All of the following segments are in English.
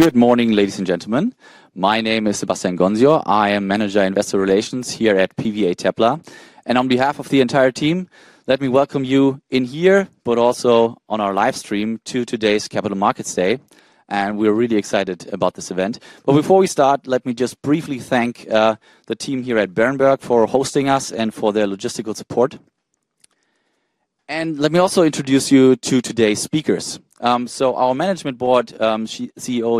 Good morning, ladies and gentlemen. My name is Sebastian Goncio. I am Manager Investor Relations here at PVA TePla. On behalf of the entire team, let me welcome you in here, but also on our livestream to today's Capital Markets Day. We're really excited about this event. Before we start, let me just briefly thank the team here at Berenberg for hosting us and for their logistical support. Let me also introduce you to today's speakers. Our Management Board, CEO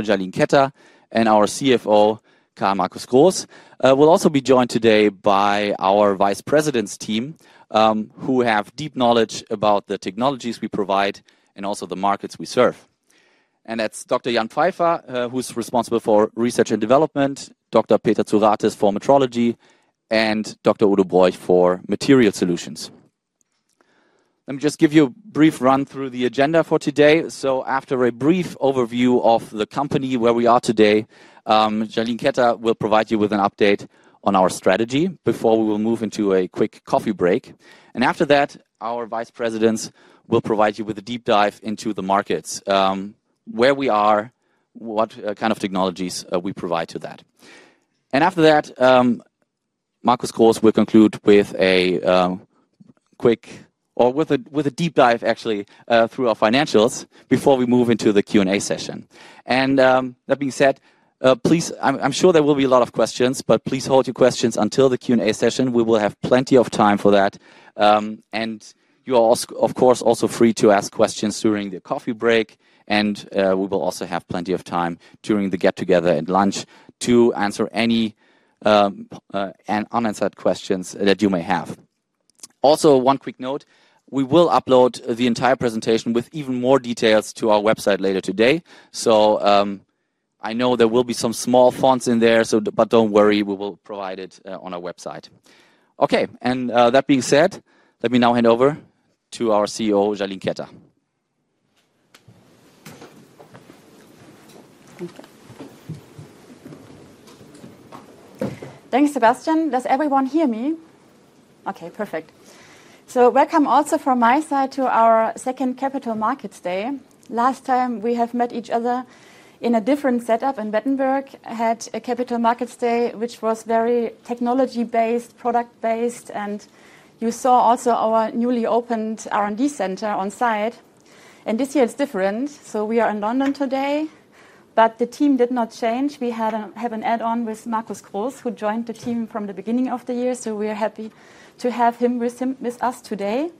Jalin Ketter, and our CFO, Karl Markus Grohs, will also be joined today by our Vice Presidents' team, who have deep knowledge about the technologies we provide and also the markets we serve. That's Dr. Jan Pfeiffer, who's responsible for research and development, Dr. Peter Tsourates for metrology, and Dr. Udo Beuth for material solutions. Let me just give you a brief run-through of the agenda for today. After a brief overview of the company where we are today, Jalin Ketter will provide you with an update on our strategy before we will move into a quick coffee break. After that, our Vice Presidents will provide you with a deep dive into the markets, where we are, what kind of technologies we provide to that. After that, Markus Grohs will conclude with a quick, or with a deep dive actually, through our financials before we move into the Q&A session. That being said, please, I'm sure there will be a lot of questions, but please hold your questions until the Q&A session. We will have plenty of time for that. You are, of course, also free to ask questions during the coffee break, and we will also have plenty of time during the get-together and lunch to answer any unanswered questions that you may have. Also, one quick note: we will upload the entire presentation with even more details to our website later today. I know there will be some small fonts in there, but don't worry, we will provide it on our website. That being said, let me now hand over to our CEO, Jalin Ketter. Thanks, Sebastian. Does everyone hear me? Okay, perfect. Welcome also from my side to our second Capital Markets Day. Last time, we have met each other in a different setup in Berenberg, had a Capital Markets Day, which was very technology-based, product-based, and you saw also our newly opened R&D center onsite. This year is different, we are in London today, but the team did not change. We have an add-on with Markus Grohs, who joined the team from the beginning of the year, so we are happy to have him with us today.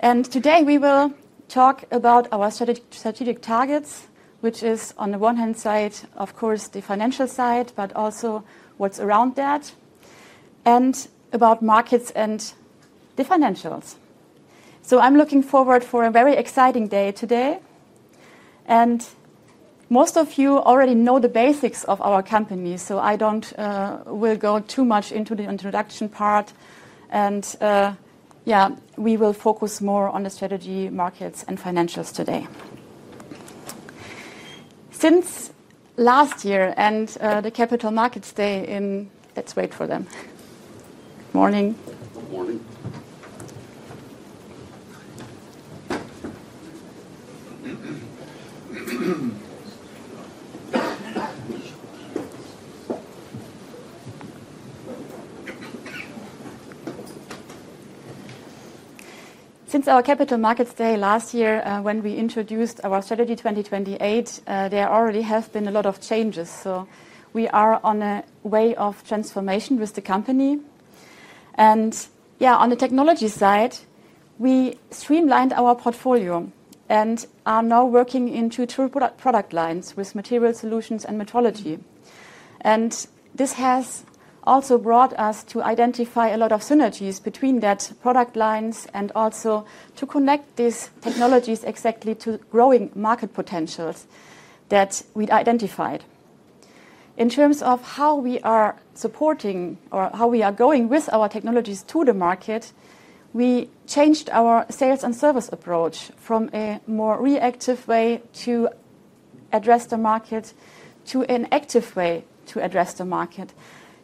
Today, we will talk about our strategic targets, which is on the one hand side, of course, the financial side, but also what's around that, and about markets and the financials. I'm looking forward to a very exciting day today. Most of you already know the basics of our company, so I don't go too much into the introduction part. We will focus more on the strategy, markets, and financials today. Since last year and the Capital Markets Day in... Let's wait for them. Morning! Since our Capital Markets Day last year, when we introduced our strategy 2028, there already have been a lot of changes. We are on a way of transformation with the company. On the technology side, we streamlined our portfolio and are now working in two true product lines with material solutions and metrology. This has also brought us to identify a lot of synergies between that product lines and also to connect these technologies exactly to growing market potentials that we identified. In terms of how we are supporting or how we are going with our technologies to the market, we changed our sales and service approach from a more reactive way to address the market to an active way to address the market,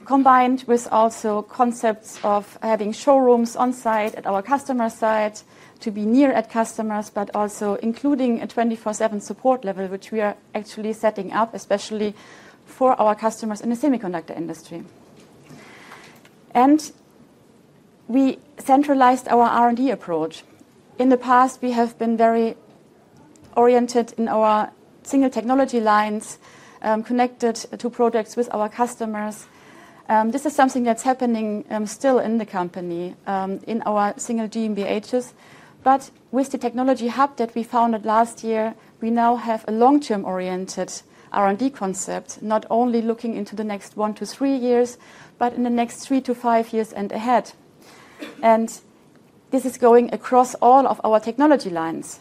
combined with also concepts of having showrooms onsite at our customer site to be near at customers, but also including a 24/7 support level, which we are actually setting up, especially for our customers in the semiconductor industry. We centralized our R&D approach. In the past, we have been very oriented in our single technology lines, connected to projects with our customers. This is something that's happening still in the company in our single DMBHs. With the technology hub that we founded last year, we now have a long-term-oriented R&D concept, not only looking into the next one to three years, but in the next three to five years and ahead. This is going across all of our technology lines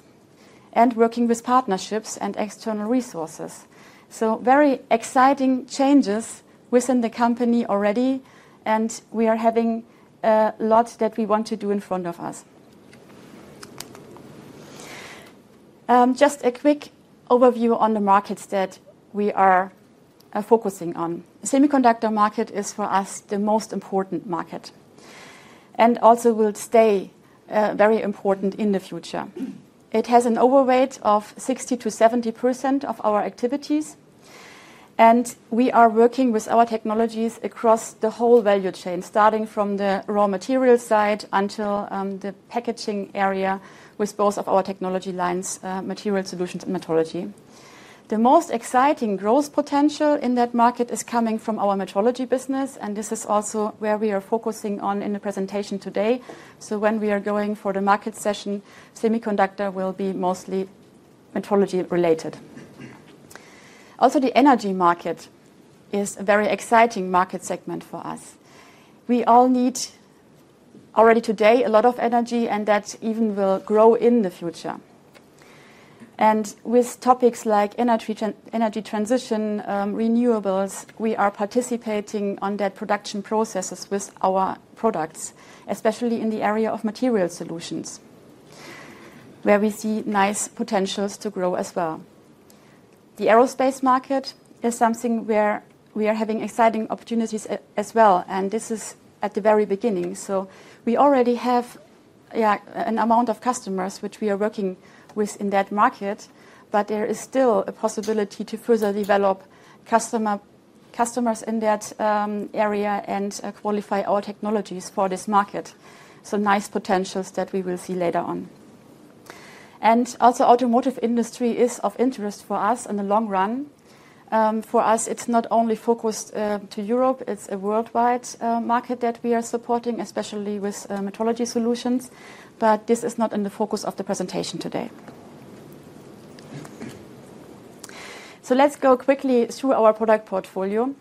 and working with partnerships and external resources. Very exciting changes within the company already, and we are having a lot that we want to do in front of us. Just a quick overview on the markets that we are focusing on. The semiconductor market is for us the most important market and also will stay very important in the future. It has an overweight of 60% to 70% of our activities, and we are working with our technologies across the whole value chain, starting from the raw material side until the packaging area with both of our technology lines, material solutions and metrology. The most exciting growth potential in that market is coming from our metrology business, and this is also where we are focusing on in the presentation today. When we are going for the market session, semiconductor will be mostly metrology related. The energy market is a very exciting market segment for us. We all need already today a lot of energy, and that even will grow in the future. With topics like energy transition, renewables, we are participating in that production processes with our products, especially in the area of material solutions, where we see nice potentials to grow as well. The aerospace market is something where we are having exciting opportunities as well, and this is at the very beginning. We already have an amount of customers which we are working with in that market, but there is still a possibility to further develop customers in that area and qualify our technologies for this market. Nice potentials that we will see later on. The automotive industry is of interest for us in the long run. For us, it's not only focused on Europe, it's a worldwide market that we are supporting, especially with metrology solutions, but this is not in the focus of the presentation today. Let's go quickly through our product portfolio.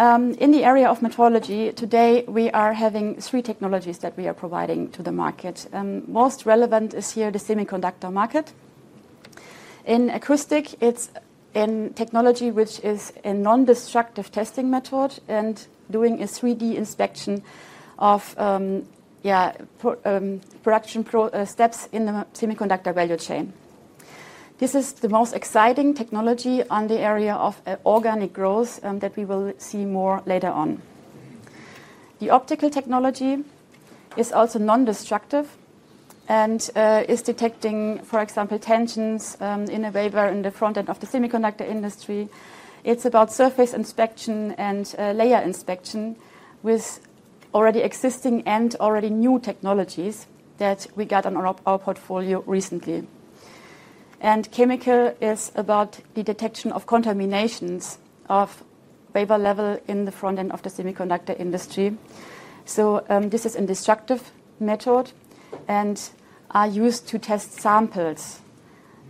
In the area of metrology, today we are having three technologies that we are providing to the market. Most relevant is here the semiconductor market. In acoustic, it's a technology which is a non-destructive testing method and doing a 3D inspection of production steps in the semiconductor value chain. This is the most exciting technology in the area of organic growth that we will see more later on. The optical technology is also non-destructive and is detecting, for example, tensions in a way where in the front end of the semiconductor industry. It's about surface inspection and layer inspection with already existing and already new technologies that we got on our portfolio recently. Chemical is about the detection of contaminations of vapor level in the front end of the semiconductor industry. This is a destructive method and is used to test samples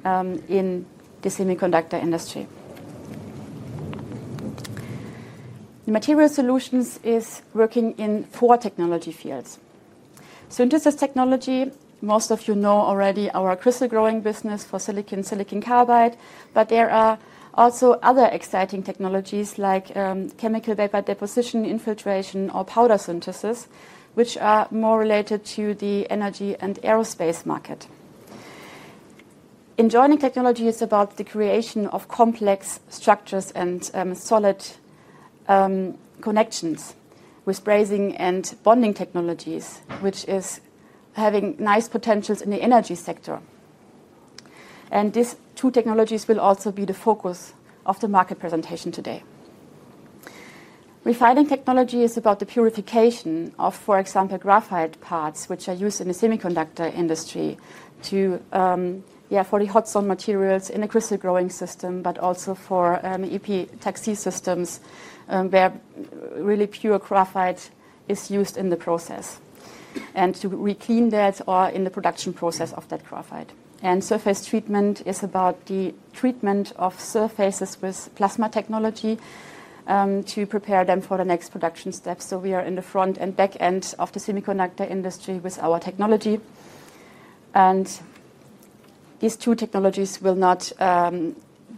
in the semiconductor industry. Material solutions is working in four technology fields: synthesis technology, most of you know already our crystal growth business for silicon and silicon carbide, but there are also other exciting technologies like chemical vapor deposition, infiltration, or powder synthesis, which are more related to the energy and aerospace market. Enjoining technology is about the creation of complex structures and solid connections with brazing and bonding technologies, which is having nice potentials in the energy sector. These two technologies will also be the focus of the market presentation today. Refining technology is about the purification of, for example, graphite parts, which are used in the semiconductor industry for the hot zone materials in the crystal growing system, but also for epitaxy systems where really pure graphite is used in the process and to reclean that or in the production process of that graphite. Surface treatment is about the treatment of surfaces with plasma technology to prepare them for the next production steps. We are in the front and back end of the semiconductor industry with our technology. These two technologies will not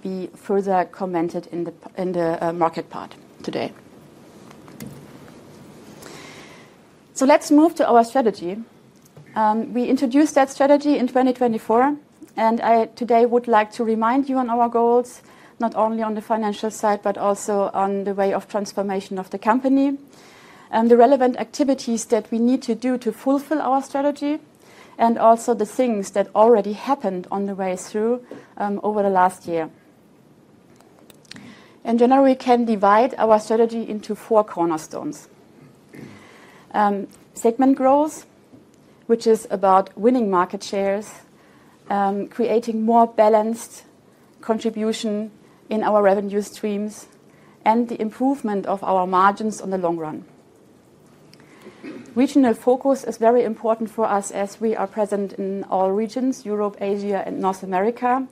be further commented in the market part today. Let's move to our strategy. We introduced that strategy in 2024, and I today would like to remind you on our goals, not only on the financial side, but also on the way of transformation of the company and the relevant activities that we need to do to fulfill our strategy and also the things that already happened on the way through over the last year. In general, we can divide our strategy into four cornerstones: segment growth, which is about winning market shares, creating more balanced contribution in our revenue streams, and the improvement of our margins in the long run. Regional focus is very important for us as we are present in all regions, Europe, Asia, and North America.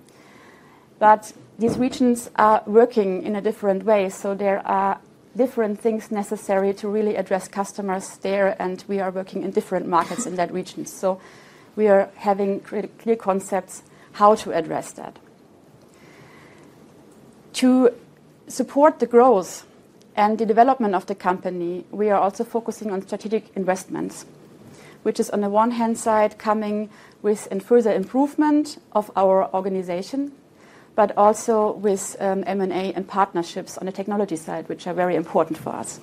These regions are working in a different way, so there are different things necessary to really address customers there, and we are working in different markets in that region. We are having clear concepts on how to address that. To support the growth and the development of the company, we are also focusing on strategic investments, which is on the one-hand side coming with further improvement of our organization, but also with M&A and partnerships on the technology side, which are very important for us.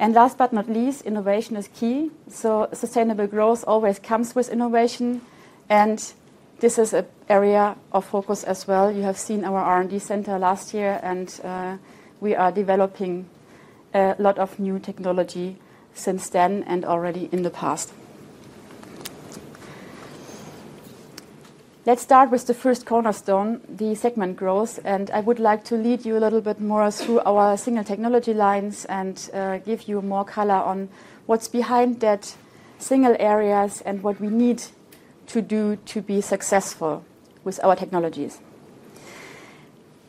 Last but not least, innovation is key. Sustainable growth always comes with innovation, and this is an area of focus as well. You have seen our R&D center last year, and we are developing a lot of new technology since then and already in the past. Let's start with the first cornerstone, the segment growth, and I would like to lead you a little bit more through our single technology lines and give you more color on what's behind that single areas and what we need to do to be successful with our technologies.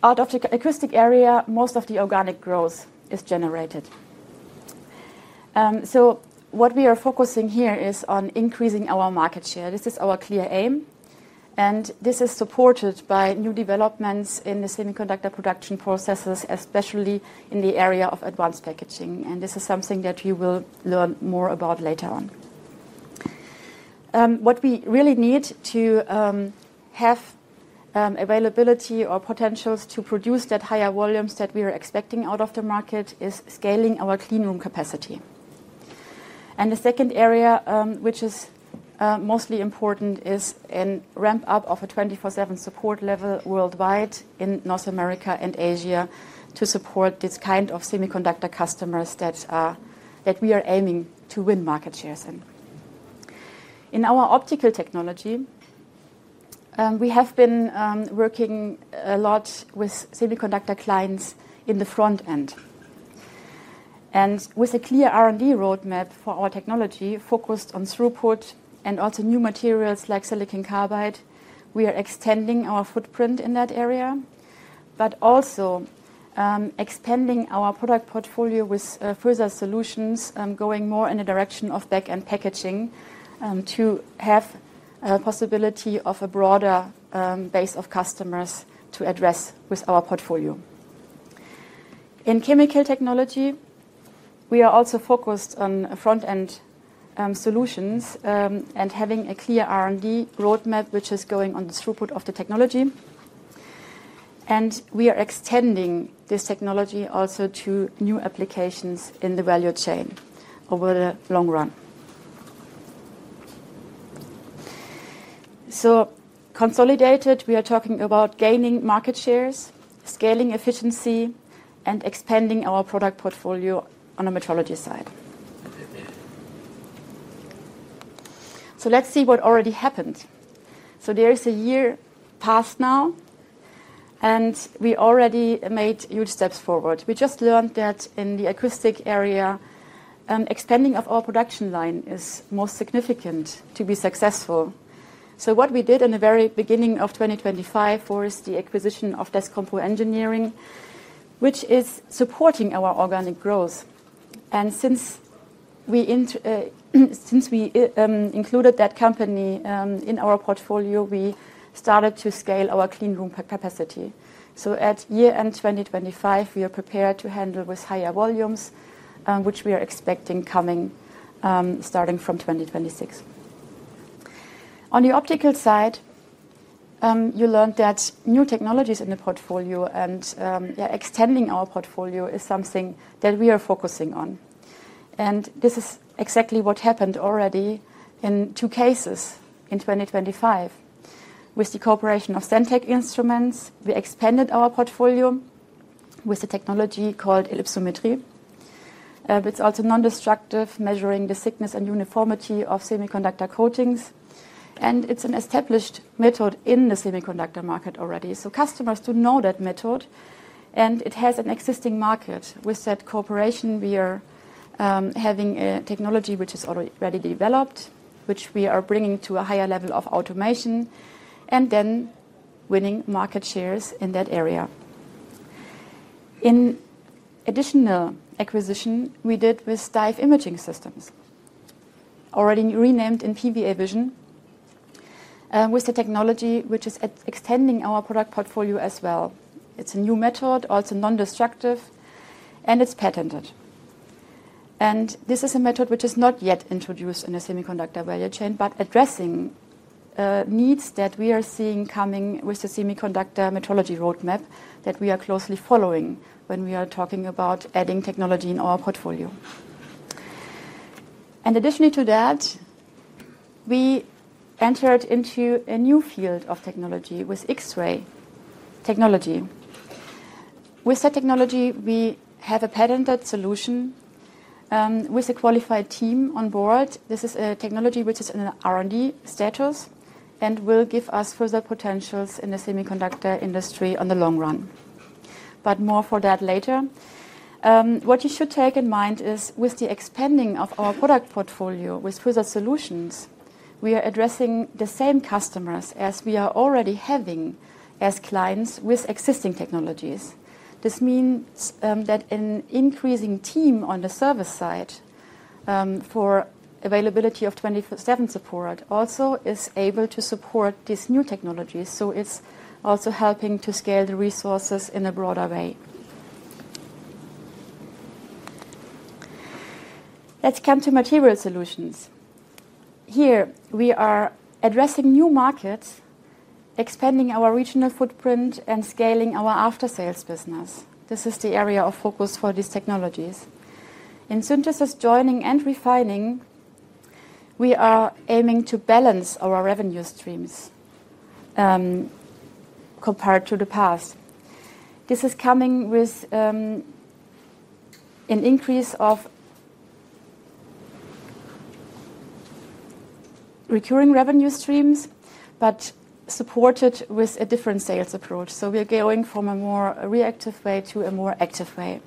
Out of the acoustic area, most of the organic growth is generated. What we are focusing here is on increasing our market share. This is our clear aim, and this is supported by new developments in the semiconductor production processes, especially in the area of advanced packaging. This is something that you will learn more about later on. What we really need to have availability or potentials to produce that higher volumes that we are expecting out of the market is scaling our clean room capacity. The second area, which is mostly important, is a ramp-up of a 24/7 support level worldwide in North America and Asia to support this kind of semiconductor customers that we are aiming to win market shares in. In our optical technology, we have been working a lot with semiconductor clients in the front end. With a clear R&D roadmap for our technology focused on throughput and also new materials like silicon carbide, we are extending our footprint in that area, but also expanding our product portfolio with further solutions going more in the direction of back-end packaging to have a possibility of a broader base of customers to address with our portfolio. In chemical technology, we are also focused on front-end solutions and having a clear R&D roadmap which is going on the throughput of the technology. We are extending this technology also to new applications in the value chain over the long run. Consolidated, we are talking about gaining market shares, scaling efficiency, and expanding our product portfolio on the metrology side. Let's see what already happened. There is a year past now, and we already made huge steps forward. We just learned that in the acoustic area, expanding our production line is most significant to be successful. What we did in the very beginning of 2025 was the acquisition of Descompo Engineering, which is supporting our organic growth. Since we included that company in our portfolio, we started to scale our clean room capacity. At year-end 2025, we are prepared to handle higher volumes, which we are expecting coming starting from 2026. On the optical side, you learned that new technologies in the portfolio and extending our portfolio is something that we are focusing on. This is exactly what happened already in two cases in 2025. With the cooperation of Sentech Instruments, we expanded our portfolio with a technology called ellipsometry. It's also non-destructive, measuring the thickness and uniformity of semiconductor coatings. It's an established method in the semiconductor market already. Customers do know that method, and it has an existing market. With that cooperation, we are having a technology which is already developed, which we are bringing to a higher level of automation, and then winning market shares in that area. In additional acquisition, we did with Dive Imaging Systems, already renamed in PVA Vision, with a technology which is extending our product portfolio as well. It's a new method, also non-destructive, and it's patented. This is a method which is not yet introduced in the semiconductor value chain, but addressing needs that we are seeing coming with the semiconductor metrology roadmap that we are closely following when we are talking about adding technology in our portfolio. Additionally to that, we entered into a new field of technology with X-ray technology. With that technology, we have a patented solution with a qualified team on board. This is a technology which is in an R&D status and will give us further potentials in the semiconductor industry on the long run. More for that later. What you should take in mind is with the expanding of our product portfolio with further solutions, we are addressing the same customers as we are already having as clients with existing technologies. This means that an increasing team on the service side for availability of 24/7 support also is able to support these new technologies. It's also helping to scale the resources in a broader way. Let's come to material solutions. Here, we are addressing new markets, expanding our regional footprint, and scaling our after-sales business. This is the area of focus for these technologies. In synthesis, joining and refining, we are aiming to balance our revenue streams compared to the past. This is coming with an increase of recurring revenue streams, but supported with a different sales approach. We are going from a more reactive way to a more active way.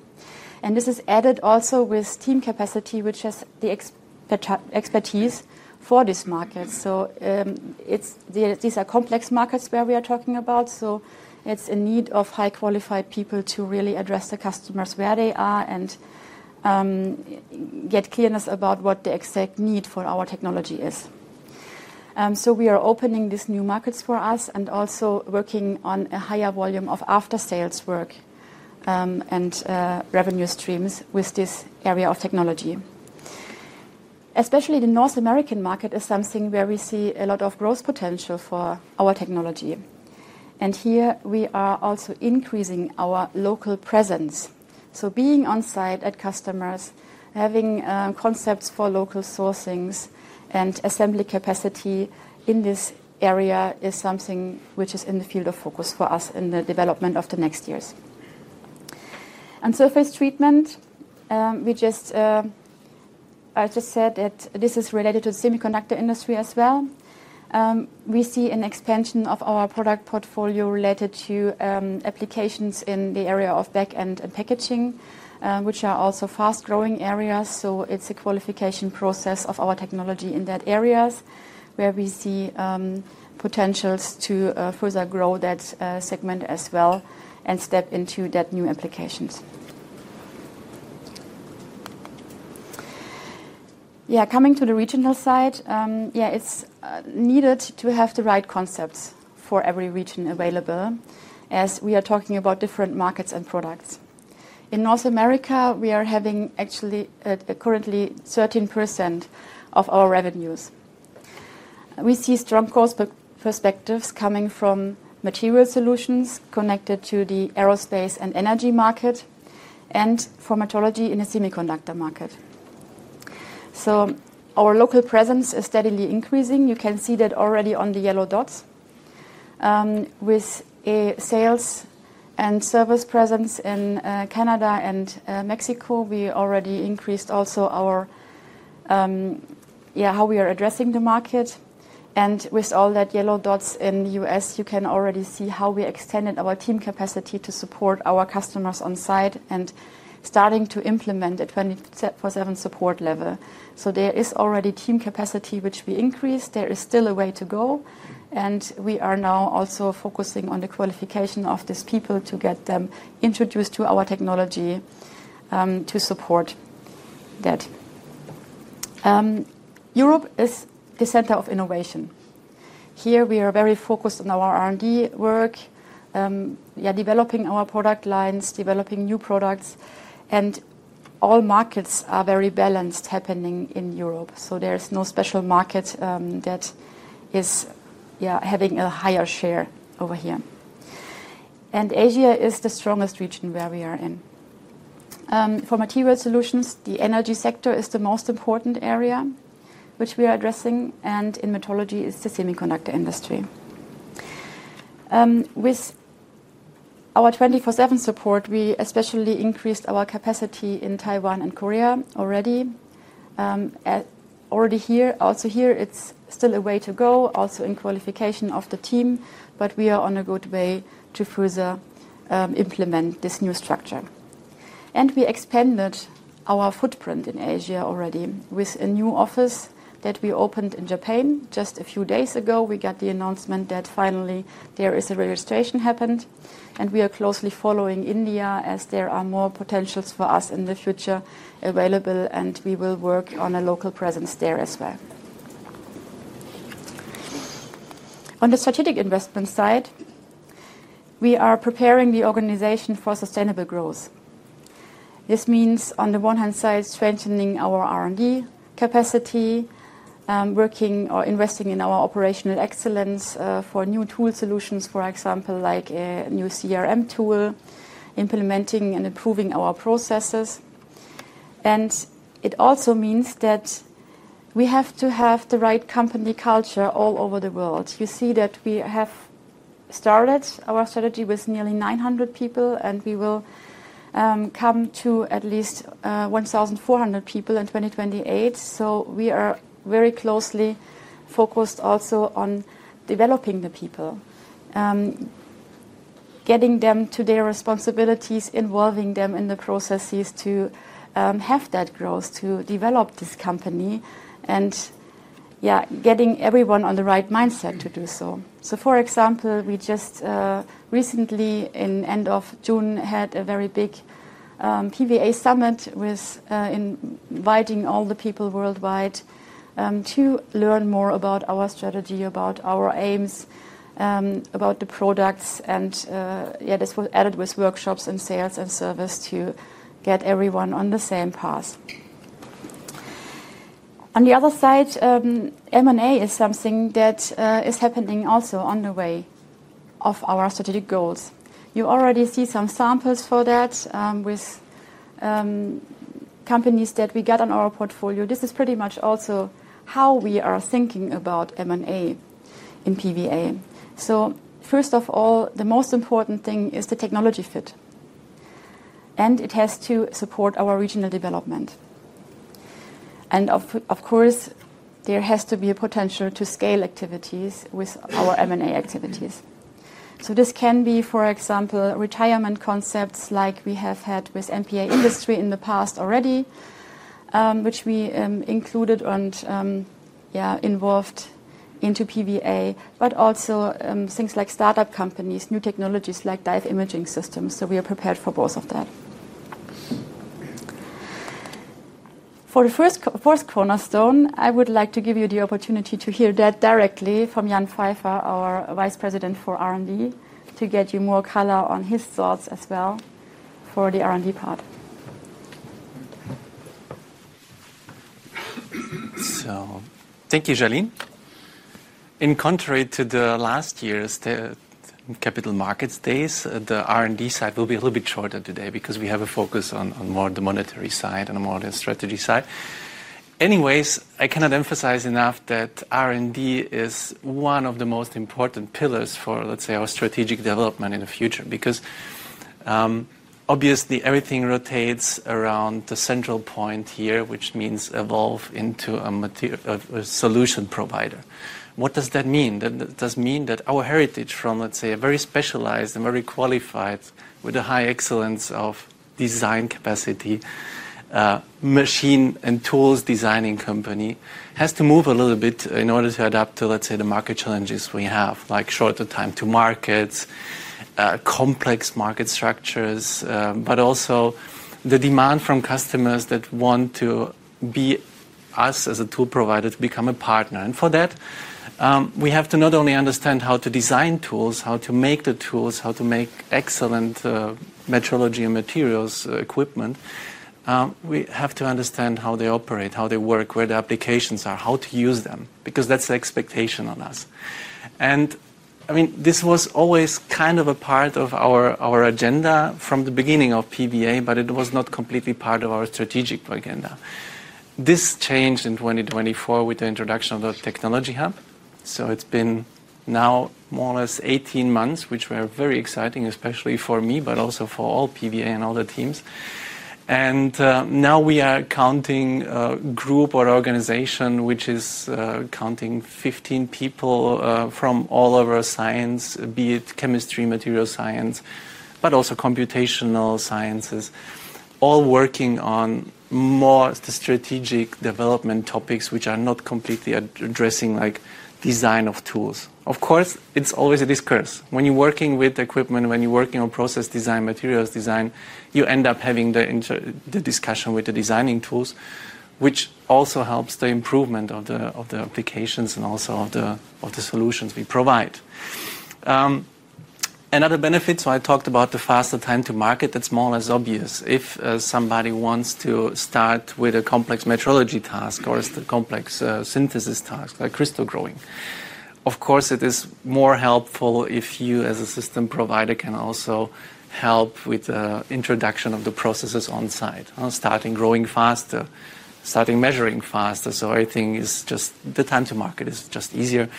This is added also with team capacity, which is the expertise for this market. These are complex markets where we are talking about. It's in need of high-qualified people to really address the customers where they are and get clearness about what the exact need for our technology is. We are opening these new markets for us and also working on a higher volume of after-sales work and revenue streams with this area of technology. Especially the North American market is something where we see a lot of growth potential for our technology. Here, we are also increasing our local presence. Being onsite at customers, having concepts for local sourcing and assembly capacity in this area is something which is in the field of focus for us in the development of the next years. On surface treatment, I just said that this is related to the semiconductor industry as well. We see an expansion of our product portfolio related to applications in the area of back-end and packaging, which are also fast-growing areas. It's a qualification process of our technology in that area where we see potentials to further grow that segment as well and step into that new applications. Coming to the regional side, it's needed to have the right concepts for every region available as we are talking about different markets and products. In North America, we are having actually currently 13% of our revenues. We see strong growth perspectives coming from material solutions connected to the aerospace and energy market and pharmacology in the semiconductor market. Our local presence is steadily increasing. You can see that already on the yellow dots. With a sales and service presence in Canada and Mexico, we already increased also how we are addressing the market. With all that yellow dots in the U.S., you can already see how we extended our team capacity to support our customers onsite and starting to implement a 24/7 support level. There is already team capacity which we increased. There is still a way to go, and we are now also focusing on the qualification of these people to get them introduced to our technology to support that. Europe is the center of innovation. Here, we are very focused on our R&D work, developing our product lines, developing new products, and all markets are very balanced happening in Europe. There is no special market that is having a higher share over here. Asia is the strongest region where we are in. For material solutions, the energy sector is the most important area which we are addressing, and in metrology, it's the semiconductor industry. With our 24/7 support, we especially increased our capacity in Taiwan and Korea already. Here, it's still a way to go, also in qualification of the team, but we are on a good way to further implement this new structure. We expanded our footprint in Asia already with a new office that we opened in Japan just a few days ago. We got the announcement that finally there is a registration happened, and we are closely following India as there are more potentials for us in the future available, and we will work on a local presence there as well. On the strategic investment side, we are preparing the organization for sustainable growth. This means, on the one-hand side, strengthening our R&D capacity, working or investing in our operational excellence for new tool solutions, for example, like a new CRM tool, implementing and improving our processes. It also means that we have to have the right company culture all over the world. You see that we have started our strategy with nearly 900 people, and we will come to at least 1,400 people in 2028. We are very closely focused also on developing the people, getting them to their responsibilities, involving them in the processes to have that growth, to develop this company, and yeah, getting everyone on the right mindset to do so. For example, we just recently, in the end of June, had a very big PVA summit with inviting all the people worldwide to learn more about our strategy, about our aims, about the products, and yeah, this was added with workshops and sales and service to get everyone on the same path. On the other side, M&A is something that is happening also on the way of our strategic goals. You already see some samples for that with companies that we got on our portfolio. This is pretty much also how we are thinking about M&A in PVA. First of all, the most important thing is the technology fit, and it has to support our regional development. Of course, there has to be a potential to scale activities with our M&A activities. This can be, for example, retirement concepts like we have had with MPA industry in the past already, which we included and involved into PVA TePla, but also things like startup companies, new technologies like Dive Imaging Systems. We are prepared for both of that. For the fourth cornerstone, I would like to give you the opportunity to hear that directly from Dr. Jan Pfeiffer, our Vice President of R&D, to get you more color on his thoughts as well for the R&D part. Thank you, Jalin. In contrast to last year's Capital Markets Days, the R&D side will be a little bit shorter today because we have a focus on more the monetary side and more the strategy side. Anyways, I cannot emphasize enough that R&D is one of the most important pillars for, let's say, our strategic development in the future because obviously everything rotates around the central point here, which means evolve into a solution provider. What does that mean? That does mean that our heritage from, let's say, a very specialized and very qualified, with a high excellence of design capacity, machine and tools designing company has to move a little bit in order to adapt to, let's say, the market challenges we have, like shorter time to markets, complex market structures, but also the demand from customers that want to be us as a tool provider to become a partner. For that, we have to not only understand how to design tools, how to make the tools, how to make excellent metrology and materials equipment, we have to understand how they operate, how they work, where the applications are, how to use them because that's the expectation on us. I mean, this was always kind of a part of our agenda from the beginning of PVA TePla, but it was not completely part of our strategic agenda. This changed in 2024 with the introduction of the technology hub. It's been now more or less 18 months, which were very exciting, especially for me, but also for all PVA TePla and all the teams. Now we are counting a group or organization which is counting 15 people from all over science, be it chemistry, material science, but also computational sciences, all working on more strategic development topics which are not completely addressing like design of tools. Of course, it's always a discourse when you're working with equipment, when you're working on process design, materials design, you end up having the discussion with the designing tools, which also helps the improvement of the applications and also of the solutions we provide. Another benefit, I talked about the faster time to market, that's more or less obvious. If somebody wants to start with a complex metrology task or a complex synthesis task like crystal growing, of course, it is more helpful if you, as a system provider, can also help with the introduction of the processes onsite, starting growing faster, starting measuring faster. I think the time to market is just easier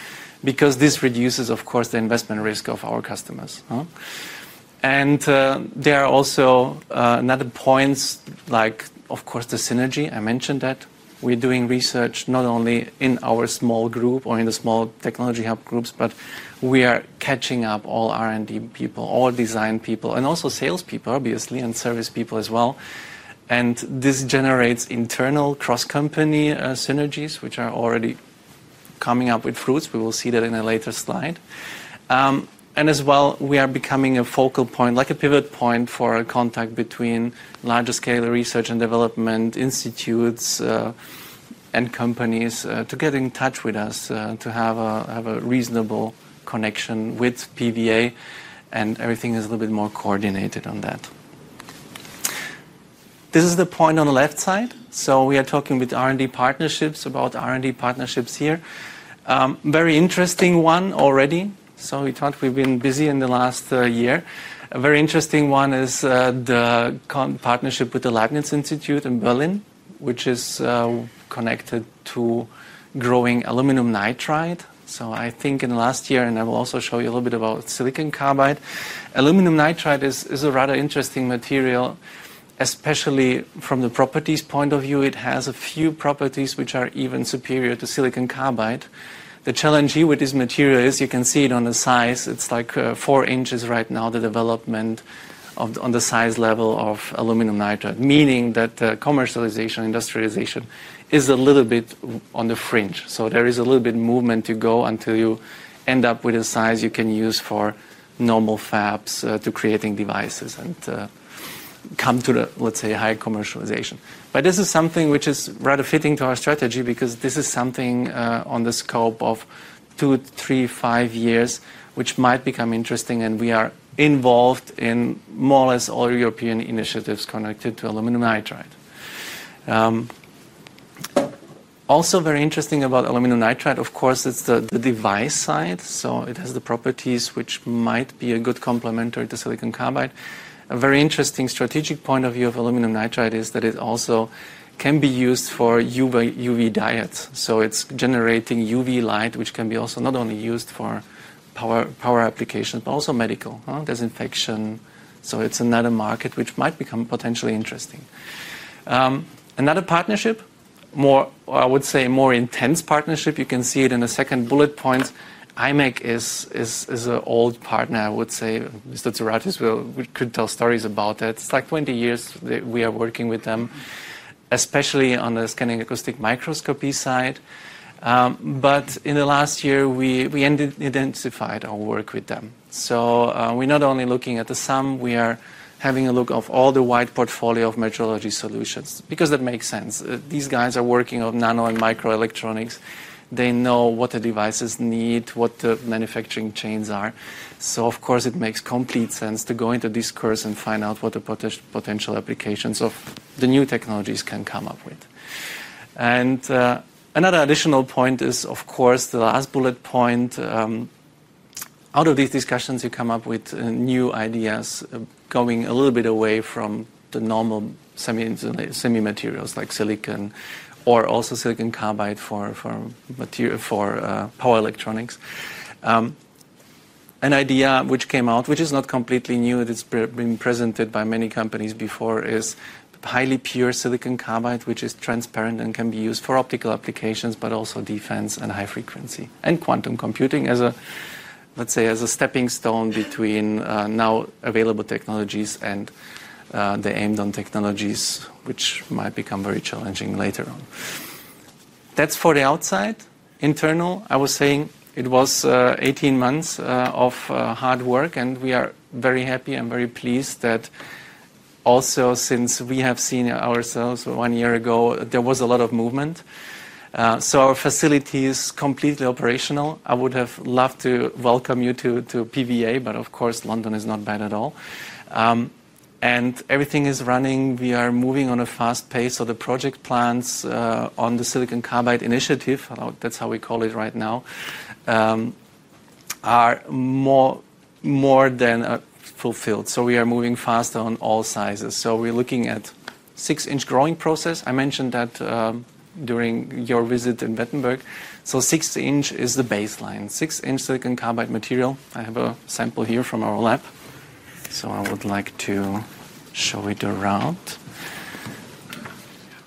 because this reduces, of course, the investment risk of our customers. There are also other points, like, of course, the synergy. I mentioned that we're doing research not only in our small group or in the small technology hub groups, but we are catching up all R&D people, all design people, and also sales people, obviously, and service people as well. This generates internal cross-company synergies, which are already coming up with fruits. We will see that in a later slide. We are becoming a focal point, like a pivot point for a contact between larger scale research and development institutes and companies to get in touch with us, to have a reasonable connection with PVA TePla, and everything is a little bit more coordinated on that. This is the point on the left side. We are talking about R&D partnerships here. A very interesting one already. We thought we've been busy in the last year. A very interesting one is the partnership with the Leibniz Institute in Berlin, which is connected to growing aluminum nitride. I think in the last year, and I will also show you a little bit about silicon carbide, aluminum nitride is a rather interesting material, especially from the properties point of view. It has a few properties which are even superior to silicon carbide. The challenge here with this material is you can see it on the size. It's like 4" on is a little bit on the fringe. There is a little bit of movement to go until you end up with a size you can use for normal fabs to create devices and come to the, let's say, high commercialization. This is something which is rather fitting to our strategy because this is something on the scope of two, three, five years, which might become interesting. We are involved in more or less all European initiatives connected to aluminum nitride. Also, very interesting about aluminum nitride, of course, it's the device side. It has the properties which might be a good complementary to silicon carbide. A very interesting strategic point of view of aluminum nitride is that it also can be used for UV diodes. It's generating UV light, which can be also not only used for power applications, but also medical, disinfection. It's another market which might become potentially interesting. Another partnership, more, I would say, more intense partnership. You can see it in the second bullet points. IMEC is an old partner, I would say. Dr. Peter Tsourates could tell stories about that. It's like 20 years we are working with them, especially on the scanning acoustic microscopy side. In the last year, we ended to identify our work with them. We're not only looking at the sum, we are having a look of all the wide portfolio of metrology solutions because that makes sense. These guys are working on nano and microelectronics. They know what the devices need, what the manufacturing chains are. It makes complete sense to go into this course and find out what the potential applications of the new technologies can come up with. Another additional point is, of course, the last bullet point. Out of these discussions, you come up with new ideas going a little bit away from the normal semi-materials like silicon or also silicon carbide for power electronics. An idea which came out, which is not completely new, it has been presented by many companies before, is highly pure silicon carbide, which is transparent and can be used for optical applications, but also defense and high frequency and quantum computing as a, let's say, as a stepping stone between now available technologies and the aimed-on technologies, which might become very challenging later on. That's for the outside. Internal, I was saying it was 18 months of hard work, and we are very happy and very pleased that also since we have seen ourselves one year ago, there was a lot of movement. Our facility is completely operational. I would have loved to welcome you to PVA TePla, but of course, London is not bad at all. Everything is running. We are moving on a fast pace, so the project plans on the silicon carbide initiative, that's how we call it right now, are more than fulfilled. We are moving faster on all sizes. We're looking at 6" growing process. I mentioned that during your visit in Berenberg. 6" is the baseline. 6" silicon carbide material. I have a sample here from our lab. I would like to show it around.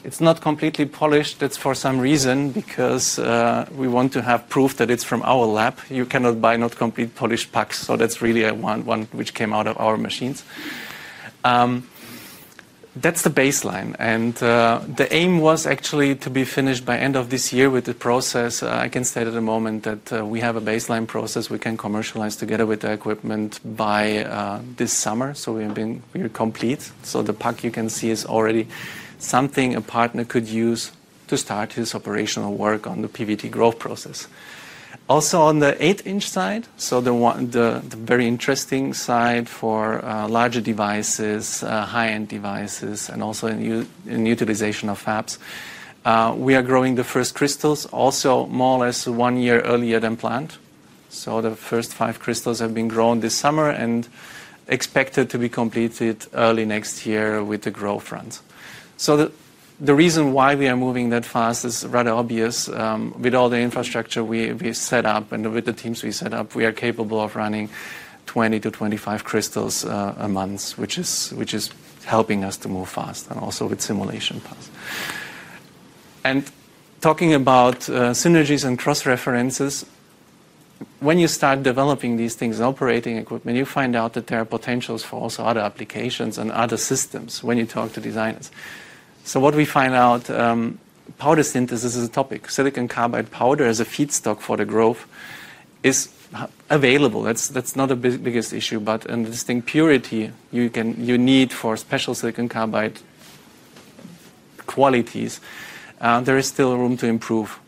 It's not completely polished. That's for some reason because we want to have proof that it's from our lab. You cannot buy not completely polished packs, so that's really a one which came out of our machines. That's the baseline. The aim was actually to be finished by the end of this year with the process. I can state at the moment that we have a baseline process. We can commercialize together with the equipment by this summer. We're complete. The pack you can see is already something a partner could use to start his operational work on the PVT growth process. Also, on the 8" side, the very interesting side for larger devices, high-end devices, and also in the utilization of fabs, we are growing the first crystals, more or less one year earlier than planned. The first five crystals have been grown this summer and are expected to be completed early next year with the growth runs. The reason why we are moving that fast is rather obvious. With all the infrastructure we set up and with the teams we set up, we are capable of running 20 crystals-25 crystals a month, which is helping us to move fast and also with simulation paths. Talking about synergies and cross-references, when you start developing these things, operating equipment, you find out that there are potentials for other applications and other systems when you talk to designers. What we find out, powder synthesis is a topic. Silicon carbide powder as a feedstock for the growth is available. That's not the biggest issue, but in distinct purity, you need for special silicon carbide qualities, there is still room to improve.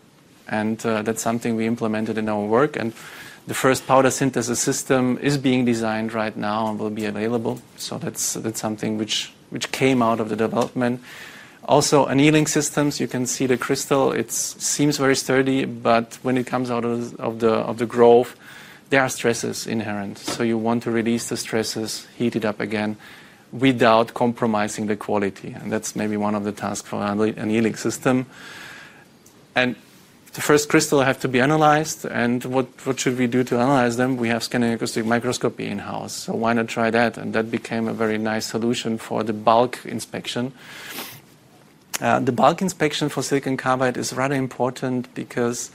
That's something we implemented in our work. The first powder synthesis system is being designed right now and will be available. That's something which came out of the development. Also, annealing systems, you can see the crystal, it seems very sturdy, but when it comes out of the growth, there are stresses inherent. You want to release the stresses, heat it up again without compromising the quality. That's maybe one of the tasks for annealing system. The first crystal has to be analyzed. What should we do to analyze them? We have scanning acoustic microscopy in-house. Why not try that? That became a very nice solution for the bulk inspection. The bulk inspection for silicon carbide is rather important because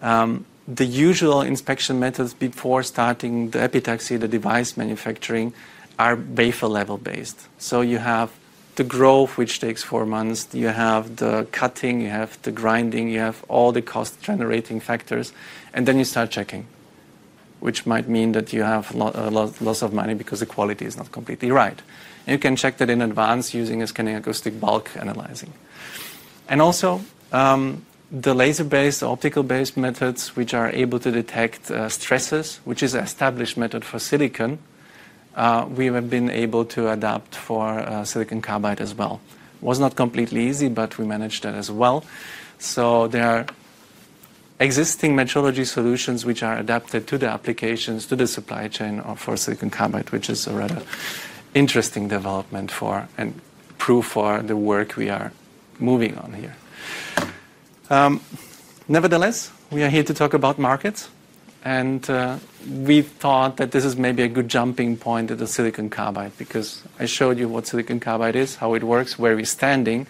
the usual inspection methods before starting the epitaxy, the device manufacturing, are BEFA level-based. You have the growth, which takes four months, you have the cutting, you have the grinding, you have all the cost-generating factors, and then you start checking, which might mean that you have a lot of money because the quality is not completely right. You can check that in advance using a scanning acoustic bulk analyzing. Also, the laser-based, optical-based methods, which are able to detect stresses, which is an established method for silicon, we have been able to adapt for silicon carbide as well. It was not completely easy, but we managed that as well. There are existing metrology solutions which are adapted to the applications, to the supply chain for silicon carbide, which is a rather interesting development and proof for the work we are moving on here. Nevertheless, we are here to talk about markets. We thought that this is maybe a good jumping point to the silicon carbide because I showed you what silicon carbide is, how it works, where we're standing.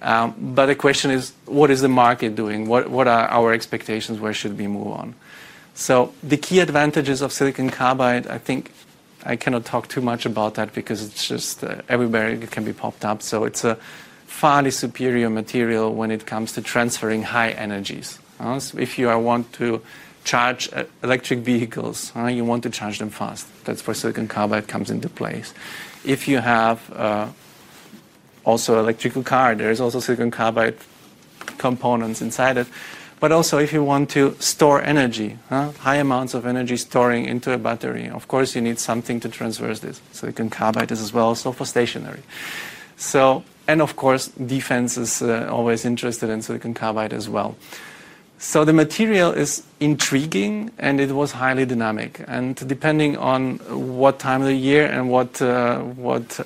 The question is, what is the market doing? What are our expectations? Where should we move on? The key advantages of silicon carbide, I think I cannot talk too much about that because it's just everywhere it can be popped up. It's a far superior material when it comes to transferring high energies. If you want to charge electric vehicles, you want to charge them fast. That's where silicon carbide comes into place. If you have also an electrical car, there are also silicon carbide components inside it. If you want to store energy, high amounts of energy storing into a battery, of course, you need something to transverse this. Silicon carbide is as well also for stationary. Of course, defense is always interested in silicon carbide as well. The material is intriguing and it was highly dynamic. Depending on what time of the year and what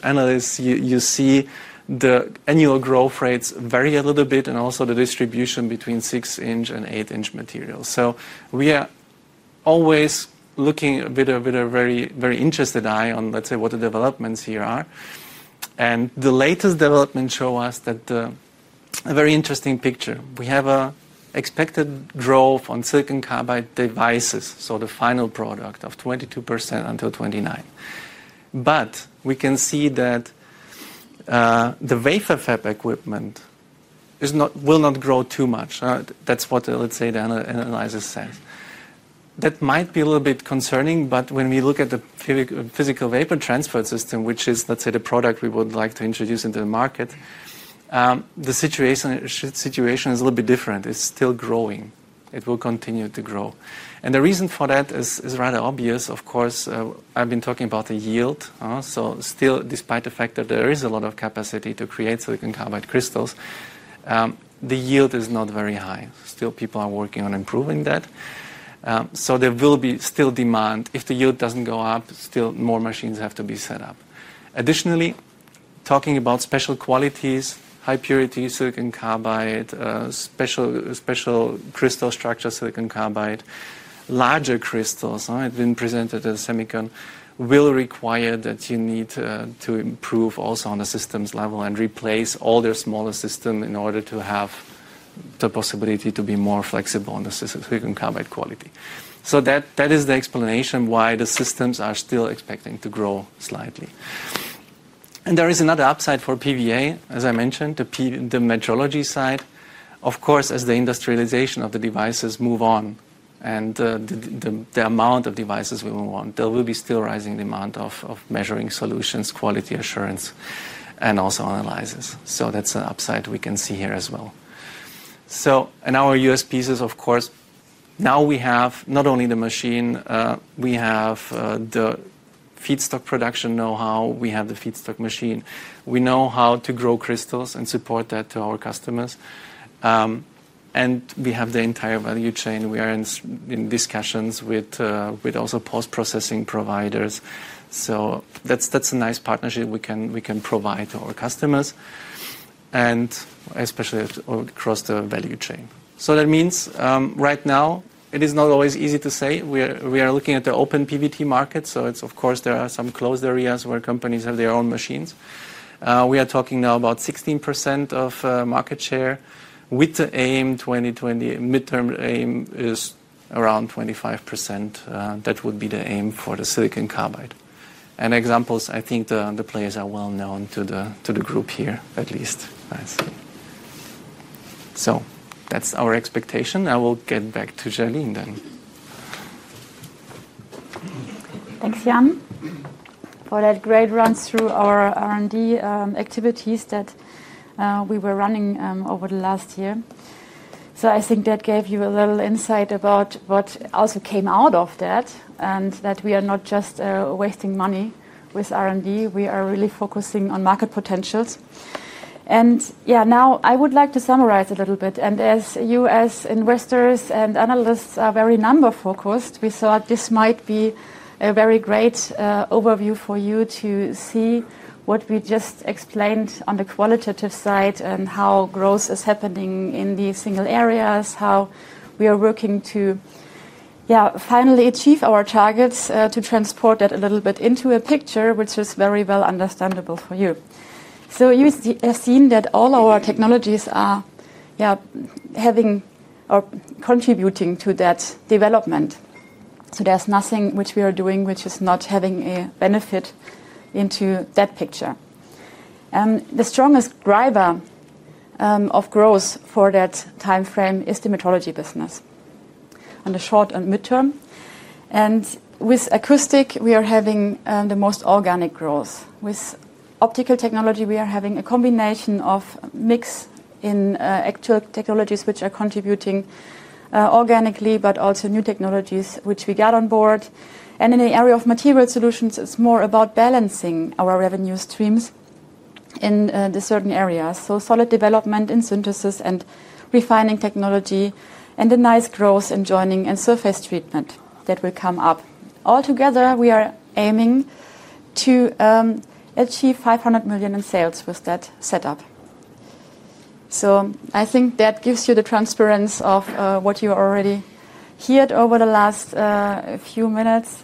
analysts you see, the annual growth rates vary a little bit and also the distribution between 6" and 8" materials. We are always looking with a very, very interested eye on, let's say, what the developments here are. The latest developments show us a very interesting picture. We have an expected growth on silicon carbide devices, so the final product, of 22% until 2029. We can see that the vapor fab equipment will not grow too much. That's what, let's say, the analyzer says. That might be a little bit concerning, but when we look at the physical vapor transfer system, which is, let's say, the product we would like to introduce into the market, the situation is a little bit different. It's still growing. It will continue to grow. The reason for that is rather obvious. Of course, I've been talking about the yield. Still, despite the fact that there is a lot of capacity to create silicon carbide crystals, the yield is not very high. People are working on improving that. There will still be demand. If the yield doesn't go up, more machines have to be set up. Additionally, talking about special qualities, high purity silicon carbide, special crystal structure silicon carbide, larger crystals, it's been presented as a semicon, will require that you need to improve also on the systems level and replace all their smaller systems in order to have the possibility to be more flexible on the silicon carbide quality. That is the explanation why the systems are still expecting to grow slightly. There is another upside for PVA TePla, as I mentioned, the metrology side. Of course, as the industrialization of the devices moves on and the amount of devices we move on, there will still be a rising demand of measuring solutions, quality assurance, and also analysis. That's an upside we can see here as well. In our U.S. pieces, now we have not only the machine, we have the feedstock production know-how, we have the feedstock machine, we know how to grow crystals and support that to our customers, and we have the entire value chain. We are in discussions with also post-processing providers. That's a nice partnership we can provide to our customers, especially across the value chain. That means right now, it is not always easy to say. We are looking at the open PVT market. Of course, there are some closed areas where companies have their own machines. We are talking now about 16% of market share with the aim. The midterm aim is around 25%. That would be the aim for the silicon carbide. Examples, I think the players are well known to the group here, at least. That's our expectation. I will get back to Jalin then. Thanks, Jan, for that great run through our R&D activities that we were running over the last year. I think that gave you a little insight about what also came out of that and that we are not just wasting money with R&D. We are really focusing on market potentials. Now I would like to summarize a little bit. As you, as investors and analysts, are very number-focused, we thought this might be a very great overview for you to see what we just explained on the qualitative side and how growth is happening in these single areas, how we are working to finally achieve our targets to transport that a little bit into a picture, which is very well understandable for you. You've seen that all our technologies are having or contributing to that development. There's nothing which we are doing which is not having a benefit into that picture. The strongest driver of growth for that timeframe is the metrology business on the short and midterm. With acoustic, we are having the most organic growth. With optical technology, we are having a combination of mix in actual technologies which are contributing organically, but also new technologies which we got on board. In the area of material solutions, it's more about balancing our revenue streams in the certain areas. Solid development in synthesis and refining technology and a nice growth in joining and surface treatment that will come up. Altogether, we are aiming to achieve $500 million in sales with that setup. I think that gives you the transparency of what you already heard over the last few minutes.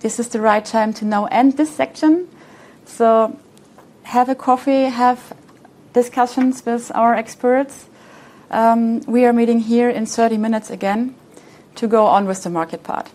This is the right time to now end this section. Have a coffee, have discussions with our experts. We are meeting here in 30 minutes again to go on with the market part.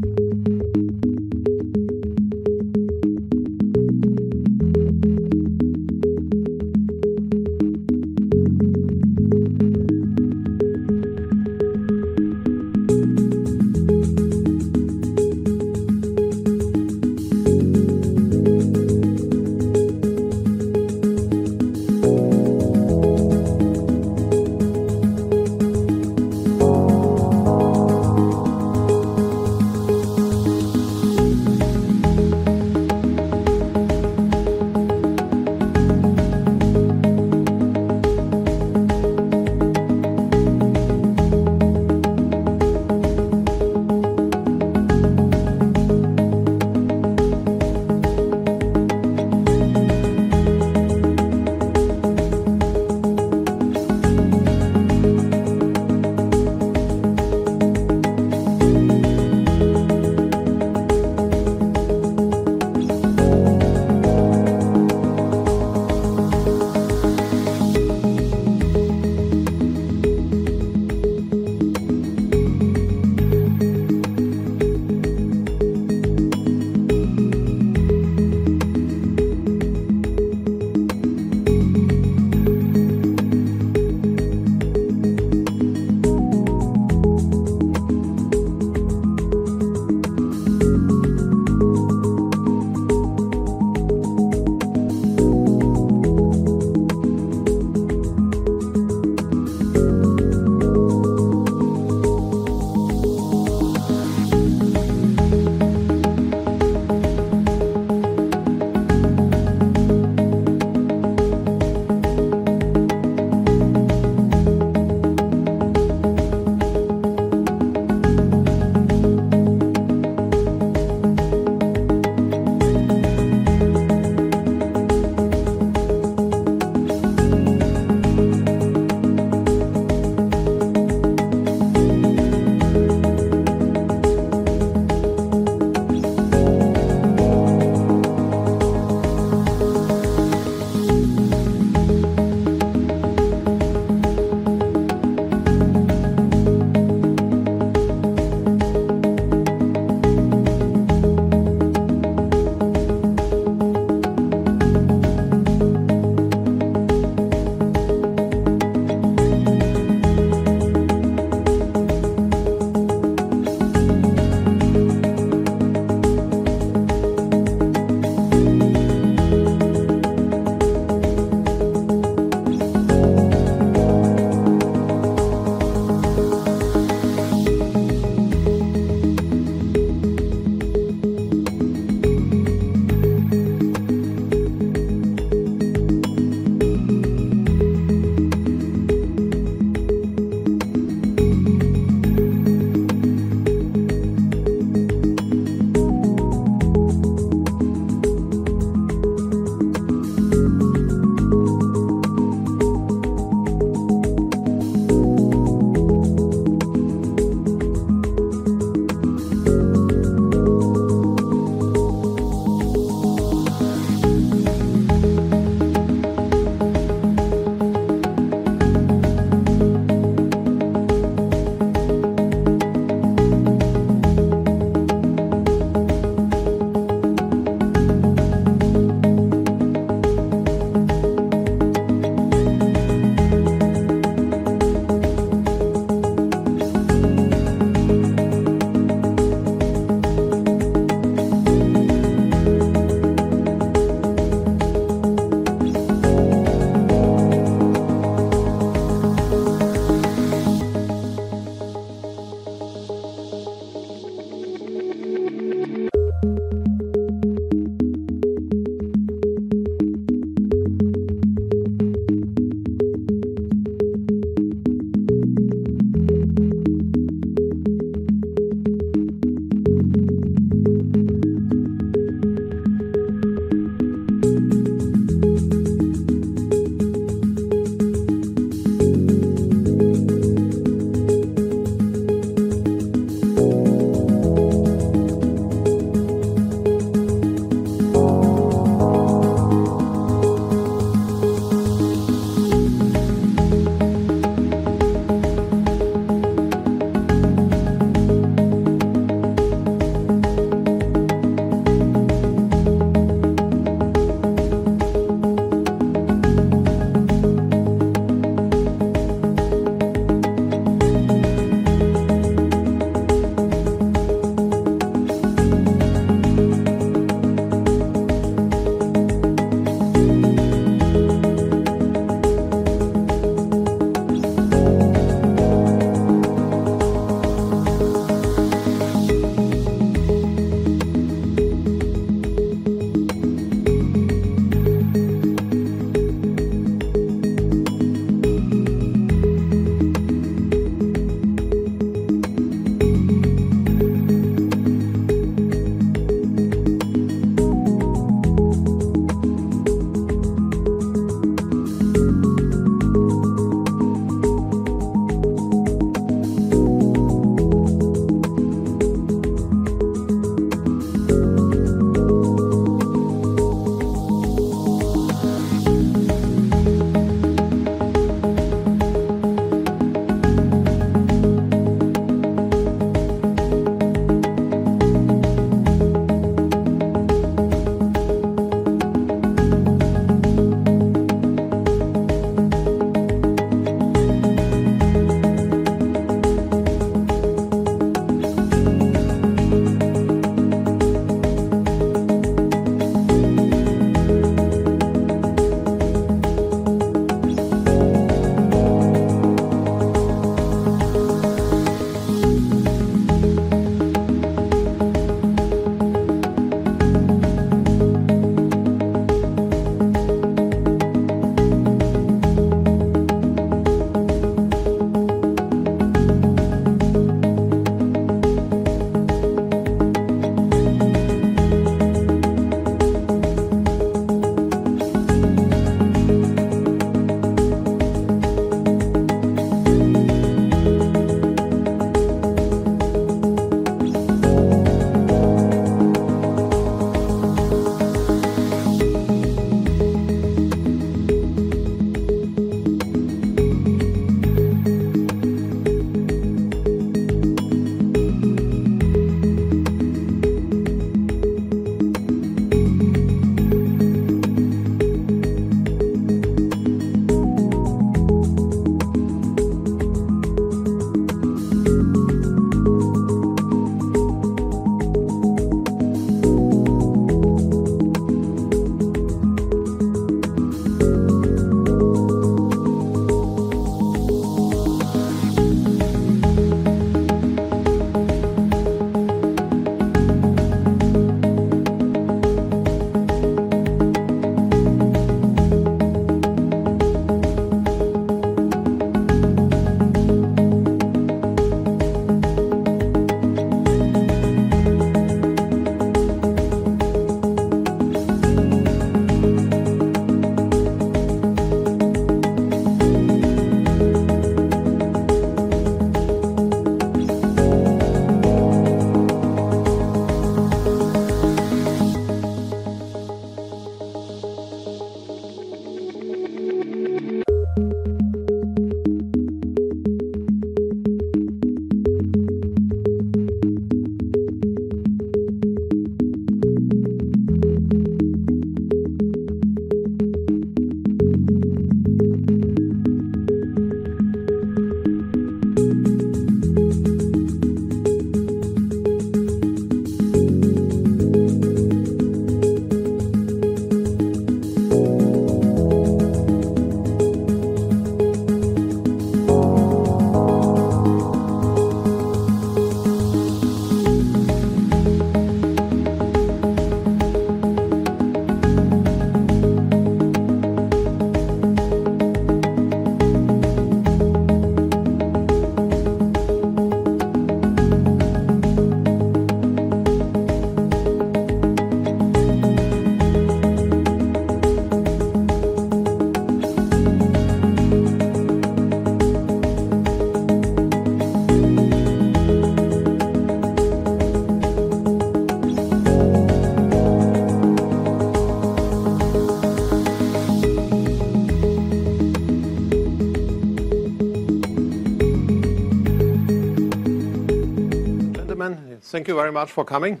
you, gentlemen. Thank you very much for coming.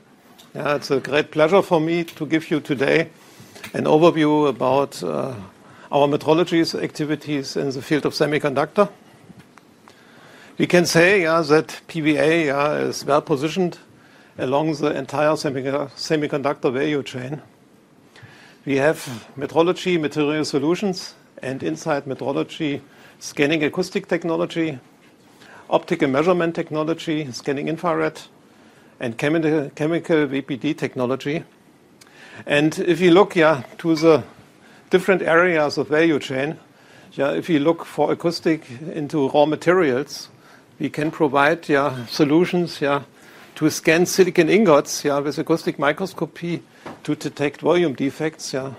It's a great pleasure for me to give you today an overview about our metrology's activities in the field of semiconductor. We can say that PVA TePla is well positioned along the entire semiconductor value chain. We have metrology, material solutions, and inside metrology, scanning acoustic technology, optical measurement technology, scanning infrared, and chemical VPD technology. If you look to the different areas of the value chain, if you look for acoustic into raw materials, we can provide solutions to scan silicon ingots with acoustic microscopy to detect volume defects, the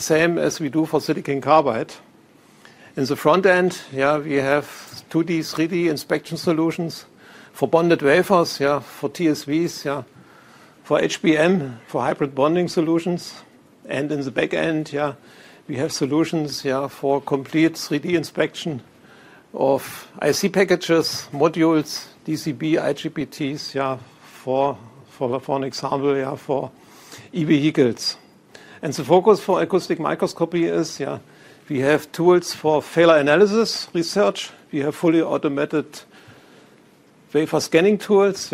same as we do for silicon carbide. In the front end, we have 2D, 3D inspection solutions for bonded wafers, for TSVs, for HBM, for hybrid bonding solutions. In the back end, we have solutions for complete 3D inspection of IC packages, modules, DCB, IGBTs, for an example, for e-vehicles. The focus for acoustic microscopy is we have tools for failure analysis research. We have fully automated wafer scanning tools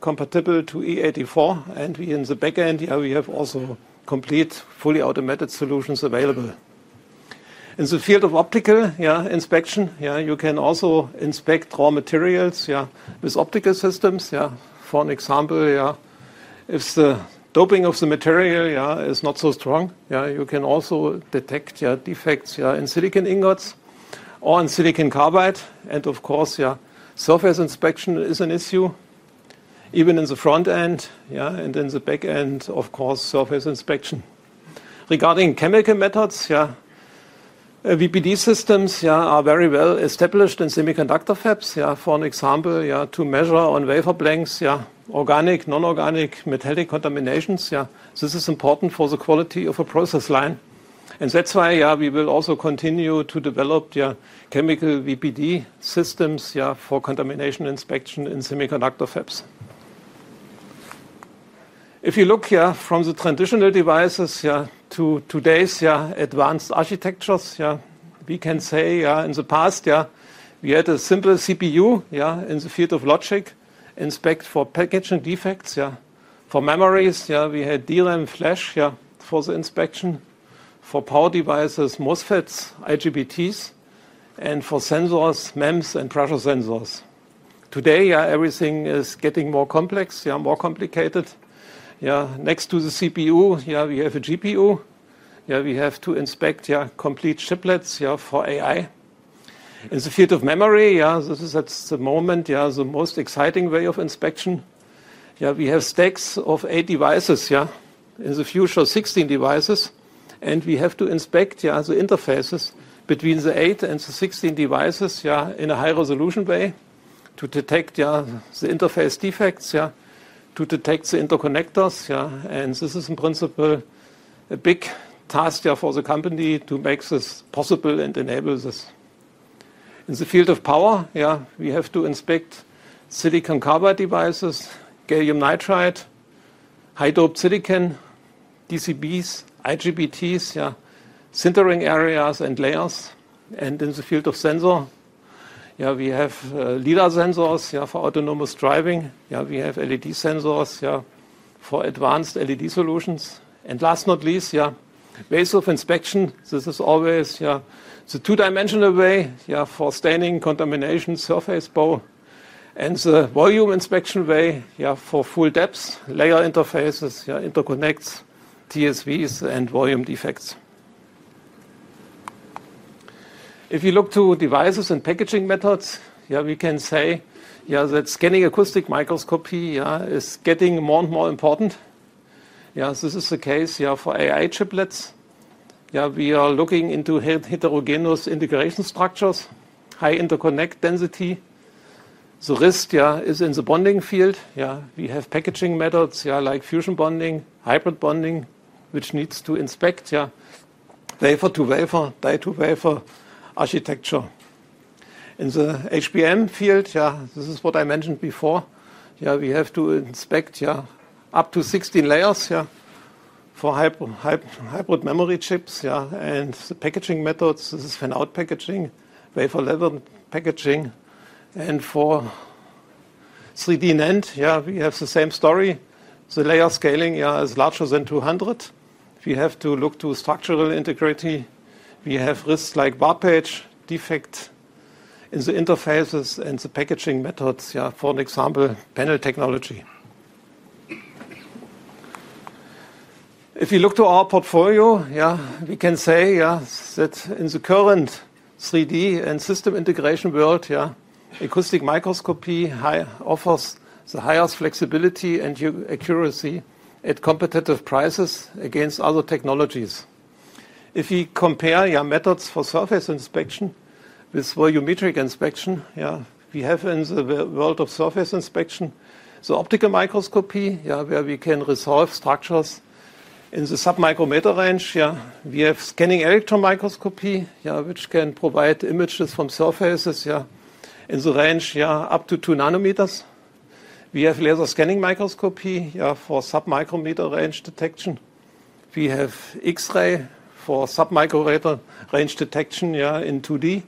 compatible to E84. In the back end, we have also complete fully automated solutions available. In the field of optical inspection, you can also inspect raw materials with optical systems, for an example, if the doping of the material is not so strong, you can also detect defects in silicon ingots or in silicon carbide. Of course, surface inspection is an issue, even in the front end and in the back end, of course, surface inspection. Regarding chemical methods, VPD systems are very well established in semiconductor fabs, for an example, to measure on wafer blanks, organic, non-organic, metallic contaminations. This is important for the quality of a process line. That's why we will also continue to develop chemical VPD systems for contamination inspection in semiconductor fabs. If you look from the traditional devices to today's advanced architectures, we can say in the past we had a simple CPU in the field of logic, inspect for packaging defects, for memories, we had DRAM flash for the inspection, for power devices, MOSFETs, IGBTs, and for sensors, MEMS, and pressure sensors. Today, everything is getting more complex, more complicated. Next to the CPU, we have a GPU. We have to inspect complete chiplets for AI. In the field of memory, this is at the moment the most exciting way of inspection. We have stacks of eight devices, in the future, 16 devices, and we have to inspect the interfaces between the eight and the 16 devices in a high-resolution way to detect the interface defects, to detect the interconnectors, and this is in principle a big task for the company to make this possible and enable this. In the field of power, we have to inspect silicon carbide devices, gallium nitride, high-doped silicon, DCBs, IGBTs, sintering areas and layers. In the field of sensor, we have LIDAR sensors for autonomous driving. We have LED sensors for advanced LED solutions. Last but not least, ways of inspection. This is always the two-dimensional way for staining, contamination, surface bow, and the volume inspection way for full depths, layer interfaces, interconnects, TSVs, and volume defects. If you look to devices and packaging methods, we can say that scanning acoustic microscopy is getting more and more important. This is the case for AI chiplets. We are looking into heterogeneous integration structures, high interconnect density. The risk is in the bonding field. We have packaging methods like fusion bonding, hybrid bonding, which needs to inspect wafer-to-wafer, die-to-wafer architecture. In the HBM field, this is what I mentioned before. We have to inspect up to 16 layers for hybrid memory chips and the packaging methods. This is fan-out packaging, wafer-level packaging. For 3D NAND, we have the same story. The layer scaling is larger than 200. We have to look to structural integrity. We have risks like bar page defect in the interfaces and the packaging methods, for an example, panel technology. If you look to our portfolio, we can say that in the current 3D and system integration world, acoustic microscopy offers the highest flexibility and accuracy at competitive prices against other technologies. If we compare methods for surface inspection with volumetric inspection, we have in the world of surface inspection the optical microscopy, where we can resolve structures in the sub-micrometer range. We have scanning electron microscopy, which can provide images from surfaces in the range up to 2nm. We have laser scanning microscopy for sub-micrometer range detection. We have X-ray for sub-micrometer range detection in 2D.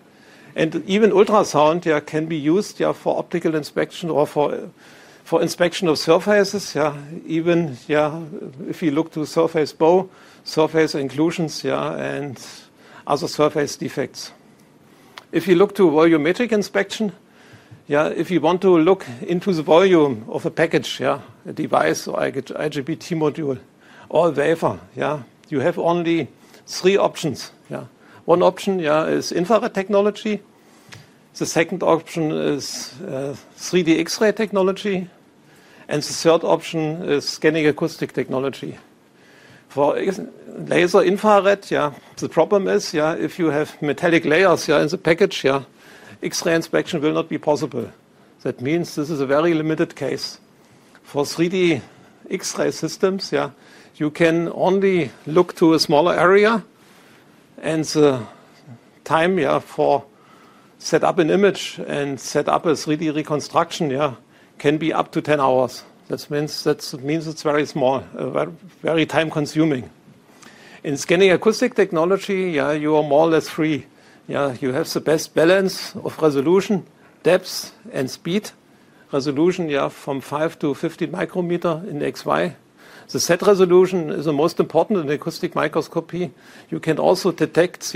Even ultrasound can be used for optical inspection or for inspection of surfaces, even if you look to surface bow, surface inclusions, and other surface defects. If you look to volumetric inspection, if you want to look into the volume of a package, a device or IGBT module or a wafer, you have only three options. One option is infrared technology. The second option is 3D X-ray technology. The third option is scanning acoustic technology. For laser infrared, the problem is if you have metallic layers in the package, X-ray inspection will not be possible. That means this is a very limited case. For 3D X-ray systems, you can only look to a smaller area. The time for set up an image and set up a 3D reconstruction can be up to 10 hours. That means it's very small, very time-consuming. In scanning acoustic technology, you are more or less free. You have the best balance of resolution, depth, and speed. Resolution from 5µm-50µm in XY. The set resolution is the most important in acoustic microscopy. You can also detect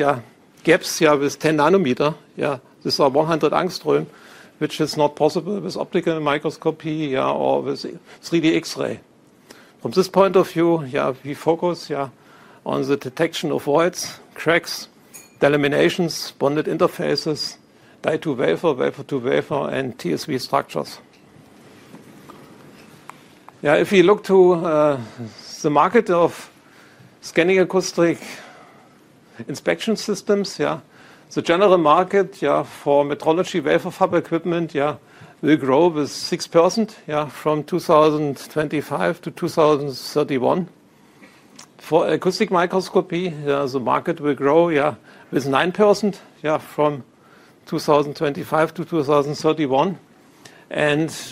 gaps with 10nm. This is 100 angström, which is not possible with optical microscopy or with 3D X-ray. From this point of view, we focus on the detection of voids, cracks, delaminations, bonded interfaces, die-to-wafer, wafer-to-wafer, and TSV structures. If we look to the market of scanning acoustic inspection systems, the general market for metrology wafer fab equipment will grow with 6% from 2025 to 2031. For acoustic microscopy, the market will grow with 9% from 2025 to 2031.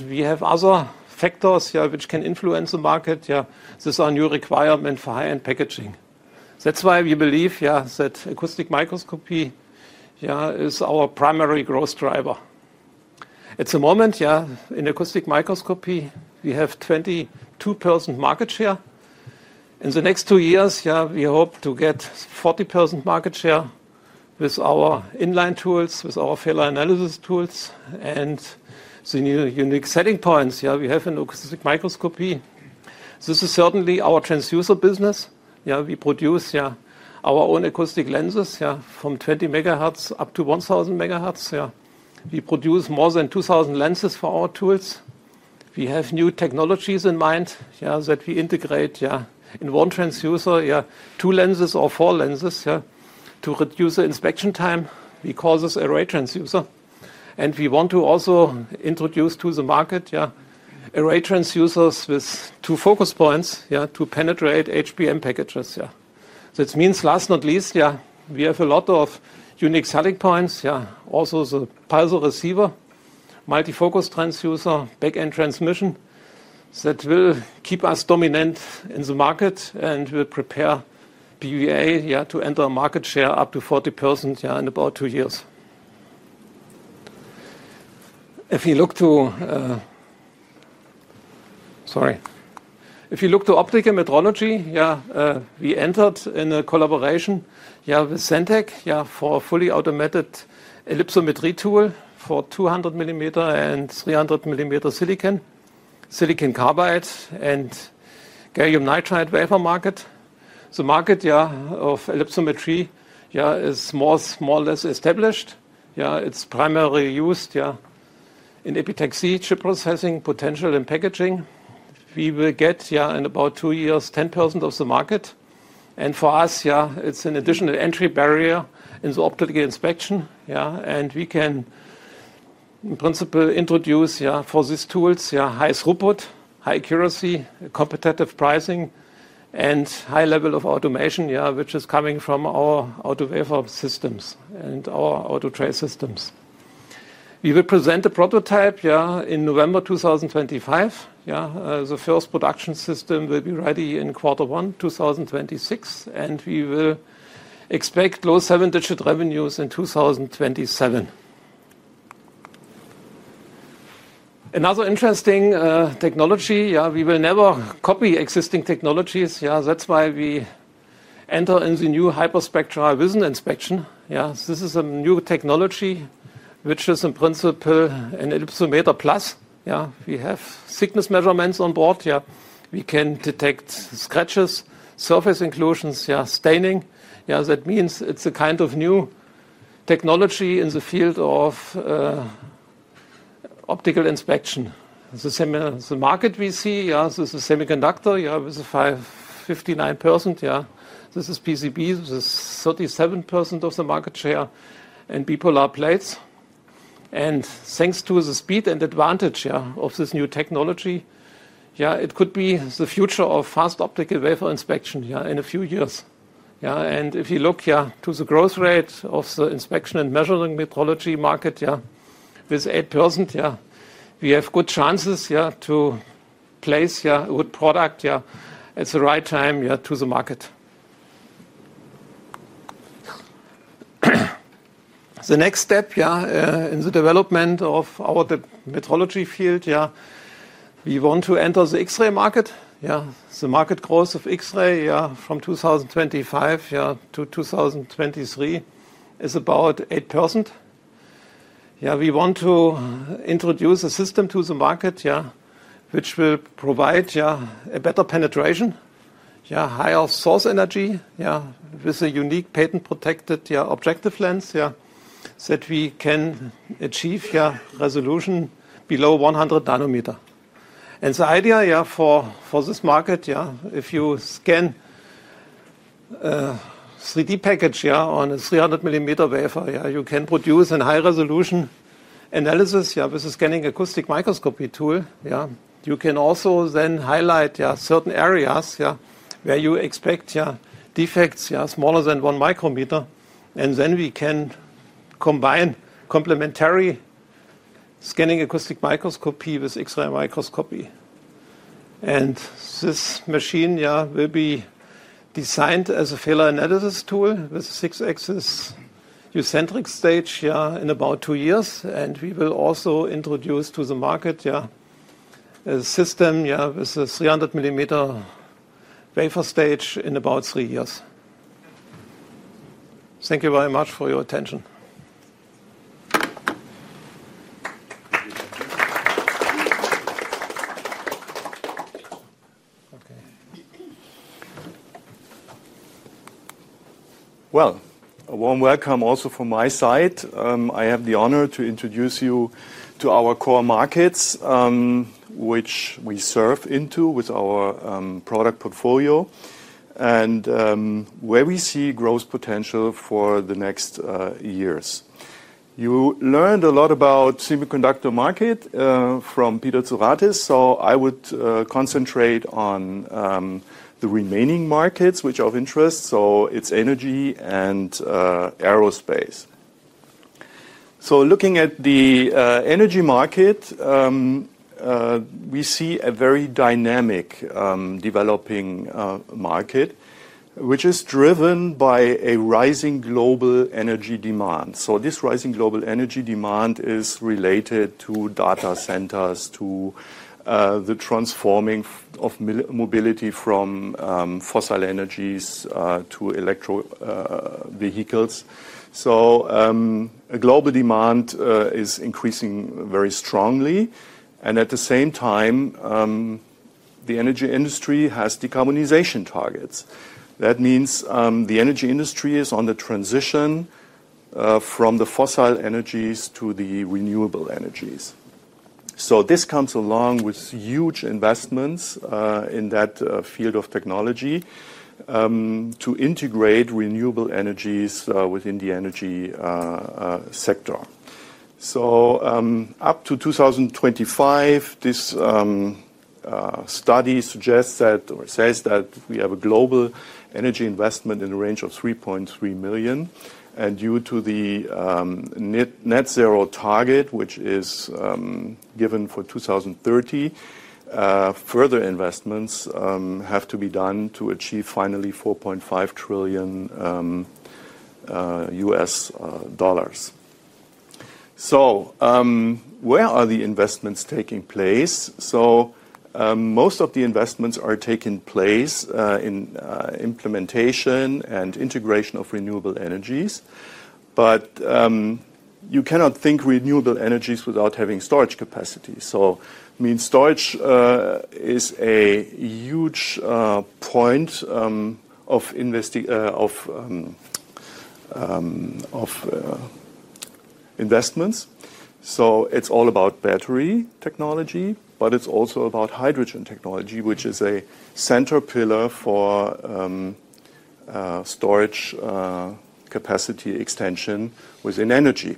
We have other factors which can influence the market. This is our new requirement for high-end packaging. That's why we believe that acoustic microscopy is our primary growth driver. At the moment, in acoustic microscopy, we have 22% market share. In the next two years, we hope to get 40% market share with our inline tools, with our failure analysis tools, and the unique selling points we have in acoustic microscopy. This is certainly our transducer business. We produce our own acoustic lenses from 20 megahertz up to 1,000 megahertz. We produce more than 2,000 lenses for our tools. We have new technologies in mind that we integrate in one transducer, two lenses or four lenses, to reduce the inspection time. We call this array transducer. We want to also introduce to the market array transducers with two focus points to penetrate HBM packages. That means last but not least, we have a lot of unique selling points, also the pulse receiver, multifocus transducer, backend transmission that will keep us dominant in the market and will prepare PVA TePla to enter a market share up to 40% in about two years. If you look to, sorry, if you look to optical metrology, we entered in a collaboration with Sentech for a fully automated ellipsometry tool for 200mm and 300mm silicon, silicon carbide, and gallium nitride wafer market. The market of ellipsometry is more or less established. It's primarily used in epitaxy, chip processing, potential, and packaging. We will get in about two years 10% of the market. For us, it's an additional entry barrier in the optical inspection. We can, in principle, introduce for these tools high throughput, high accuracy, competitive pricing, and high level of automation, which is coming from our auto wafer systems and our auto tray systems. We will present a prototype in November 2025. The first production system will be ready in quarter one, 2026. We will expect low seven-digit revenues in 2027. Another interesting technology, we will never copy existing technologies. That's why we enter into new hyperspectral vision inspection. This is a new technology, which is in principle an ellipsometer plus. We have thickness measurements on board. We can detect scratches, surface inclusions, staining. That means it's a kind of new technology in the field of optical inspection. The market we see, this is a semiconductor, with a 59%. This is PCB, this is 37% of the market share and bipolar plates. Thanks to the speed and advantage of this new technology, it could be the future of fast optical wafer inspection in a few years. If you look to the growth rate of the inspection and measuring metrology market, with 8%, we have good chances to place a good product at the right time to the market. The next step in the development of our metrology field, we want to enter the X-ray market. The market growth of X-ray from 2025 to 2023 is about 8%. We want to introduce a system to the market which will provide better penetration, higher source energy, with a unique patent-protected objective lens, that we can achieve resolution below 100nm. The idea for this market, if you scan a 3D package on a 300mm wafer, you can produce a high-resolution analysis with a scanning acoustic microscopy tool. You can also then highlight certain areas where you expect defects smaller than 1µm. We can combine complementary scanning acoustic microscopy with X-ray microscopy. This machine will be designed as a failure analysis tool with a six-axis eccentric stage in about two years. We will also introduce to the market a system with a 300 mm wafer stage in about three years. Thank you very much for your attention. A warm welcome also from my side. I have the honor to introduce you to our core markets, which we serve into with our product portfolio and where we see growth potential for the next years. You learned a lot about the semiconductor market from Dr. Peter Tsourates. I would concentrate on the remaining markets which are of interest. It is energy and aerospace. Looking at the energy market, we see a very dynamic, developing market, which is driven by a rising global energy demand. This rising global energy demand is related to data centers, to the transforming of mobility from fossil energies to electric vehicles. A global demand is increasing very strongly. At the same time, the energy industry has decarbonization targets. That means the energy industry is on the transition from the fossil energies to the renewable energies. This comes along with huge investments in that field of technology to integrate renewable energies within the energy sector. Up to 2025, this study suggests that or says that we have a global energy investment in the range of $3.3 million. Due to the net zero target, which is given for 2030, further investments have to be done to achieve finally $4.5 trillion. Where are the investments taking place? Most of the investments are taking place in implementation and integration of renewable energies. You cannot think renewable energies without having storage capacity. It means storage is a huge point of investments. It's all about battery technology, but it's also about hydrogen technology, which is a center pillar for storage capacity extension within energy.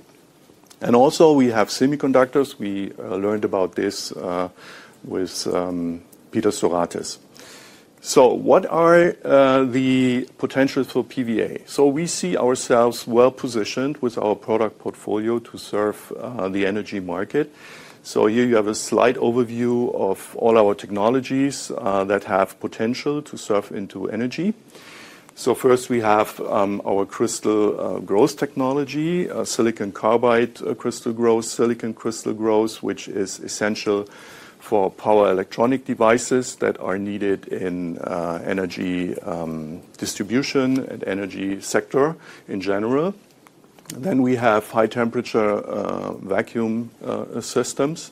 Also, we have semiconductors. We learned about this with Dr. Peter Tsourates. What are the potentials for PVA TePla? We see ourselves well positioned with our product portfolio to serve the energy market. Here you have a slight overview of all our technologies that have potential to serve into energy. First, we have our crystal growth technology, silicon carbide crystal growth, silicon crystal growth, which is essential for power electronic devices that are needed in energy distribution and energy sector in general. Then we have high temperature vacuum systems,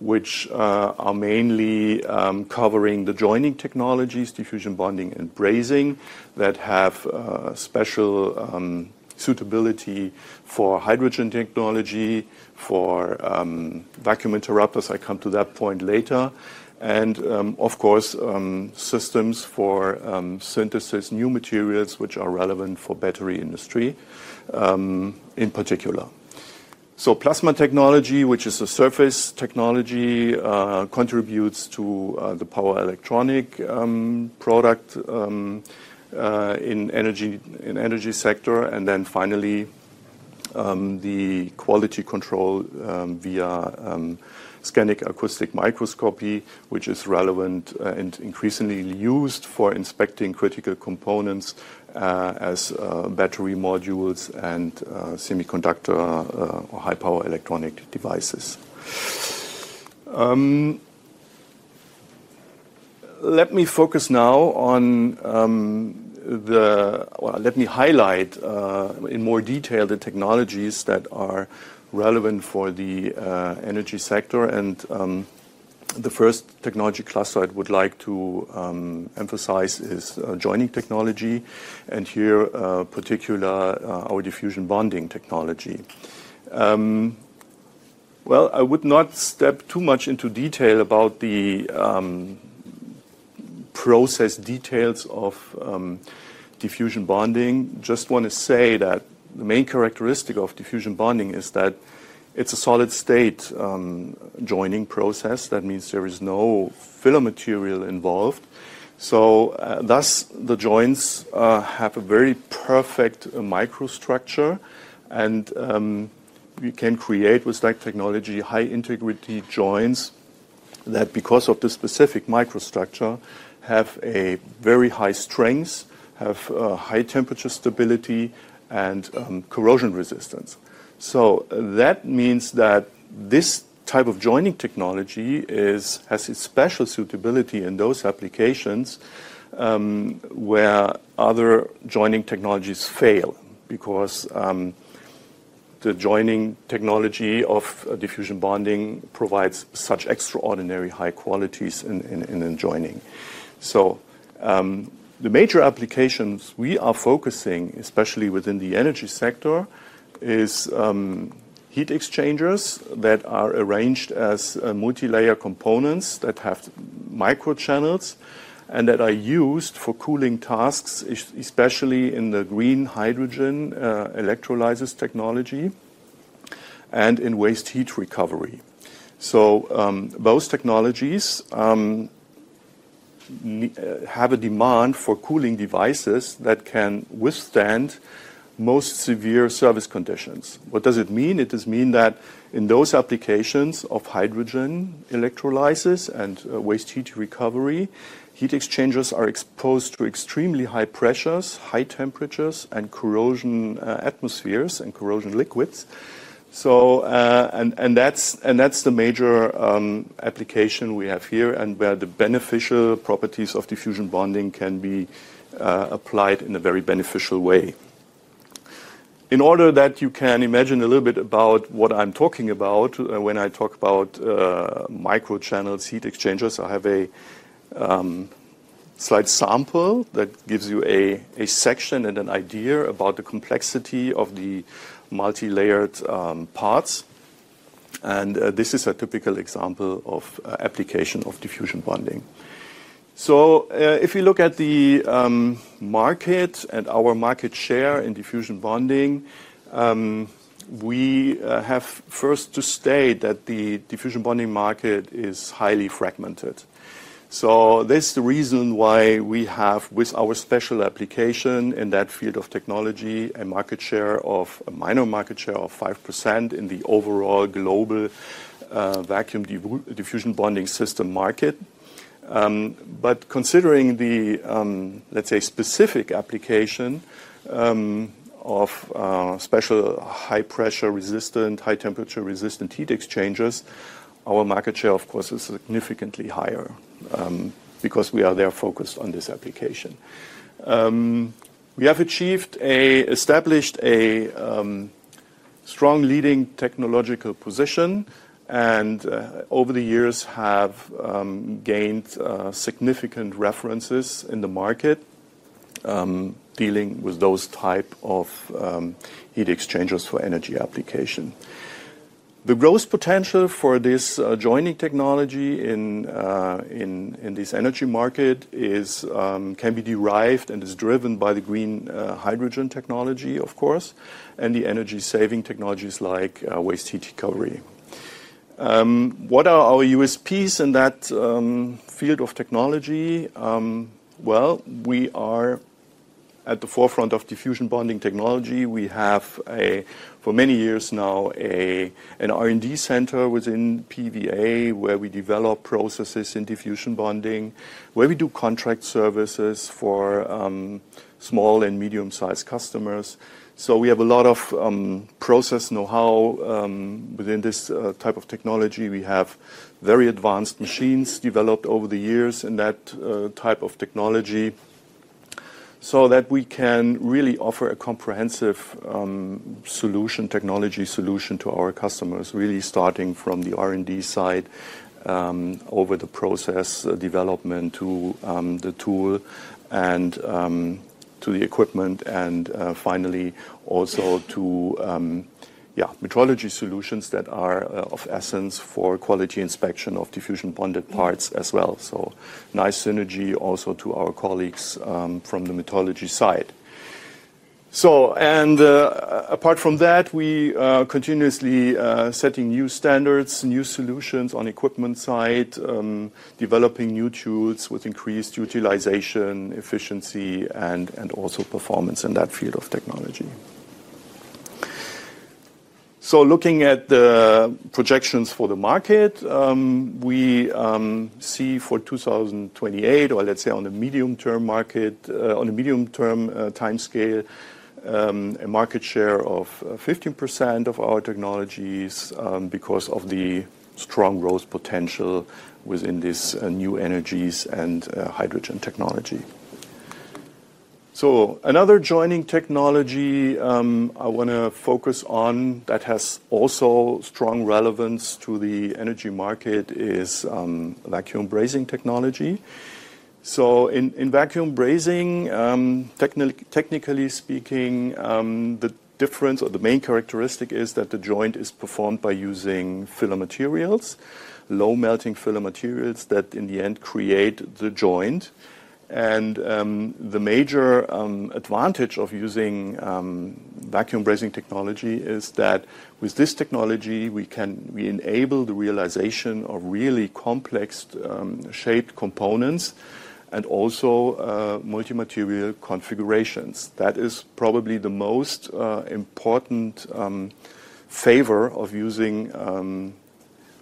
which are mainly covering the joining technologies, diffusion bonding, and brazing that have special suitability for hydrogen technology, for vacuum interrupters. I come to that point later. Of course, systems for synthesis, new materials, which are relevant for the battery industry in particular. Plasma technology, which is a surface technology, contributes to the power electronic product in the energy sector. Finally, the quality control via scanning acoustic microscopy, which is relevant and increasingly used for inspecting critical components, as battery modules and semiconductor or high-power electronic devices. Let me focus now on the, let me highlight in more detail the technologies that are relevant for the energy sector. The first technology class I would like to emphasize is joining technology. Here, in particular, our diffusion bonding technology. I would not step too much into detail about the process details of diffusion bonding. Just want to say that the main characteristic of diffusion bonding is that it's a solid state joining process. That means there is no filler material involved. Thus, the joints have a very perfect microstructure, and you can create with that technology high-integrity joints that, because of the specific microstructure, have very high strengths, have high temperature stability, and corrosion resistance. That means that this type of joining technology has a special suitability in those applications where other joining technologies fail because the joining technology of diffusion bonding provides such extraordinary high qualities in joining. The major applications we are focusing, especially within the energy sector, are heat exchangers that are arranged as multi-layer components that have microchannels and that are used for cooling tasks, especially in the green hydrogen electrolysis technology and in waste heat recovery. Those technologies have a demand for cooling devices that can withstand most severe service conditions. What does it mean? It does mean that in those applications of hydrogen electrolysis and waste heat recovery, heat exchangers are exposed to extremely high pressures, high temperatures, and corrosion atmospheres and corrosion liquids. That's the major application we have here and where the beneficial properties of diffusion bonding can be applied in a very beneficial way. In order that you can imagine a little bit about what I'm talking about when I talk about microchannel heat exchangers, I have a slight sample that gives you a section and an idea about the complexity of the multi-layered parts. This is a typical example of application of diffusion bonding. If you look at the market and our market share in diffusion bonding, we have first to state that the diffusion bonding market is highly fragmented. This is the reason why we have, with our special application in that field of technology, a market share of a minor market share of 5% in the overall global vacuum diffusion bonding system market. Considering the, let's say, specific application of special high-pressure resistant, high-temperature resistant heat exchangers, our market share, of course, is significantly higher, because we are there focused on this application. We have achieved an established, strong leading technological position and, over the years, have gained significant references in the market, dealing with those types of heat exchangers for energy application. The growth potential for this joining technology in this energy market can be derived and is driven by the green hydrogen technology, of course, and the energy-saving technologies like waste heat recovery. What are our USPs in that field of technology? We are at the forefront of diffusion bonding technology. We have, for many years now, an R&D center within PVA TePla where we develop processes in diffusion bonding, where we do contract services for small and medium-sized customers. We have a lot of process know-how within this type of technology. We have very advanced machines developed over the years in that type of technology so that we can really offer a comprehensive solution, technology solution to our customers, really starting from the R&D side, over the process development to the tool and to the equipment and finally also to metrology solutions that are of essence for quality inspection of diffusion-bonded parts as well. Nice synergy also to our colleagues from the metrology side. Apart from that, we are continuously setting new standards, new solutions on the equipment side, developing new tools with increased utilization, efficiency, and also performance in that field of technology. Looking at the projections for the market, we see for 2028, or let's say on the medium-term market, on the medium-term timescale, a market share of 15% of our technologies, because of the strong growth potential within this new energies and hydrogen technology. Another joining technology I want to focus on that has also strong relevance to the energy market is vacuum brazing technology. In vacuum brazing, technically speaking, the difference or the main characteristic is that the joint is performed by using filler materials, low-melting filler materials that in the end create the joint. The major advantage of using vacuum brazing technology is that with this technology, we enable the realization of really complex shaped components and also multimaterial configurations. That is probably the most important favor of using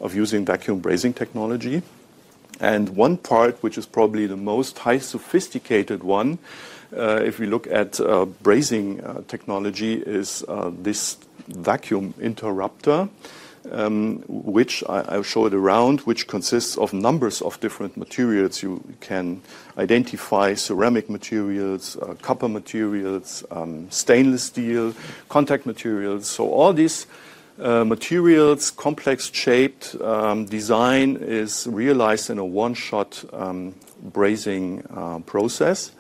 vacuum brazing technology. One part, which is probably the most highly sophisticated one, if we look at brazing technology, is this vacuum interrupter, which I'll show it around, which consists of numbers of different materials. You can identify ceramic materials, copper materials, stainless steel, contact materials. All these materials, complex shaped, design is realized in a one-shot brazing process.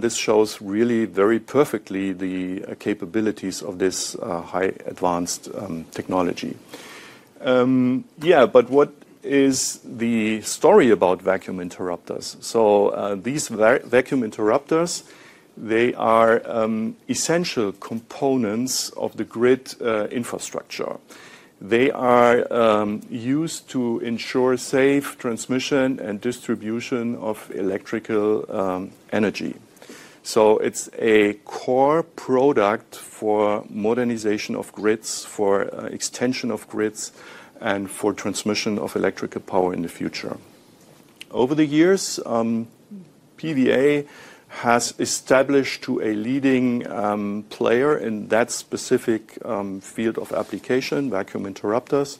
This shows really very perfectly the capabilities of this high advanced technology. What is the story about vacuum interrupters? These vacuum interrupters are essential components of the grid infrastructure. They are used to ensure safe transmission and distribution of electrical energy. It's a core product for modernization of grids, for extension of grids, and for transmission of electrical power in the future. Over the years, PVA TePla has established to a leading player in that specific field of application, vacuum interrupters.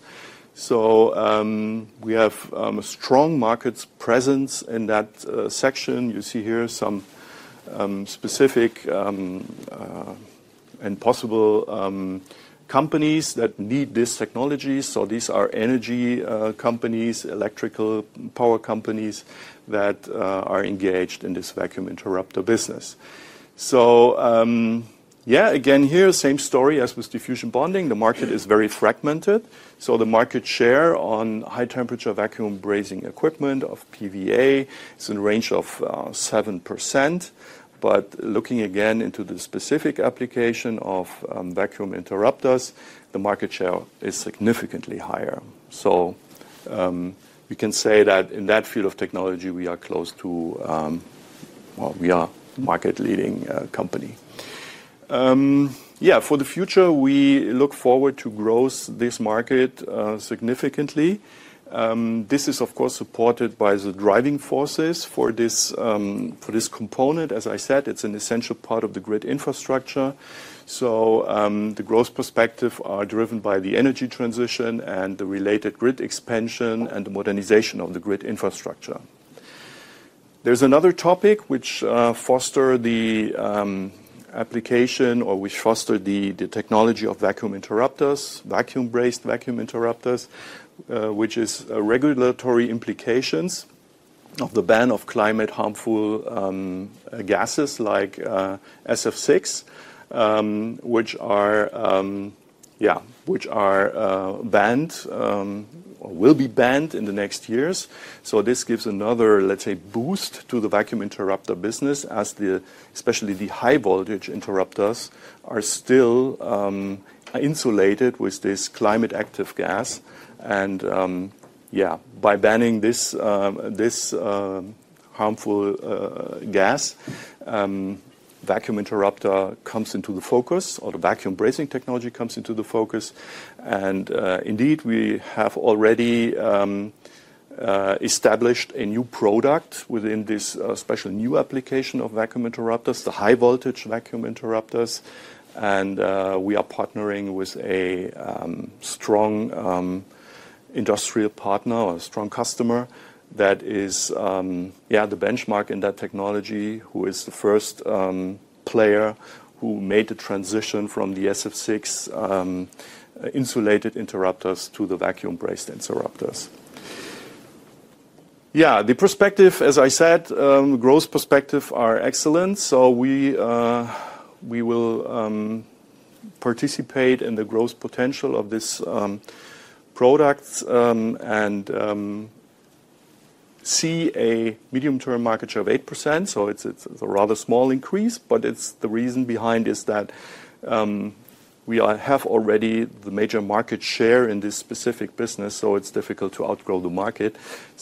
We have a strong market presence in that section. You see here some specific and possible companies that need this technology. These are energy companies, electrical power companies that are engaged in this vacuum interrupter business. Again here, same story as with diffusion bonding. The market is very fragmented. The market share on high-temperature vacuum brazing equipment of PVA TePla is in the range of 7%. Looking again into the specific application of vacuum interrupters, the market share is significantly higher. We can say that in that field of technology, we are close to, well, we are a market-leading company. For the future, we look forward to growth in this market significantly. This is, of course, supported by the driving forces for this component. As I said, it's an essential part of the grid infrastructure. The growth perspectives are driven by the energy transition and the related grid expansion and the modernization of the grid infrastructure. There's another topic which fosters the application or which fosters the technology of vacuum interrupters, vacuum-based vacuum interrupters, which is regulatory implications of the ban of climate-harmful gases like SF6, which are banned, or will be banned in the next years. This gives another, let's say, boost to the vacuum interrupter business as especially the high-voltage interrupters are still insulated with this climate-active gas. By banning this harmful gas, vacuum interrupter comes into focus or the vacuum brazing technology comes into focus. Indeed, we have already established a new product within this special new application of vacuum interrupters, the high-voltage vacuum interrupters. We are partnering with a strong industrial partner or a strong customer that is the benchmark in that technology, who is the first player who made the transition from the SF6 insulated interrupters to the vacuum-brazed interrupters. The perspective, as I said, growth perspectives are excellent. We will participate in the growth potential of this product and see a medium-term market share of 8%. It's a rather small increase, but the reason behind is that we have already the major market share in this specific business. It's difficult to outgrow the market,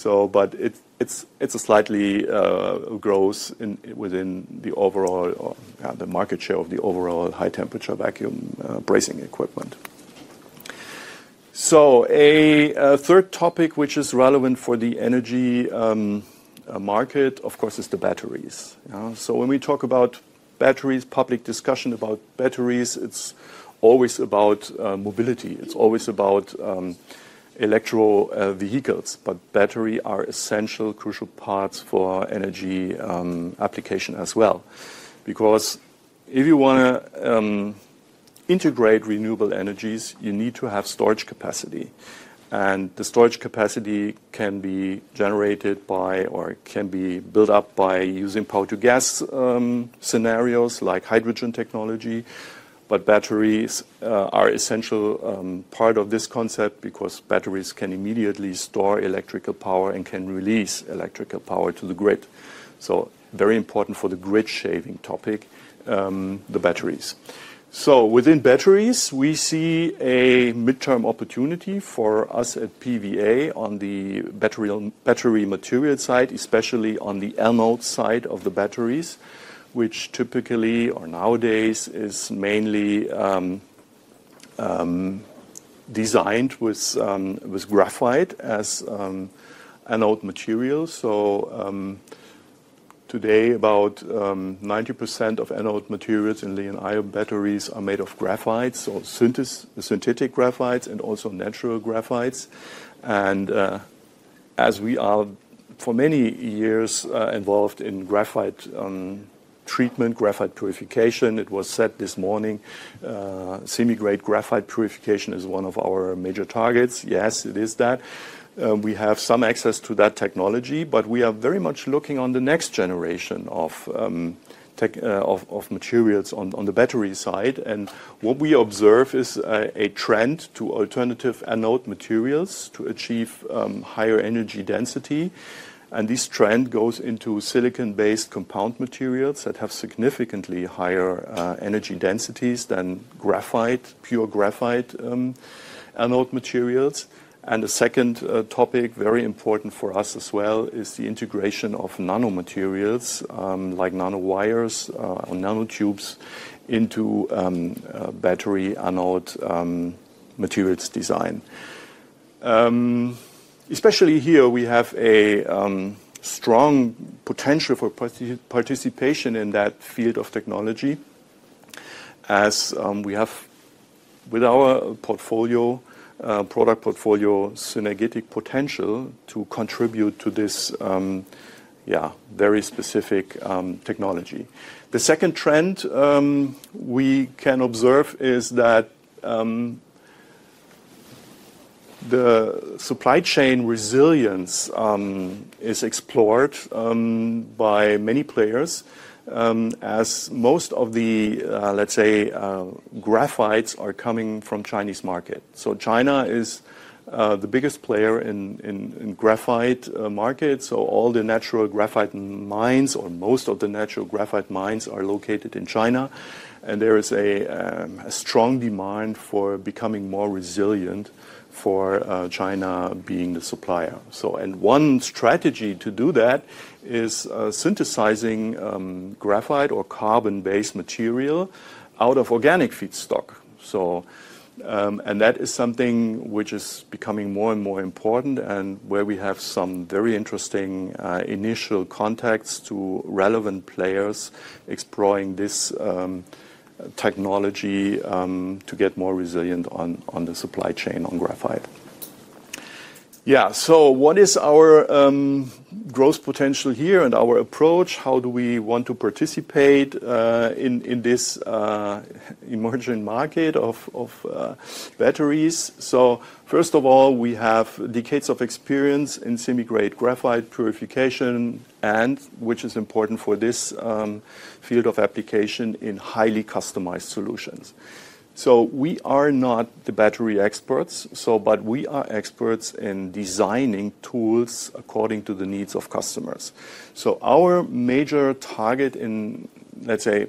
but it's a slight growth within the overall market share of the overall high-temperature vacuum brazing equipment. A third topic, which is relevant for the energy market, of course, is the batteries. When we talk about batteries, public discussion about batteries is always about mobility. It's always about electrical vehicles. Batteries are essential, crucial parts for energy application as well. If you want to integrate renewable energies, you need to have storage capacity. The storage capacity can be generated by or can be built up by using power-to-gas scenarios like hydrogen technology. Batteries are an essential part of this concept because batteries can immediately store electrical power and can release electrical power to the grid. Very important for the grid shaving topic, the batteries. Within batteries, we see a midterm opportunity for us at PVA TePla on the battery material side, especially on the anode side of the batteries, which typically, or nowadays, is mainly designed with graphite as anode materials. Today, about 90% of anode materials in lithium-ion batteries are made of graphites or synthetic graphites and also natural graphites. As we are, for many years, involved in graphite treatment, graphite purification, it was said this morning, semi-grade graphite purification is one of our major targets. Yes, it is that. We have some access to that technology, but we are very much looking on the next generation of materials on the battery side. What we observe is a trend to alternative anode materials to achieve higher energy density. This trend goes into silicon-based compound materials that have significantly higher energy densities than graphite, pure graphite anode materials. The second topic, very important for us as well, is the integration of nanomaterials, like nanowires or nanotubes, into battery anode materials design. Especially here, we have a strong potential for participation in that field of technology as we have, with our product portfolio, synergetic potential to contribute to this very specific technology. The second trend we can observe is that supply chain resilience is explored by many players, as most of the graphites are coming from the Chinese market. China is the biggest player in graphite market. All the natural graphite mines or most of the natural graphite mines are located in China. There is a strong demand for becoming more resilient for China being the supplier. One strategy to do that is synthesizing graphite or carbon-based material out of organic feedstock. That is something which is becoming more and more important and where we have some very interesting initial contacts to relevant players exploring this technology to get more resilient on the supply chain on graphite. What is our growth potential here and our approach? How do we want to participate in this emerging market of batteries? First of all, we have decades of experience in semi-grade graphite purification, which is important for this field of application in highly customized solutions. We are not the battery experts, but we are experts in designing tools according to the needs of customers. Our major target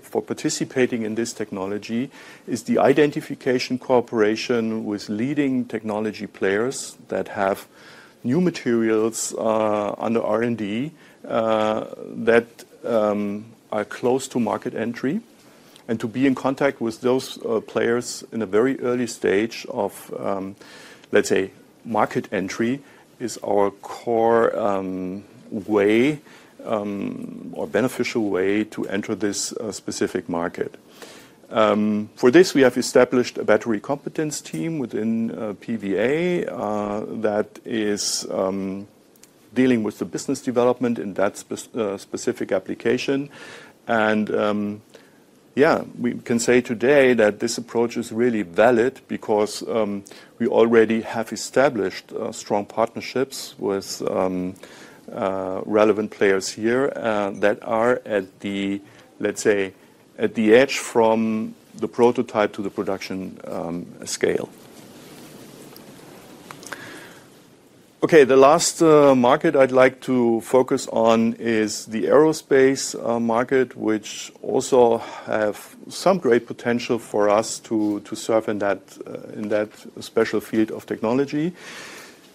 for participating in this technology is the identification and cooperation with leading technology players that have new materials under R&D that are close to market entry. To be in contact with those players in a very early stage of market entry is our core way, or beneficial way, to enter this specific market. For this, we have established a battery competence team within PVA TePla that is dealing with the business development in that specific application. Yeah, we can say today that this approach is really valid because we already have established strong partnerships with relevant players here that are at the, let's say, at the edge from the prototype to the production scale. The last market I'd like to focus on is the aerospace market, which also has some great potential for us to serve in that special field of technology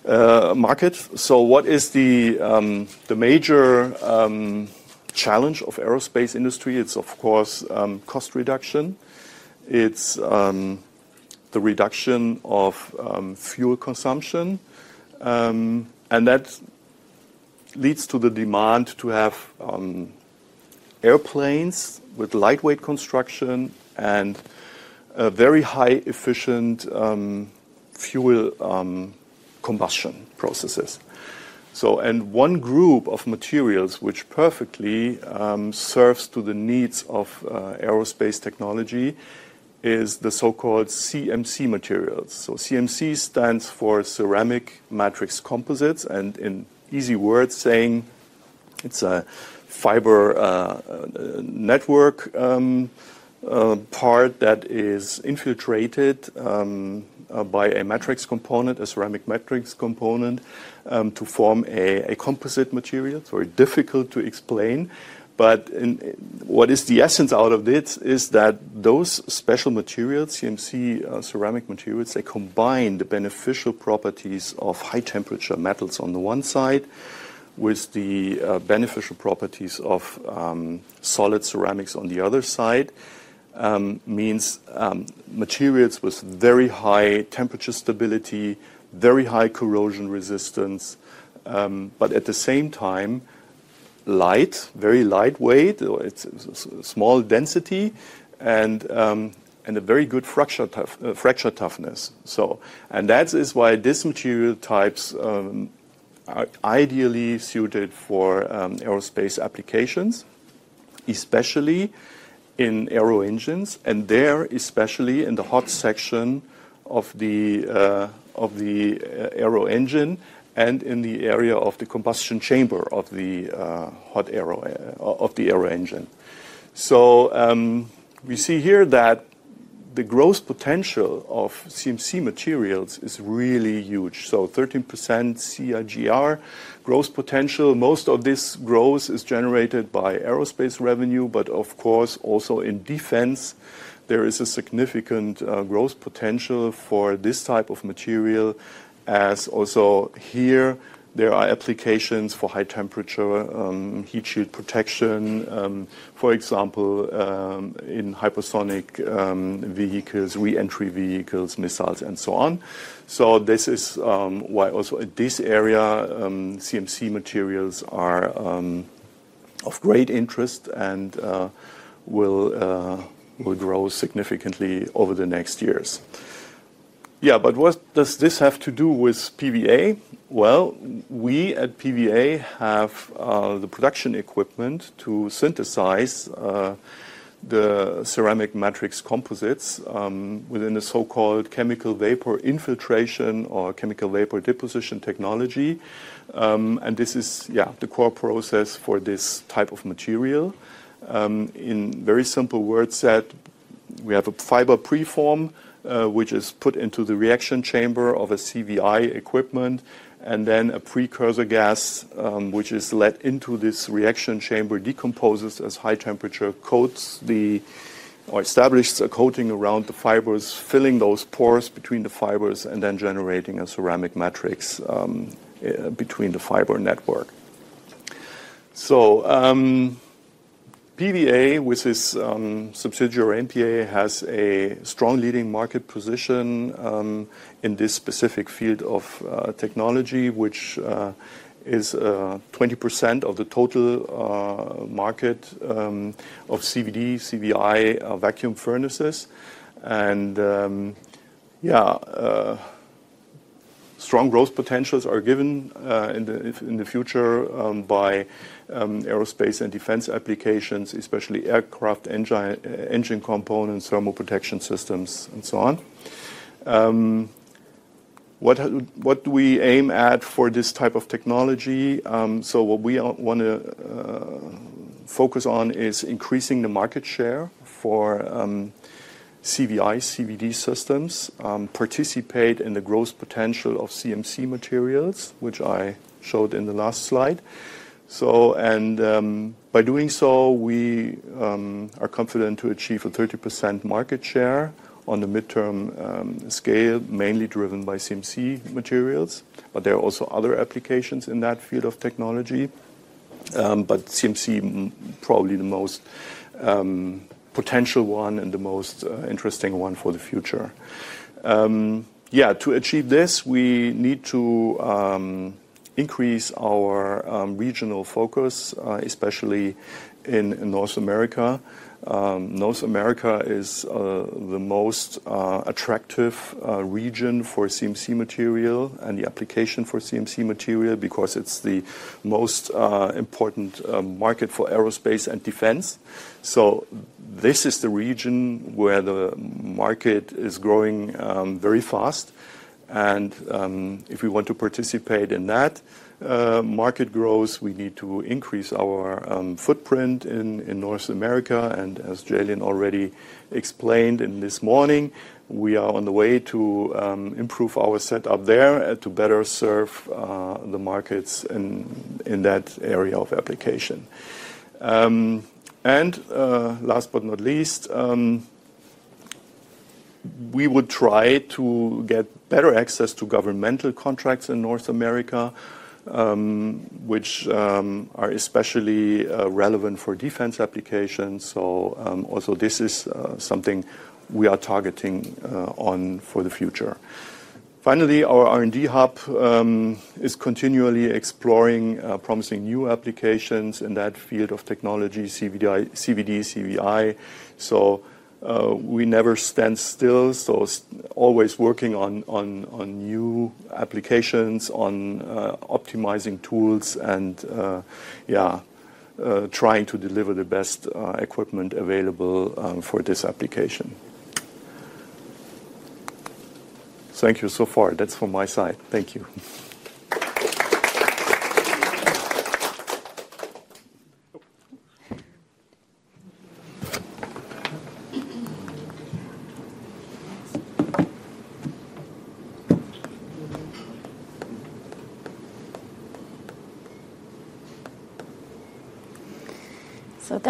market. What is the major challenge of the aerospace industry? It's, of course, cost reduction. It's the reduction of fuel consumption, and that leads to the demand to have airplanes with lightweight construction and very high-efficient fuel combustion processes. One group of materials which perfectly serves to the needs of aerospace technology is the so-called CMC materials. CMC stands for ceramic matrix composites. In easy words, it's a fiber network part that is infiltrated by a matrix component, a ceramic matrix component, to form a composite material. It's very difficult to explain. The essence out of this is that those special materials, CMC ceramic materials, combine the beneficial properties of high-temperature metals on the one side with the beneficial properties of solid ceramics on the other side. This means materials with very high temperature stability, very high corrosion resistance, but at the same time, very lightweight, or it's a small density, and a very good fracture toughness. That is why these material types are ideally suited for aerospace applications, especially in aero engines, and there, especially in the hot section of the aero engine and in the area of the combustion chamber of the aero engine. We see here that the growth potential of CMC materials is really huge. There is 13% CAGR growth potential. Most of this growth is generated by aerospace revenue, but also in defense, there is significant growth potential for this type of material, as also here there are applications for high-temperature heat shield protection, for example, in hypersonic vehicles, re-entry vehicles, missiles, and so on. This is why also in this area, CMC materials are of great interest and will grow significantly over the next years. What does this have to do with PVA? At PVA TePla, we have the production equipment to synthesize the ceramic matrix composites within the so-called chemical vapor infiltration or chemical vapor deposition technology. This is the core process for this type of material. In very simple words, we have a fiber preform, which is put into the reaction chamber of a CVI equipment. Then a precursor gas, which is let into this reaction chamber, decomposes at high temperature, coats or establishes a coating around the fibers, filling those pores between the fibers, and then generating a ceramic matrix between the fiber network. PVA TePla, with its subsidiary NTA, has a strong leading market position in this specific field of technology, which is 20% of the total market of CVD, CVI, vacuum furnaces. Strong growth potentials are given in the future by aerospace and defense applications, especially aircraft engine components, thermal protection systems, and so on. What do we aim at for this type of technology? What we want to focus on is increasing the market share for CVI, CVD systems, participate in the growth potential of CMC materials, which I showed in the last slide. By doing so, we are confident to achieve a 30% market share on the midterm scale, mainly driven by CMC materials. There are also other applications in that field of technology, but CMC is probably the most potential one and the most interesting one for the future. To achieve this, we need to increase our regional focus, especially in North America. North America is the most attractive region for CMC material and the application for CMC material because it's the most important market for aerospace and defense. This is the region where the market is growing very fast. If we want to participate in that market growth, we need to increase our footprint in North America. As Jalin Ketter already explained this morning, we are on the way to improve our setup there and to better serve the markets in that area of application. Last but not least, we would try to get better access to governmental contracts in North America, which are especially relevant for defense applications. This is also something we are targeting for the future. Finally, our R&D hub is continually exploring promising new applications in that field of technology, CVD, CVI. We never stand still. Always working on new applications, optimizing tools, and trying to deliver the best equipment available for this application. Thank you so far. That's from my side. Thank you.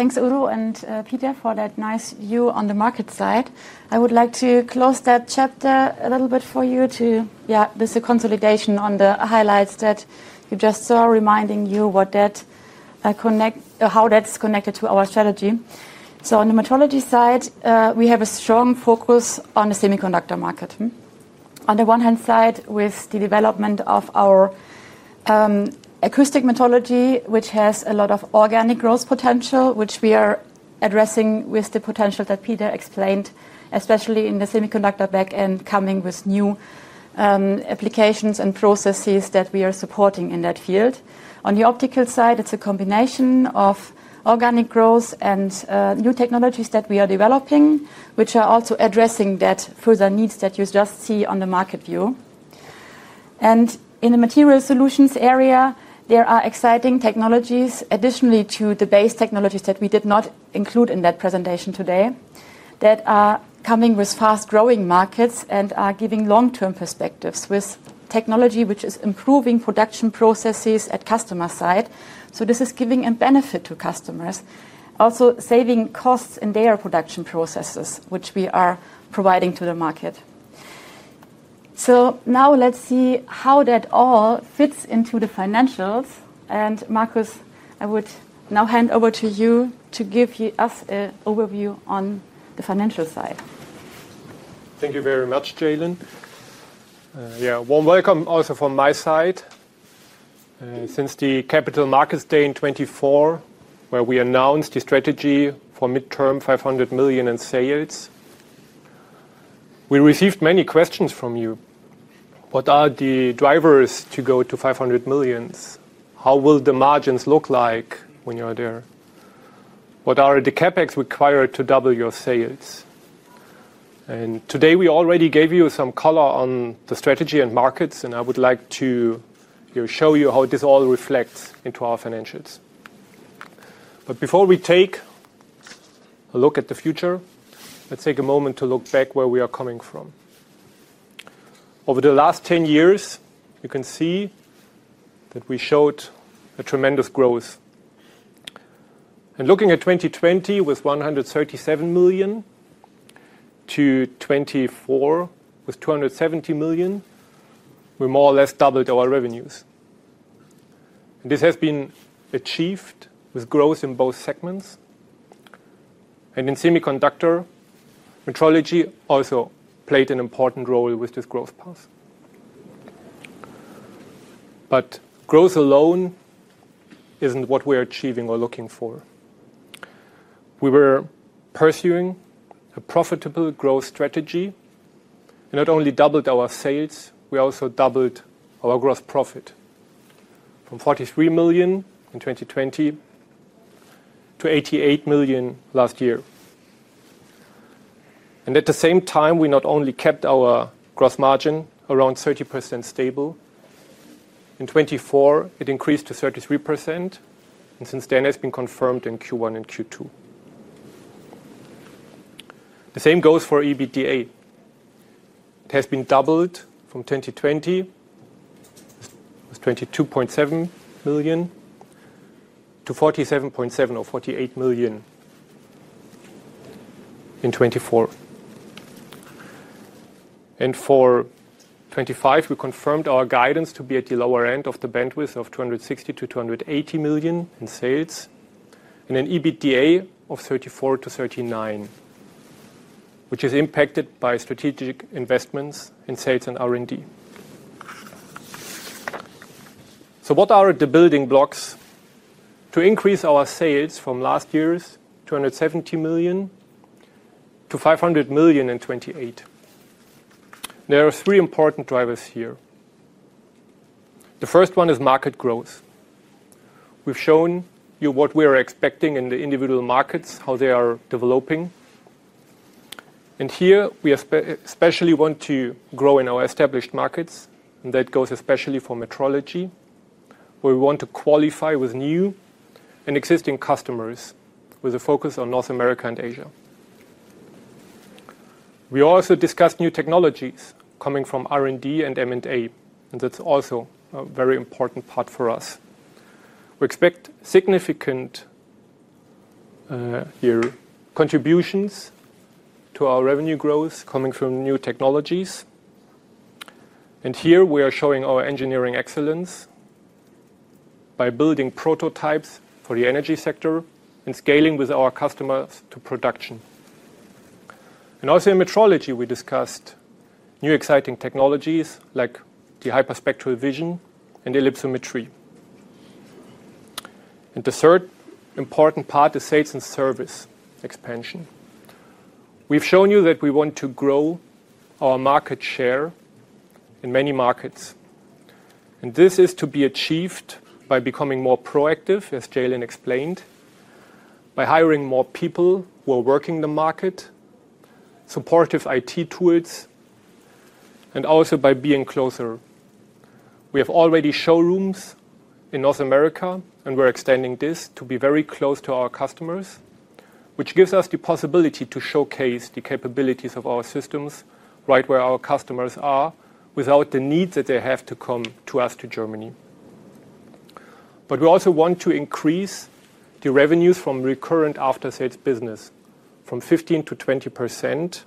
Thanks, Udo and Peter, for that nice view on the market side. I would like to close that chapter a little bit for you. This is a consolidation on the highlights that you just saw, reminding you how that's connected to our strategy. On the metrology side, we have a strong focus on the semiconductor market. On the one hand, with the development of our acoustic metrology, which has a lot of organic growth potential, we are addressing the potential that Peter explained, especially in the semiconductor backend coming with new applications and processes that we are supporting in that field. On the optical side, it's a combination of organic growth and new technologies that we are developing, which are also addressing further needs that you just see on the market view. In the material solutions area, there are exciting technologies in addition to the base technologies that we did not include in that presentation today that are coming with fast-growing markets and are giving long-term perspectives with technology which is improving production processes at the customer side. This is giving a benefit to customers, also saving costs in their production processes, which we are providing to the market. Now let's see how that all fits into the financials. Markus, I would now hand over to you to give us an overview on the financial side. Thank you very much, Jalin. Yeah, warm welcome also from my side. Since the Capital Markets Day in 2024, where we announced the strategy for midterm $500 million in sales, we received many questions from you. What are the drivers to go to $500 million? How will the margins look like when you're there? What are the CapEx required to double your sales? Today, we already gave you some color on the strategy and markets, and I would like to show you how this all reflects into our financials. Before we take a look at the future, let's take a moment to look back where we are coming from. Over the last 10 years, you can see that we showed a tremendous growth. Looking at 2020 with $137 million to 2024 with $270 million, we more or less doubled our revenues. This has been achieved with growth in both segments. In semiconductor, metrology also played an important role with this growth path. Growth alone isn't what we're achieving or looking for. We were pursuing a profitable growth strategy and not only doubled our sales, we also doubled our gross profit from $43 million in 2020 to $88 million last year. At the same time, we not only kept our gross margin around 30% stable. In 2024, it increased to 33%, and since then, it has been confirmed in Q1 and Q2. The same goes for EBITDA. It has been doubled from 2020 with $22.7 million-$47.7 million or $48 million in 2024. For 2025, we confirmed our guidance to be at the lower end of the bandwidth of $260-$280 million in sales and an EBITDA of $34 million-$39 million, which is impacted by strategic investments in sales and R&D. What are the building blocks to increase our sales from last year's $270 million-$500 million in 2028? There are three important drivers here. The first one is market growth. We've shown you what we are expecting in the individual markets, how they are developing. Here, we especially want to grow in our established markets, and that goes especially for metrology, where we want to qualify with new and existing customers with a focus on North America and Asia. We also discussed new technologies coming from R&D and M&A, and that's also a very important part for us. We expect significant contributions to our revenue growth coming from new technologies. Here, we are showing our engineering excellence by building prototypes for the energy sector and scaling with our customers to production. Also in metrology, we discussed new exciting technologies like the hyperspectral vision and ellipsometry. The third important part is sales and service expansion. We've shown you that we want to grow our market share in many markets. This is to be achieved by becoming more proactive, as Jalin explained, by hiring more people who are working in the market, supportive IT tools, and also by being closer. We have already showrooms in North America, and we're extending this to be very close to our customers, which gives us the possibility to showcase the capabilities of our systems right where our customers are without the need that they have to come to us to Germany. We also want to increase the revenues from recurrent after-sales business from 15%-20%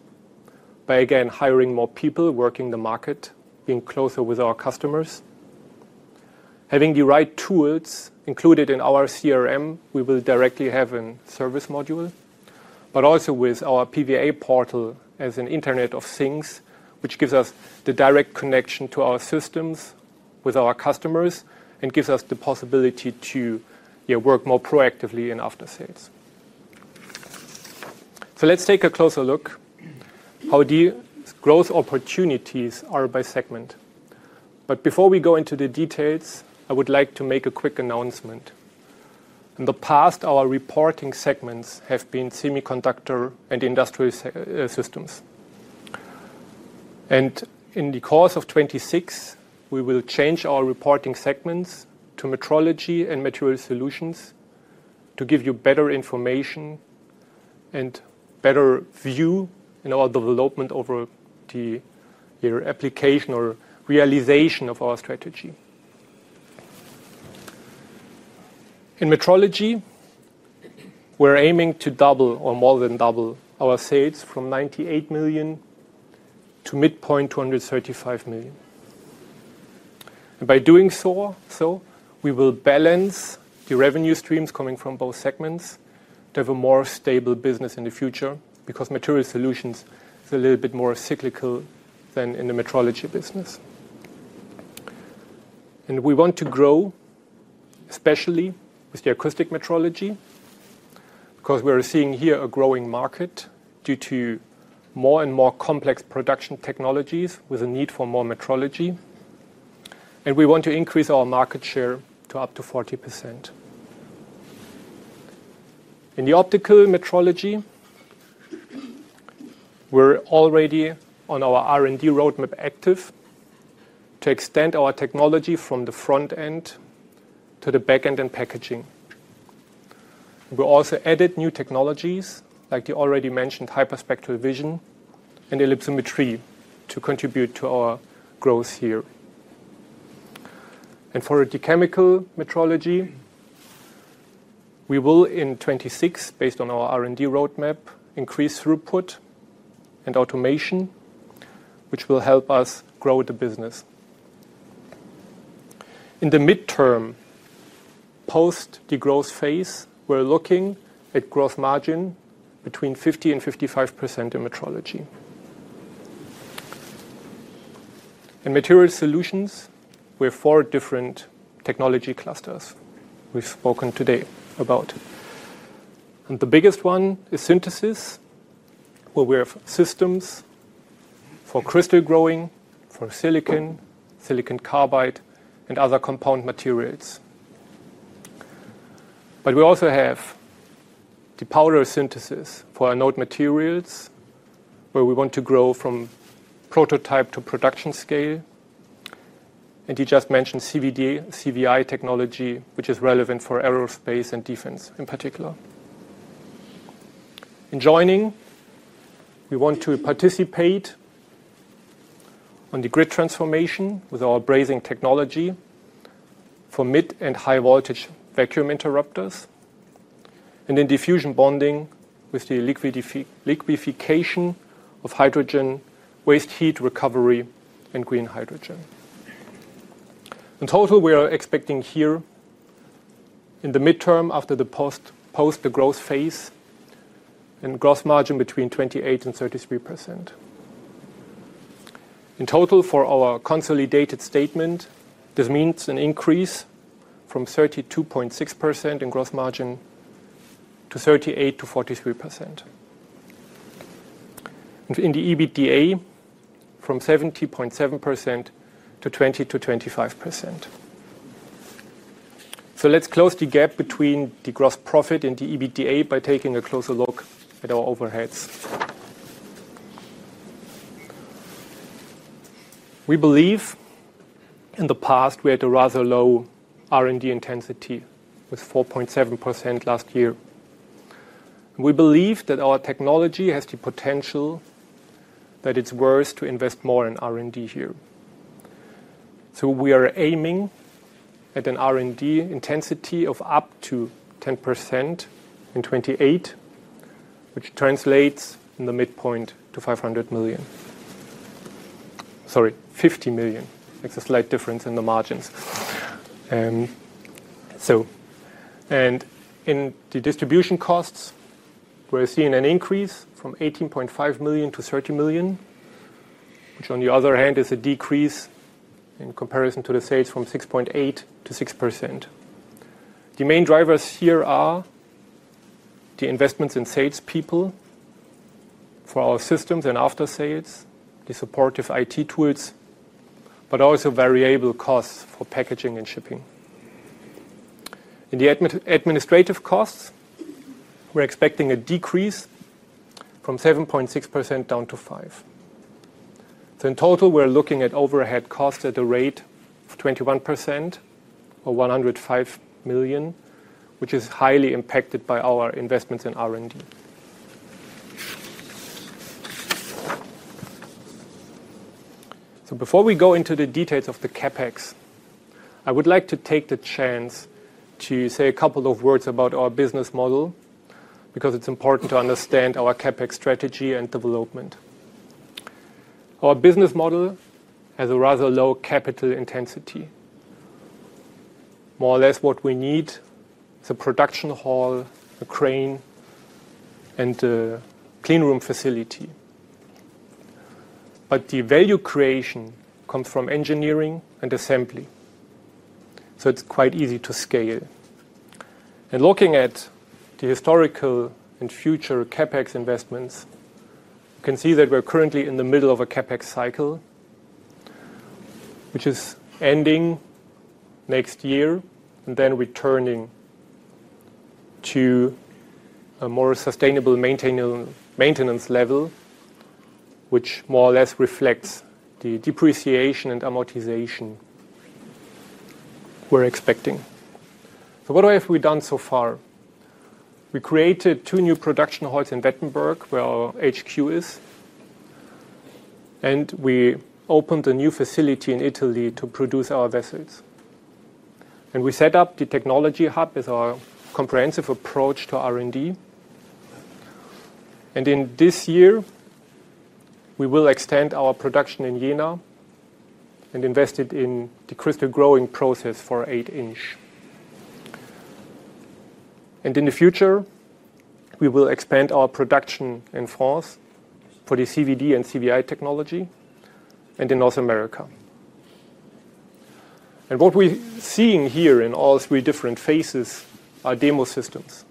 by, again, hiring more people working in the market, being closer with our customers, having the right tools included in our CRM. We will directly have a service module, but also with our PVA portal as an Internet of Things, which gives us the direct connection to our systems with our customers and gives us the possibility to work more proactively in after-sales. Let's take a closer look at how the growth opportunities are by segment. Before we go into the details, I would like to make a quick announcement. In the past, our reporting segments have been semiconductor and industrial systems. In the course of 2026, we will change our reporting segments to metrology and material solutions to give you better information and better view in our development over the application or realization of our strategy. In metrology, we're aiming to double or more than double our sales from $98 million to midpoint $235 million. Doing so, we will balance the revenue streams coming from both segments to have a more stable business in the future because material solutions are a little bit more cyclical than in the metrology business. We want to grow, especially with the acoustic metrology, because we are seeing here a growing market due to more and more complex production technologies with a need for more metrology. We want to increase our market share to up to 40%. In the optical metrology, we're already on our R&D roadmap active to extend our technology from the front end to the back end and packaging. We'll also add new technologies like the already mentioned hyperspectral vision and ellipsometry to contribute to our growth here. For the chemical metrology, we will, in 2026, based on our R&D roadmap, increase throughput and automation, which will help us grow the business. In the midterm, post the growth phase, we're looking at gross margin between 50% and 55% in metrology. In material solutions, we have four different technology clusters we've spoken today about. The biggest one is synthesis, where we have systems for crystal growing, for silicon, silicon carbide, and other compound materials. We also have the powder synthesis for our node materials, where we want to grow from prototype to production scale. You just mentioned CVD, CVI technology, which is relevant for aerospace and defense in particular. In joining, we want to participate in the grid transformation with our brazing technology for mid and high voltage vacuum interrupters. In diffusion bonding with the liquefication of hydrogen, waste heat recovery, and green hydrogen. In total, we are expecting here, in the midterm, after the post-growth phase, a gross margin between 28% and 33%. In total, for our consolidated statement, this means an increase from 32.6% in gross margin to 38%-43%. In the EBITDA, from 7.7%-20%-25%. Let's close the gap between the gross profit and the EBITDA by taking a closer look at our overheads. We believe in the past, we had a rather low R&D intensity with 4.7% last year. We believe that our technology has the potential that it's worth to invest more in R&D here. We are aiming at an R&D intensity of up to 10% in 2028, which translates in the midpoint to $50 million. It's a slight difference in the margins. In the distribution costs, we're seeing an increase from $18.5 million-$30 million, which on the other hand is a decrease in comparison to the sales from 6.8%-6%. The main drivers here are the investments in salespeople for our systems and after-sales, the supportive IT tools, but also variable costs for packaging and shipping. In the administrative costs, we're expecting a decrease from 7.6% down to 5%. In total, we're looking at overhead costs at the rate of 21% or $105 million, which is highly impacted by our investments in R&D. Before we go into the details of the CAPEX, I would like to take the chance to say a couple of words about our business model, because it's important to understand our CAPEX strategy and development. Our business model has a rather low capital intensity. More or less what we need is a production hall, a crane, and a clean room facility. The value creation comes from engineering and assembly, so it's quite easy to scale. Looking at the historical and future CAPEX investments, you can see that we're currently in the middle of a CAPEX cycle, which is ending next year and then returning to a more sustainable maintenance level, which more or less reflects the depreciation and amortization we're expecting. What have we done so far? We created two new production halls in Wittenberg, where our HQ is, and we opened a new facility in Italy to produce our vessels. We set up the technology hub with our comprehensive approach to R&D. This year, we will extend our production in Jena and invest in the crystal growing process for 8". In the future, we will expand our production in France for the CVD and CVI technology and in North America. What we're seeing here in all three different phases are demo systems.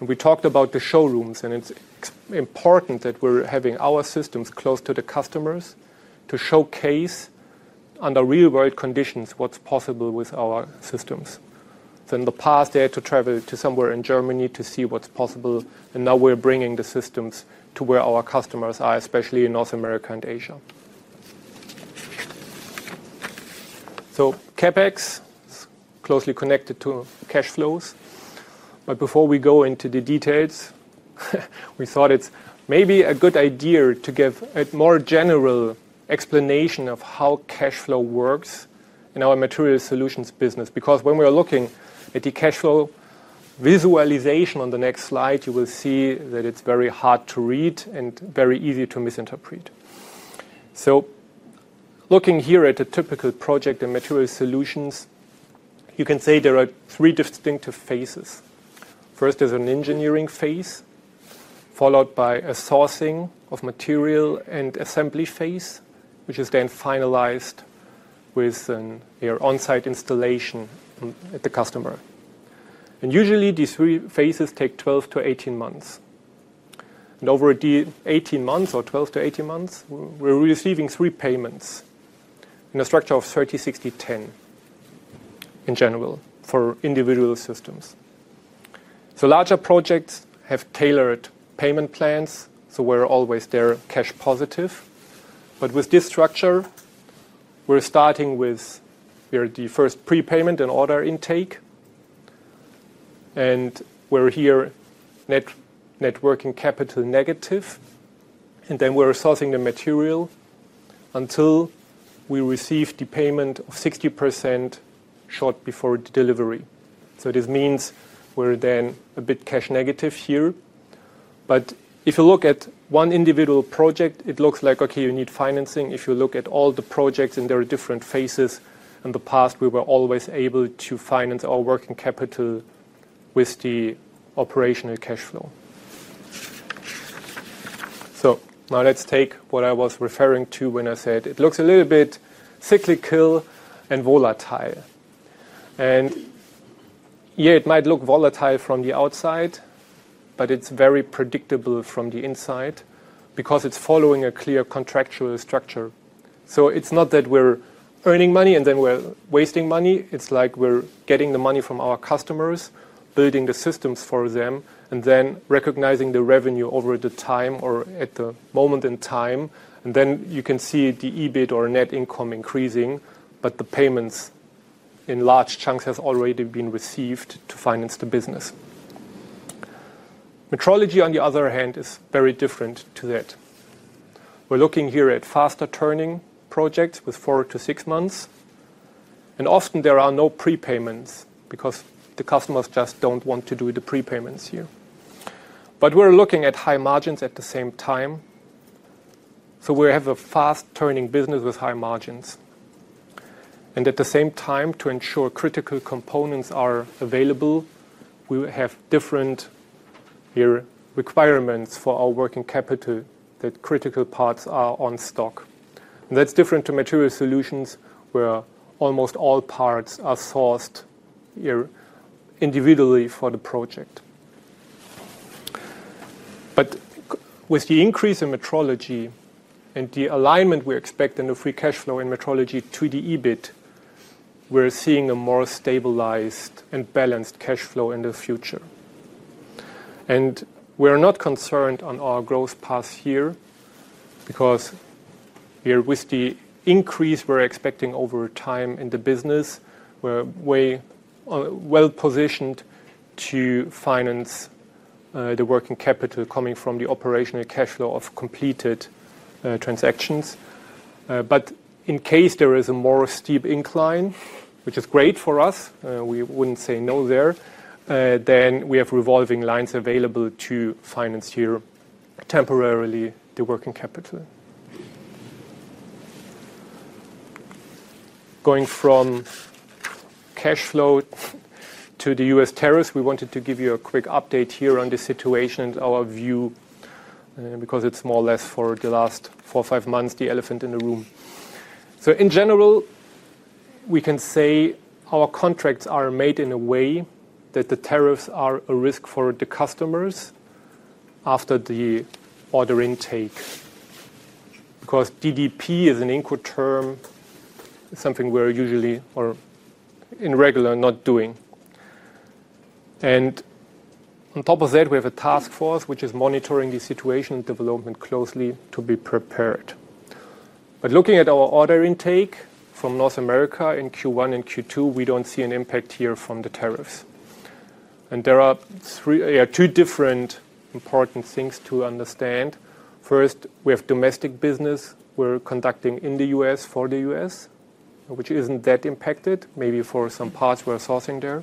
We talked about the showrooms, and it's important that we're having our systems close to the customers to showcase under real-world conditions what's possible with our systems. In the past, they had to travel to somewhere in Germany to see what's possible, and now we're bringing the systems to where our customers are, especially in North America and Asia. CAPEX is closely connected to cash flows. Before we go into the details, we thought it's maybe a good idea to give a more general explanation of how cash flow works in our material solutions business. Because when we're looking at the cash flow visualization on the next slide, you will see that it's very hard to read and very easy to misinterpret. Looking here at a typical project in material solutions, you can say there are three distinctive phases. First is an engineering phase, followed by a sourcing of material and assembly phase, which is then finalized with an onsite installation at the customer. Usually, these three phases take 12 to 18 months. Over the 18 months, or 12 to 18 months, we're receiving three payments in a structure of 30-60-10 in general for individual systems. Larger projects have tailored payment plans, so we're always there cash positive. With this structure, we're starting with the first prepayment and order intake. We're here net working capital negative. Then we're sourcing the material until we receive the payment of 60% shortly before delivery. This means we're then a bit cash negative here. If you look at one individual project, it looks like, okay, you need financing. If you look at all the projects in their different phases, in the past, we were always able to finance our working capital with the operational cash flow. Now let's take what I was referring to when I said it looks a little bit cyclical and volatile. It might look volatile from the outside, but it's very predictable from the inside because it's following a clear contractual structure. It's not that we're earning money and then we're wasting money. It's like we're getting the money from our customers, building the systems for them, and then recognizing the revenue over the time or at the moment in time. You can see the EBIT or net income increasing, but the payments in large chunks have already been received to finance the business. Metrology, on the other hand, is very different to that. We're looking here at faster turning projects with four to six months. Often there are no prepayments because the customers just don't want to do the prepayments here. We're looking at high margins at the same time. We have a fast turning business with high margins. At the same time, to ensure critical components are available, we have different requirements for our working capital that critical parts are on stock. That's different to material solutions where almost all parts are sourced individually for the project. With the increase in metrology and the alignment we expect in the free cash flow in metrology to the EBIT, we're seeing a more stabilized and balanced cash flow in the future. We're not concerned on our growth path here because with the increase we're expecting over time in the business, we're well positioned to finance the working capital coming from the operational cash flow of completed transactions. In case there is a more steep incline, which is great for us, we wouldn't say no there, we have revolving lines available to finance here temporarily the working capital. Going from cash flow to the U.S. tariffs, we wanted to give you a quick update here on the situation and our view because it's more or less for the last four or five months the elephant in the room. In general, we can say our contracts are made in a way that the tariffs are a risk for the customers after the order intake because DDP is an input term, something we're usually or in regular not doing. On top of that, we have a task force which is monitoring the situation and development closely to be prepared. Looking at our order intake from North America in Q1 and Q2, we don't see an impact here from the tariffs. There are two different important things to understand. First, we have domestic business we're conducting in the U.S. for the U.S., which isn't that impacted, maybe for some parts we're sourcing there.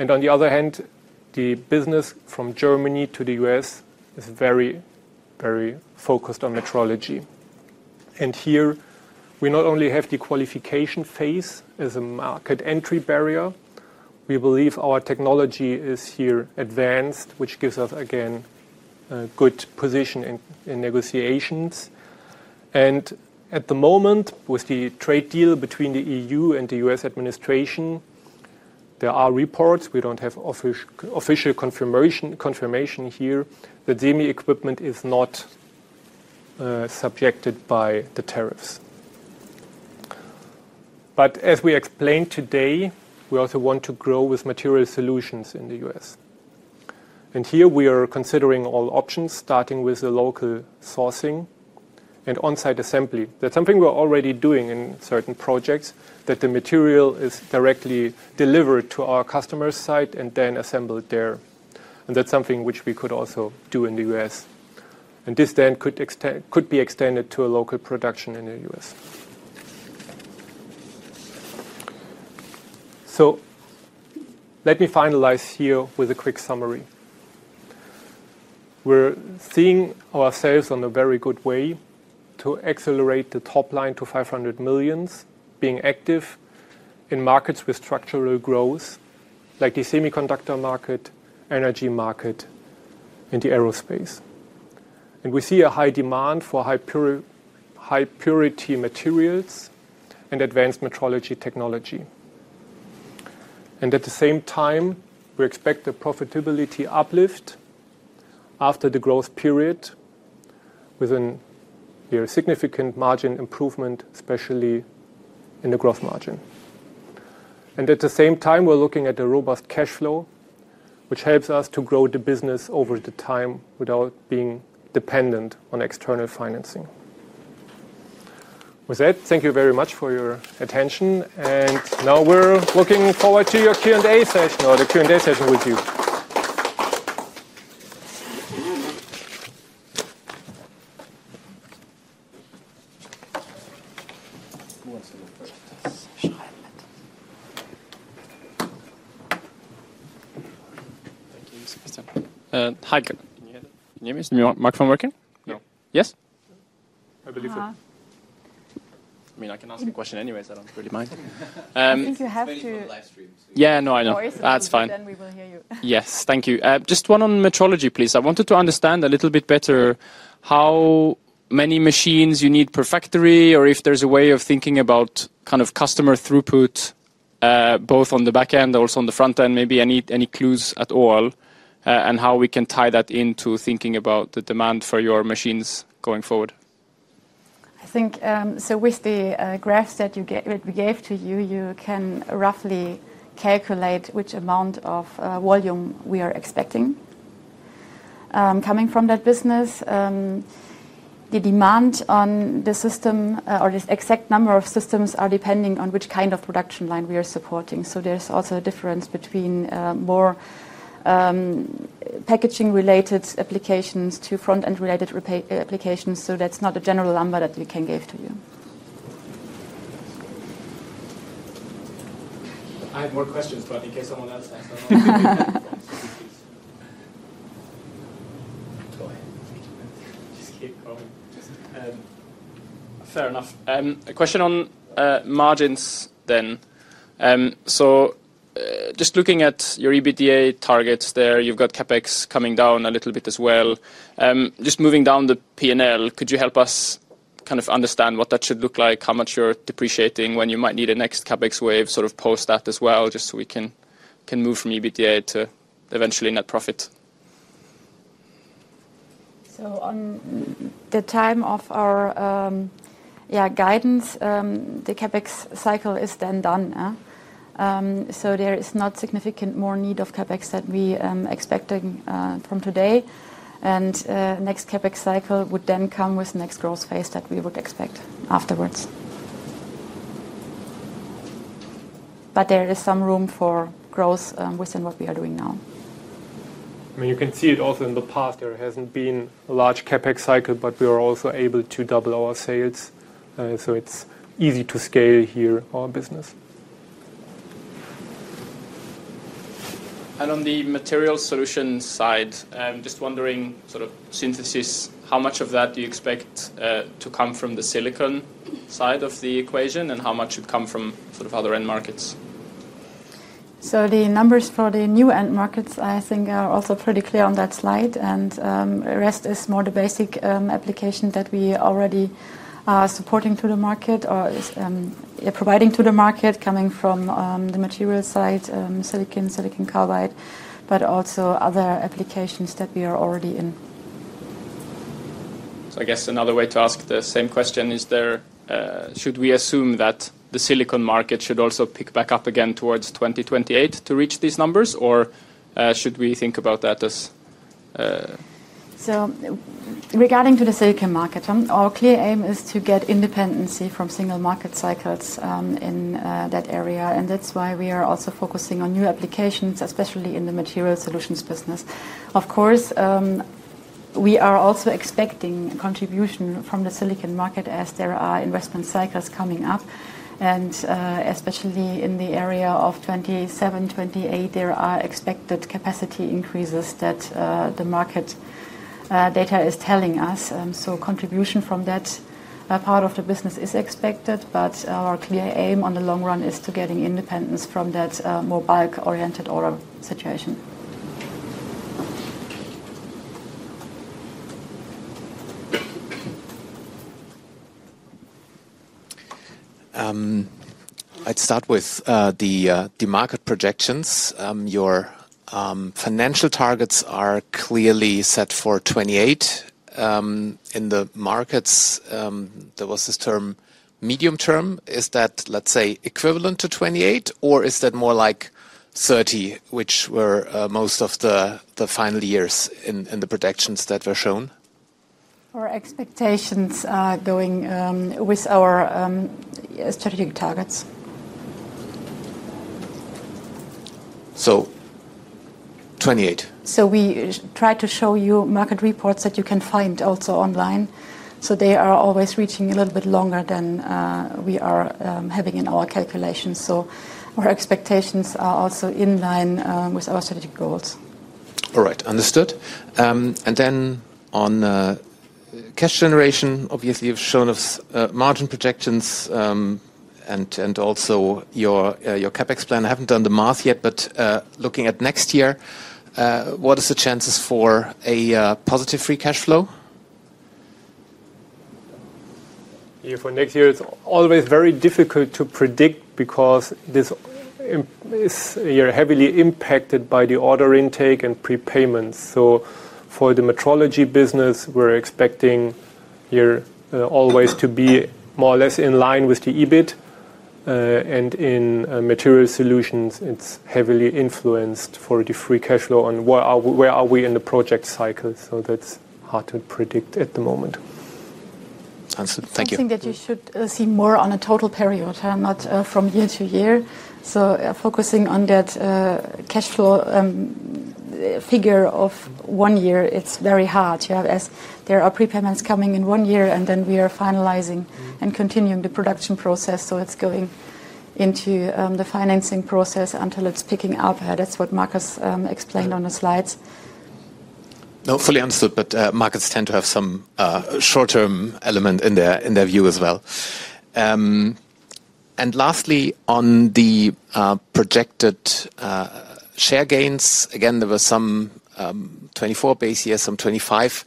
On the other hand, the business from Germany to the U.S. is very, very focused on metrology. Here, we not only have the qualification phase as a market entry barrier, we believe our technology is here advanced, which gives us, again, a good position in negotiations. At the moment, with the trade deal between the EU and the U.S. administration, there are reports, we don't have official confirmation here, that Zieme equipment is not subjected by the tariffs. As we explained today, we also want to grow with material solutions in the U.S. Here, we are considering all options, starting with the local sourcing and onsite assembly. That's something we're already doing in certain projects that the material is directly delivered to our customer's site and then assembled there. That's something which we could also do in the U.S., and this then could be extended to a local production in the U.S. Let me finalize here with a quick summary. We're seeing ourselves on a very good way to accelerate the top line to $500 million, being active in markets with structural growth, like the semiconductor market, energy market, and aerospace. We see a high demand for high purity materials and advanced metrology technology. At the same time, we expect a profitability uplift after the growth period with a significant margin improvement, especially in the gross margin. We are looking at a robust cash flow, which helps us to grow the business over time without being dependent on external financing. With that, thank you very much for your attention. Now we're looking forward to your Q&A session or the Q&A session with you. Okay, super stuff. Hi, Kevin. You're much, much on working? No. Yes? I believe so. I can ask a question anyways, I don't really mind. I think you have to. Yeah, no, I know. That's fine. We will hear you. Yes, thank you. Just one on metrology, please. I wanted to understand a little bit better how many machines you need per factory or if there's a way of thinking about kind of customer throughput, both on the back end, also on the front end. Maybe any clues at all in how we can tie that into thinking about the demand for your machines going forward. I think with the graphs that we gave to you, you can roughly calculate which amount of volume we are expecting. Coming from that business, the demand on the system or this exact number of systems are depending on which kind of production line we are supporting. There's also a difference between more packaging-related applications to front-end-related applications. That's not a general number that we can give to you. I have more questions. Go ahead, Mr. Chamberlain. Just keep going. Fair enough. A question on margins then. Just looking at your EBITDA targets there, you've got CAPEX coming down a little bit as well. Just moving down the P&L, could you help us kind of understand what that should look like, how much you're depreciating, when you might need a next CAPEX wave sort of post that as well, just so we can move from EBITDA to eventually net profit? At the time of our guidance, the CAPEX cycle is then done. There is not significant more need of CAPEX that we are expecting from today. The next CAPEX cycle would then come with the next growth phase that we would expect afterwards. There is some room for growth within what we are doing now. I mean, you can see it also in the past, there hasn't been a large CAPEX cycle, but we were also able to double our sales. It's easy to scale here our business. On the material solutions side, I'm just wondering, sort of synthesis, how much of that do you expect to come from the silicon side of the equation and how much should come from other end markets? The numbers for the new end markets, I think, are also pretty clear on that slide. The rest is more the basic application that we already are supporting to the market or providing to the market, coming from the material side, silicon, silicon carbide, but also other applications that we are already in. I guess another way to ask the same question is, should we assume that the silicon market should also pick back up again towards 2028 to reach these numbers, or should we think about that as? Regarding the silicon market, our clear aim is to get independency from single market cycles in that area. That's why we are also focusing on new applications, especially in the material solutions business. Of course, we are also expecting contribution from the silicon market as there are investment cycles coming up, especially in the area of 2027, 2028. There are expected capacity increases that the market data is telling us. Contribution from that part of the business is expected, but our clear aim on the long run is to getting independence from that more bulk-oriented order situation. I'd start with the market projections. Your financial targets are clearly set for 2028. In the markets, there was this term, medium term, is that, let's say, equivalent to 2028, or is that more like 2030, which were most of the final years in the projections that were shown? Our expectations are going with our strategic targets. So 2028? We try to show you market reports that you can find also online. They are always reaching a little bit longer than we are having in our calculations. Our expectations are also in line with our strategic goals. All right, understood. On cash generation, obviously, you've shown us margin projections and also your CAPEX plan. I haven't done the math yet, but looking at next year, what are the chances for a positive free cash flow? For next year, it's always very difficult to predict because this year is heavily impacted by the order intake and prepayments. For the metrology business, we're expecting always to be more or less in line with the EBIT. In material solutions, it's heavily influenced for the free cash flow on where are we in the project cycle. That's hard to predict at the moment. Understood. Thank you. I think that you should see more on a total period, not from year to year. Focusing on that cash flow figure of one year, it's very hard. You have as there are prepayments coming in one year, and then we are finalizing and continuing the production process. It's going into the financing process until it's picking up. That's what Markus explained on the slides. No, fully understood, but markets tend to have some short-term element in their view as well. Lastly, on the projected share gains, again, there were some 2024 base years, some 2025.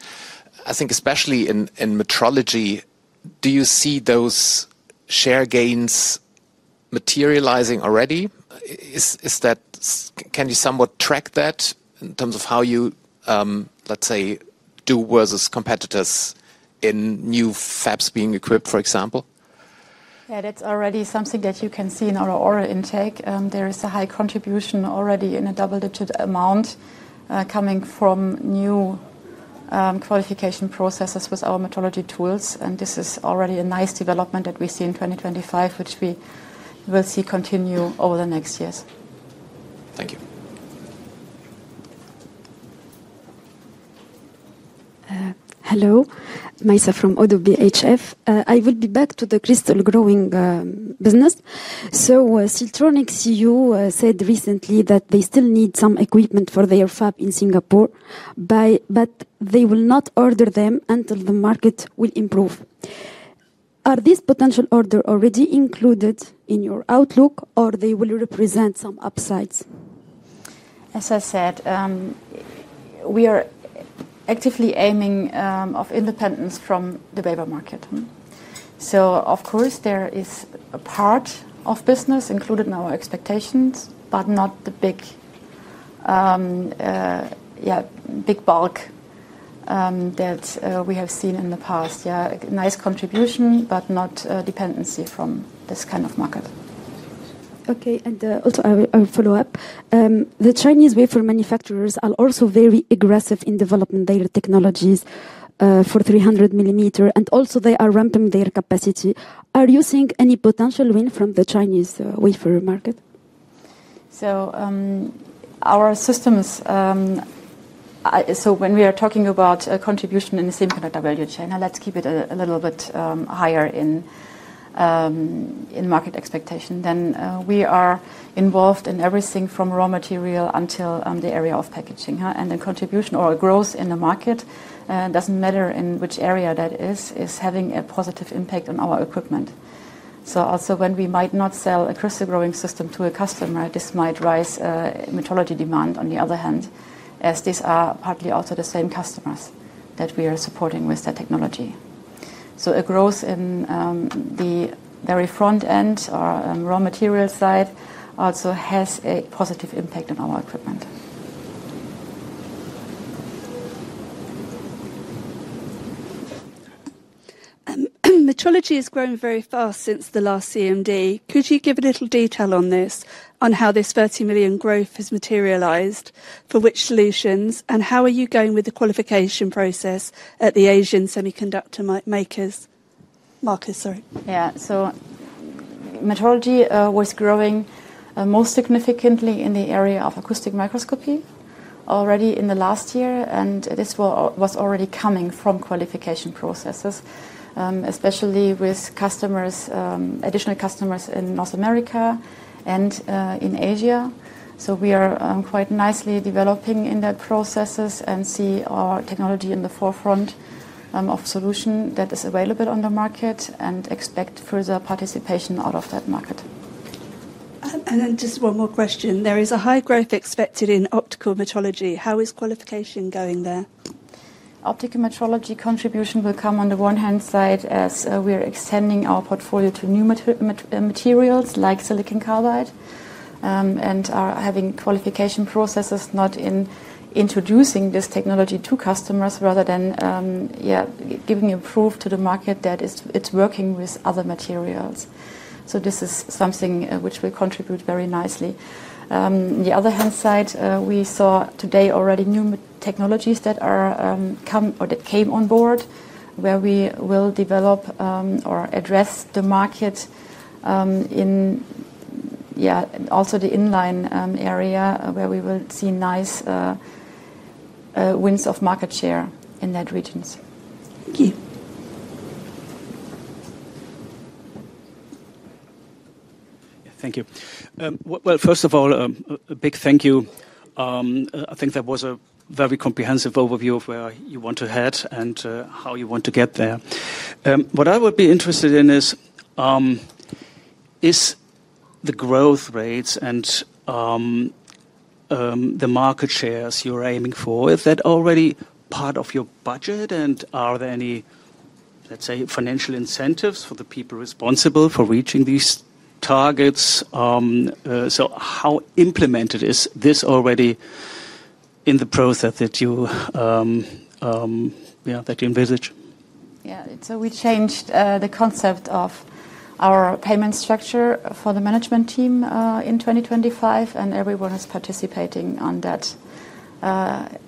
I think especially in metrology, do you see those share gains materializing already? Can you somewhat track that in terms of how you, let's say, do versus competitors in new fabs being equipped, for example? Yeah, that's already something that you can see in our order intake. There is a high contribution already in a double-digit amount coming from new qualification processes with our metrology tools. This is already a nice development that we see in 2025, which we will see continue over the next years. Thank you. Hello, Maisa from ODDO BHF. I will be back to the crystal growth business. Siltronics, you said recently that they still need some equipment for their fab in Singapore, but they will not order them until the market will improve. Are these potential orders already included in your outlook, or will they represent some upsides? As I said, we are actively aiming for independence from the Bayer market. Of course, there is a part of business included in our expectations, but not the big, big bulk that we have seen in the past. A nice contribution, but not dependency from this kind of market. Okay, I'll follow up. The Chinese wafer manufacturers are also very aggressive in developing their technologies for 300mm, and they are ramping their capacity. Are you seeing any potential win from the Chinese wafer market? Our systems, when we are talking about contribution in the semiconductor value chain, let's keep it a little bit higher in market expectation than we are involved in everything from raw material until the area of packaging. The contribution or growth in the market, it doesn't matter in which area that is, is having a positive impact on our equipment. Also, when we might not sell a crystal growth system to a customer, this might rise a metrology demand on the other hand, as these are partly also the same customers that we are supporting with that technology. A growth in the very front end or raw material side also has a positive impact on our equipment. Metrology is growing very fast since the last CMD. Could you give a little detail on this, on how this $30 million growth has materialized for which solutions, and how are you going with the qualification process at the Asian semiconductor makers? Marcus, sorry. Yeah, metrology was growing most significantly in the area of acoustic microscopy already in the last year, and this was already coming from qualification processes, especially with additional customers in North America and in Asia. We are quite nicely developing in their processes and see our technology in the forefront of solutions that are available on the market and expect further participation out of that market. There is a high growth expected in optical metrology. How is qualification going there? Optical metrology contribution will come on the one hand side as we are extending our portfolio to new materials like silicon carbide and are having qualification processes not in introducing this technology to customers, rather than giving proof to the market that it's working with other materials. This is something which will contribute very nicely. On the other hand side, we saw today already new technologies that come or that came on board where we will develop or address the market in also the inline area where we will see nice wins of market share in that region. Thank you. Thank you. First of all, a big thank you. I think that was a very comprehensive overview of where you want to head and how you want to get there. What I would be interested in is the growth rates and the market shares you're aiming for. Is that already part of your budget, and are there any, let's say, financial incentives for the people responsible for reaching these targets? How implemented is this already in the process that you envisage? Yeah, we changed the concept of our payment structure for the management team in 2025, and everyone is participating on that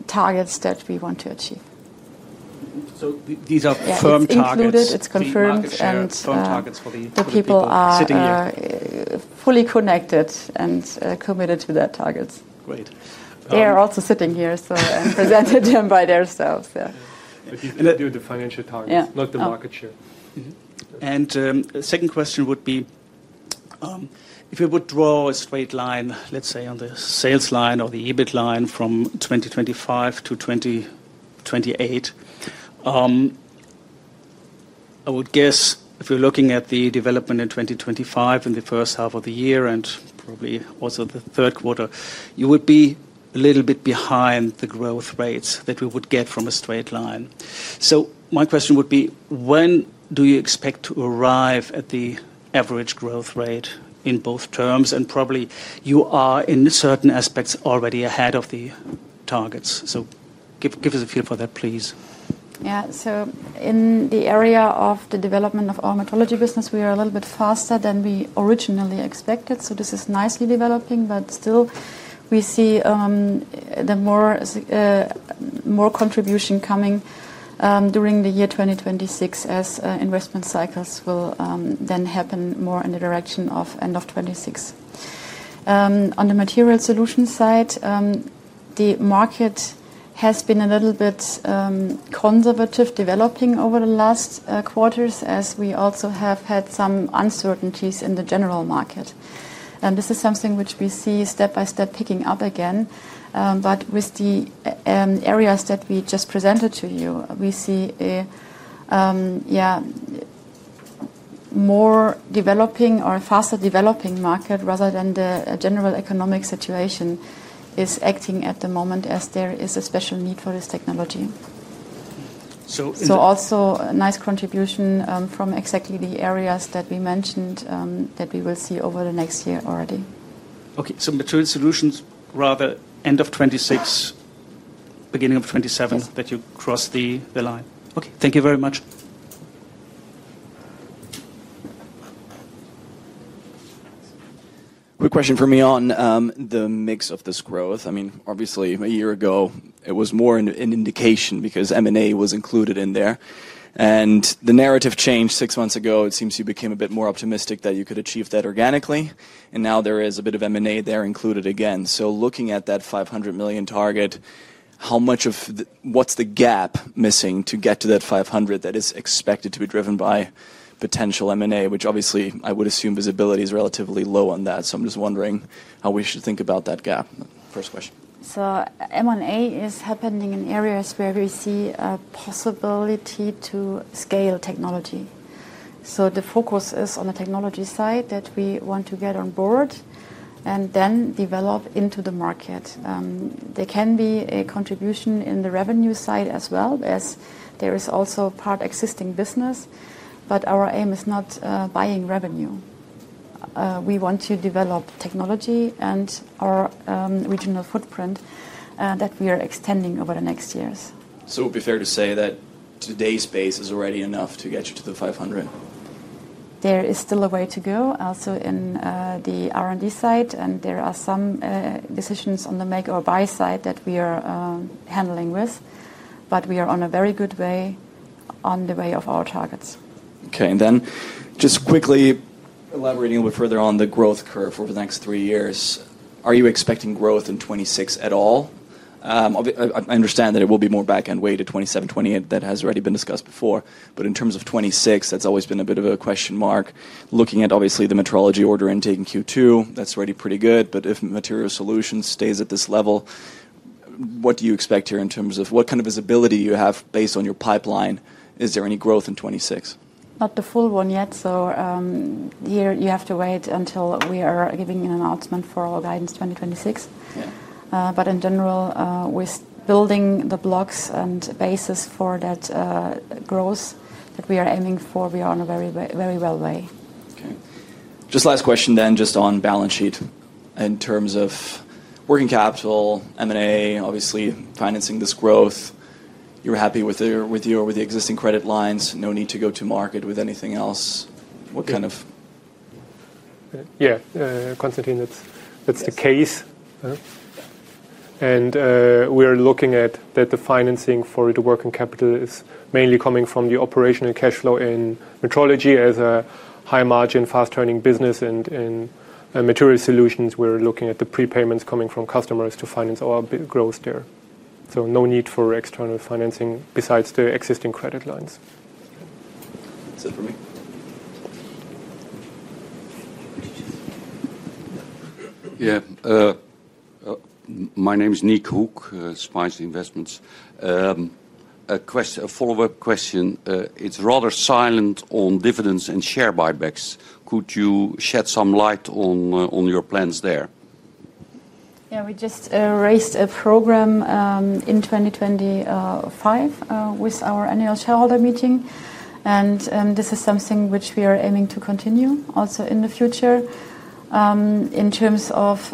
targets that we want to achieve. These are firm targets. Included. It's confirmed the people are fully connected and committed to their targets. Great. They are also sitting here, so I presented them by themselves. If you do the financial targets, not the market share. A second question would be if we would draw a straight line, let's say, on the sales line or the EBIT line from 2025 to 2028. I would guess if you're looking at the development in 2025 in the first half of the year and probably also the third quarter, you would be a little bit behind the growth rates that we would get from a straight line. My question would be, when do you expect to arrive at the average growth rate in both terms? You are in certain aspects already ahead of the targets. Give us a feel for that, please. Yeah, so in the area of the development of our metrology business, we are a little bit faster than we originally expected. This is nicely developing, but still we see the more contribution coming during the year 2026 as investment cycles will then happen more in the direction of end of 2026. On the material solution side, the market has been a little bit conservative developing over the last quarters as we also have had some uncertainties in the general market. This is something which we see step by step picking up again. With the areas that we just presented to you, we see a more developing or faster developing market rather than the general economic situation is acting at the moment as there is a special need for this technology. Also a nice contribution from exactly the areas that we mentioned that we will see over the next year already. Okay, so material solutions rather end of 2026, beginning of 2027 that you cross the line. Okay, thank you very much. Quick question for me on the mix of this growth. I mean, obviously, a year ago, it was more an indication because M&A was included in there. The narrative changed six months ago. It seems you became a bit more optimistic that you could achieve that organically. Now there is a bit of M&A there included again. Looking at that $500 million target, how much of what's the gap missing to get to that $500 million that is expected to be driven by potential M&A, which obviously I would assume visibility is relatively low on that. I'm just wondering how we should think about that gap. First question. M&A is happening in areas where we see a possibility to scale technology. The focus is on the technology side that we want to get on board and then develop into the market. There can be a contribution in the revenue side as well, as there is also part existing business, but our aim is not buying revenue. We want to develop technology and our regional footprint that we are extending over the next years. It would be fair to say that today's base is already enough to get you to the 500. There is still a way to go also in the R&D side, and there are some decisions on the make or buy side that we are handling, but we are on a very good way on the way of our targets. Okay, and then just quickly elaborating a little bit further on the growth curve over the next three years. Are you expecting growth in 2026 at all? I understand that it will be more back and way to 2027, 2028 that has already been discussed before. In terms of 2026, that's always been a bit of a question mark. Looking at obviously the metrology order intake in Q2, that's already pretty good. If material solutions stay at this level, what do you expect here in terms of what kind of visibility you have based on your pipeline? Is there any growth in 2026? Not the full one yet. You have to wait until we are giving an announcement for our guidance 2026. In general, with building the blocks and bases for that growth that we are aiming for, we are on a very, very well way. Okay. Just last question then, just on balance sheet. In terms of working capital, M&A, obviously financing this growth, you're happy with your existing credit lines, no need to go to market with anything else. What kind of? Yeah, Constantine, that's the case. We are looking at that the financing for the working capital is mainly coming from the operational cash flow in metrology as a high margin, fast turning business. In material solutions, we're looking at the prepayments coming from customers to finance our growth there. There is no need for external financing besides the existing credit lines. Is that for me? Yeah. My name is Nick Hook, Spice Investments. A follow-up question. It's rather silent on dividends and share buybacks. Could you shed some light on your plans there? Yeah, we just raised a program in 2025 with our Annual General Meeting. This is something which we are aiming to continue also in the future. In terms of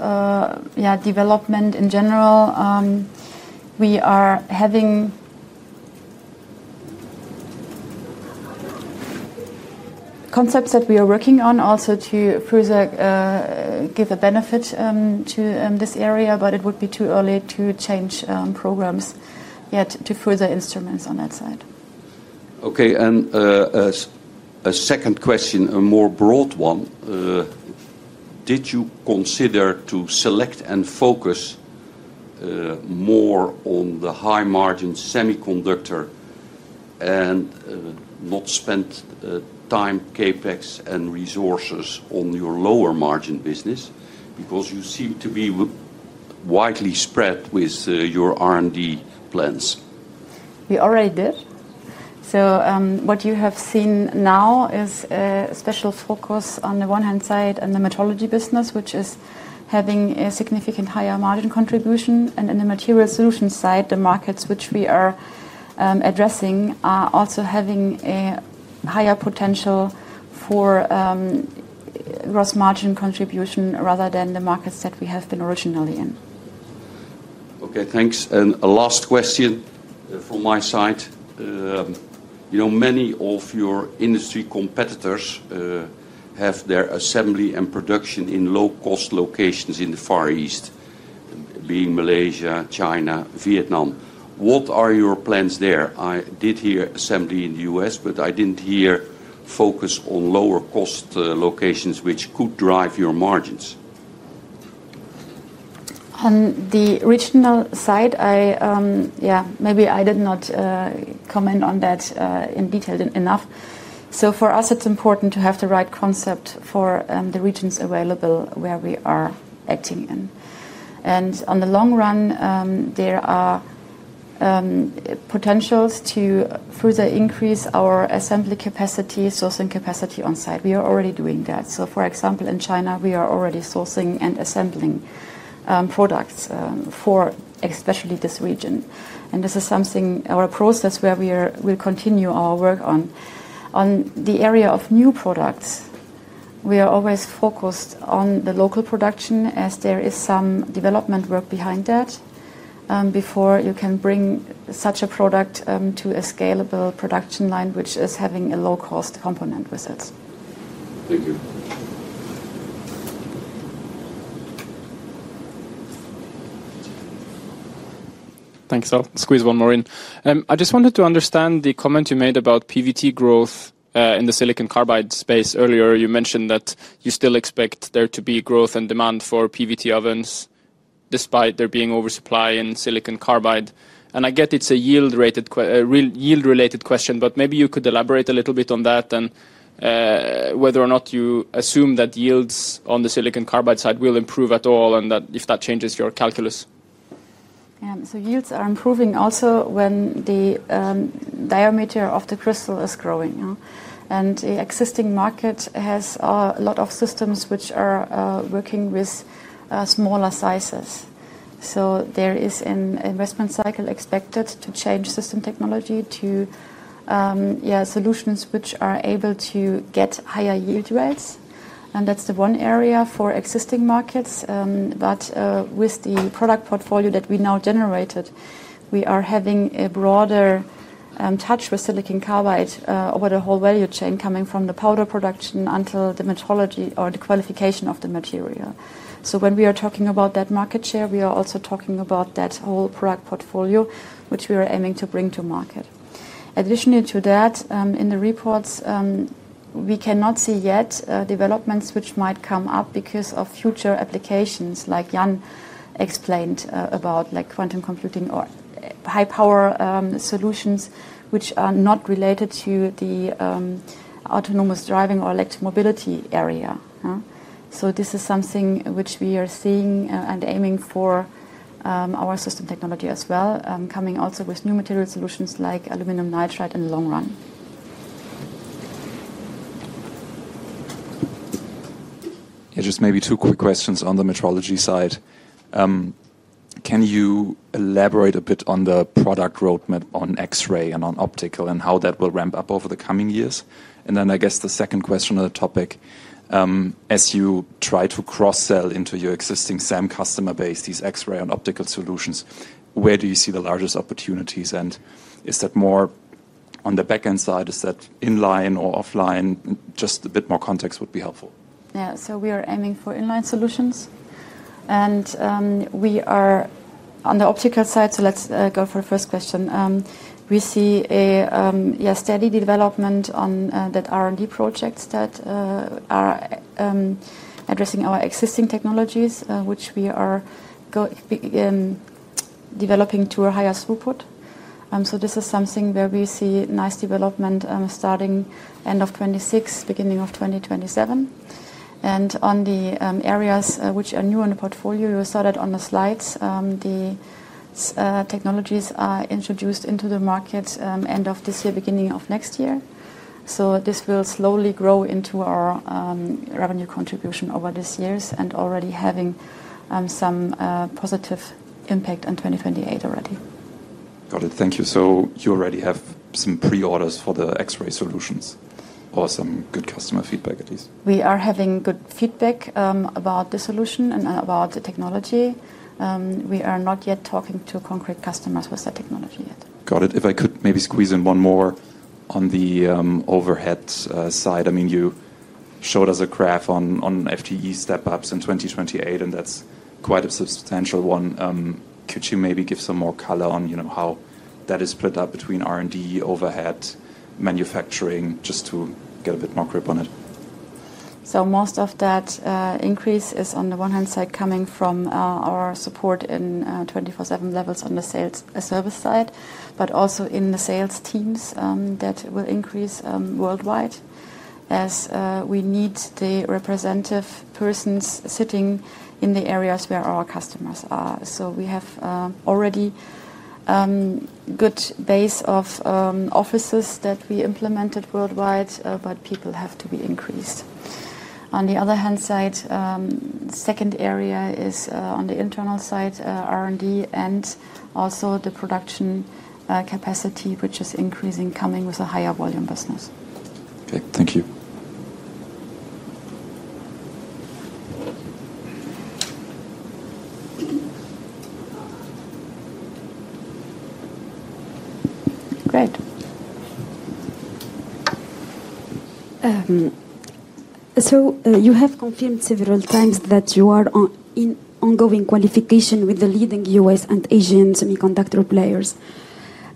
development in general, we are having concepts that we are working on also to further give a benefit to this area, but it would be too early to change programs yet to further instruments on that side. Okay, and a second question, a more broad one. Did you consider to select and focus more on the high margin semiconductor and not spend time, CAPEX, and resources on your lower margin business because you seem to be widely spread with your R&D plans? We already did. What you have seen now is a special focus on the one-hand side and the metrology business, which is having a significant higher margin contribution. In the material solutions side, the markets which we are addressing are also having a higher potential for gross margin contribution rather than the markets that we have been originally in. Okay, thanks. A last question from my side. You know, many of your industry competitors have their assembly and production in low-cost locations in the Far East, being Malaysia, China, Vietnam. What are your plans there? I did hear assembly in the US, but I didn't hear focus on lower-cost locations which could drive your margins. On the regional side, yeah, maybe I did not comment on that in detail enough. For us, it's important to have the right concept for the regions available where we are acting in. In the long run, there are potentials to further increase our assembly capacity and sourcing capacity on site. We are already doing that. For example, in China, we are already sourcing and assembling products for especially this region. This is a process where we will continue our work. In the area of new products, we are always focused on the local production as there is some development work behind that before you can bring such a product to a scalable production line, which is having a low-cost component with it. Thank you. Thanks. I'll squeeze one more in. I just wanted to understand the comment you made about PVT growth in the silicon carbide space earlier. You mentioned that you still expect there to be growth and demand for PVT ovens despite there being oversupply in silicon carbide. I get it's a yield-related question, but maybe you could elaborate a little bit on that and whether or not you assume that yields on the silicon carbide side will improve at all and if that changes your calculus. Yields are improving also when the diameter of the crystal is growing. The existing market has a lot of systems which are working with smaller sizes. There is an investment cycle expected to change system technology to solutions which are able to get higher yield rates. That's the one area for existing markets. With the product portfolio that we now generated, we are having a broader touch with silicon carbide over the whole value chain, coming from the powder production until the metrology or the qualification of the material. When we are talking about that market share, we are also talking about that whole product portfolio which we are aiming to bring to market. Additionally to that, in the reports, we cannot see yet developments which might come up because of future applications like Jan explained about, like quantum computing or high-power solutions which are not related to the autonomous driving or electromobility area. This is something which we are seeing and aiming for our system technology as well, coming also with new material solutions like aluminum nitride in the long run. Yeah, just maybe two quick questions on the metrology side. Can you elaborate a bit on the product roadmap on X-ray and on optical and how that will ramp up over the coming years? I guess the second question on the topic, as you try to cross-sell into your existing SAM customer base, these X-ray and optical solutions, where do you see the largest opportunities? Is that more on the backend side? Is that inline or offline? Just a bit more context would be helpful. Yeah, we are aiming for inline solutions. We are on the optical side, so let's go for the first question. We see a steady development on the R&D projects that are addressing our existing technologies, which we are developing to a higher throughput. This is something where we see nice development starting end of 2026, beginning of 2027. In the areas which are new in the portfolio, you saw that on the slides, the technologies are introduced into the market end of this year, beginning of next year. This will slowly grow into our revenue contribution over these years and already having some positive impact on 2028 already. Got it. Thank you. You already have some pre-orders for the X-ray solutions or some good customer feedback at least? We are having good feedback about the solution and about the technology. We are not yet talking to concrete customers with the technology yet. Got it. If I could maybe squeeze in one more on the overhead side, I mean, you showed us a graph on FTE step-ups in 2028, and that's quite a substantial one. Could you maybe give some more color on how that is split up between R&D, overhead, manufacturing, just to get a bit more grip on it? Most of that increase is on the one hand coming from our support in 24/7 levels on the sales service side, but also in the sales teams that will increase worldwide as we need the representative persons sitting in the areas where our customers are. We have already a good base of offices that we implemented worldwide, but people have to be increased. On the other hand, the second area is on the internal side, R&D and also the production capacity, which is increasing coming with a higher volume business. Okay, thank you. Great. You have confirmed several times that you are in ongoing qualification with the leading U.S. and Asian semiconductor players.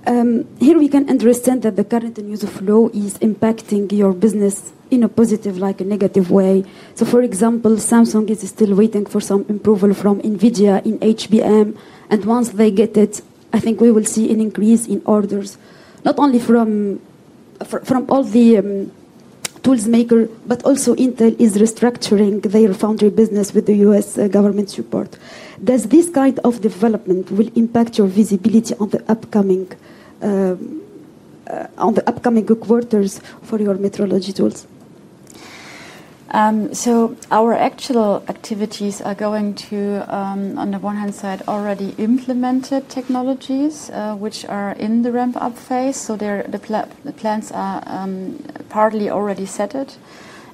Here we can understand that the current news flow is impacting your business in a positive like a negative way. For example, Samsung is still waiting for some approval from Nvidia in HBM. Once they get it, I think we will see an increase in orders not only from all the tools makers, but also Intel is restructuring their foundry business with the U.S. government support. Does this kind of development impact your visibility on the upcoming quarters for your metrology tools? Our actual activities are going to, on the one hand, already implement technologies which are in the ramp-up phase. The plans are partly already set.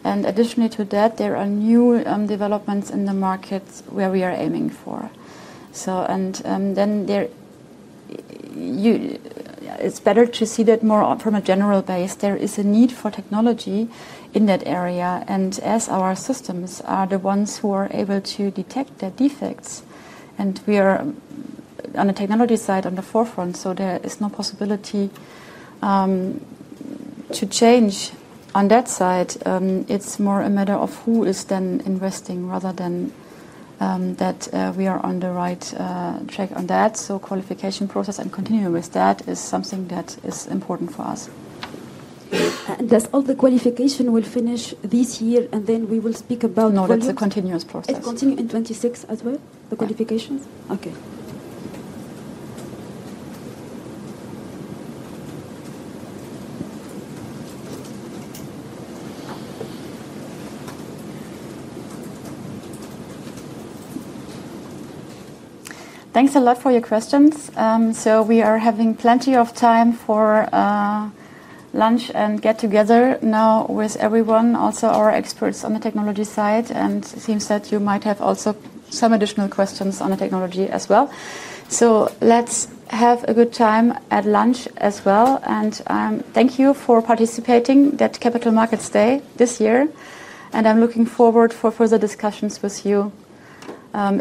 Additionally to that, there are new developments in the markets where we are aiming for. It's better to see that more from a general base. There is a need for technology in that area. As our systems are the ones who are able to detect the defects, and we are on the technology side on the forefront, there is no possibility to change on that side. It's more a matter of who is then investing rather than that we are on the right track on that. Qualification process and continuing with that is something that is important for us. Does all the qualification will finish this year and then we will speak about? No, that's a continuous process. It's continuing in 2026 as well, the qualifications? Okay. Thanks a lot for your questions. We are having plenty of time for lunch and get together now with everyone, also our experts on the technology side. It seems that you might have also some additional questions on the technology as well. Let's have a good time at lunch as well. Thank you for participating at Capital Markets Day this year. I'm looking forward to further discussions with you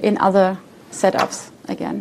in other setups again.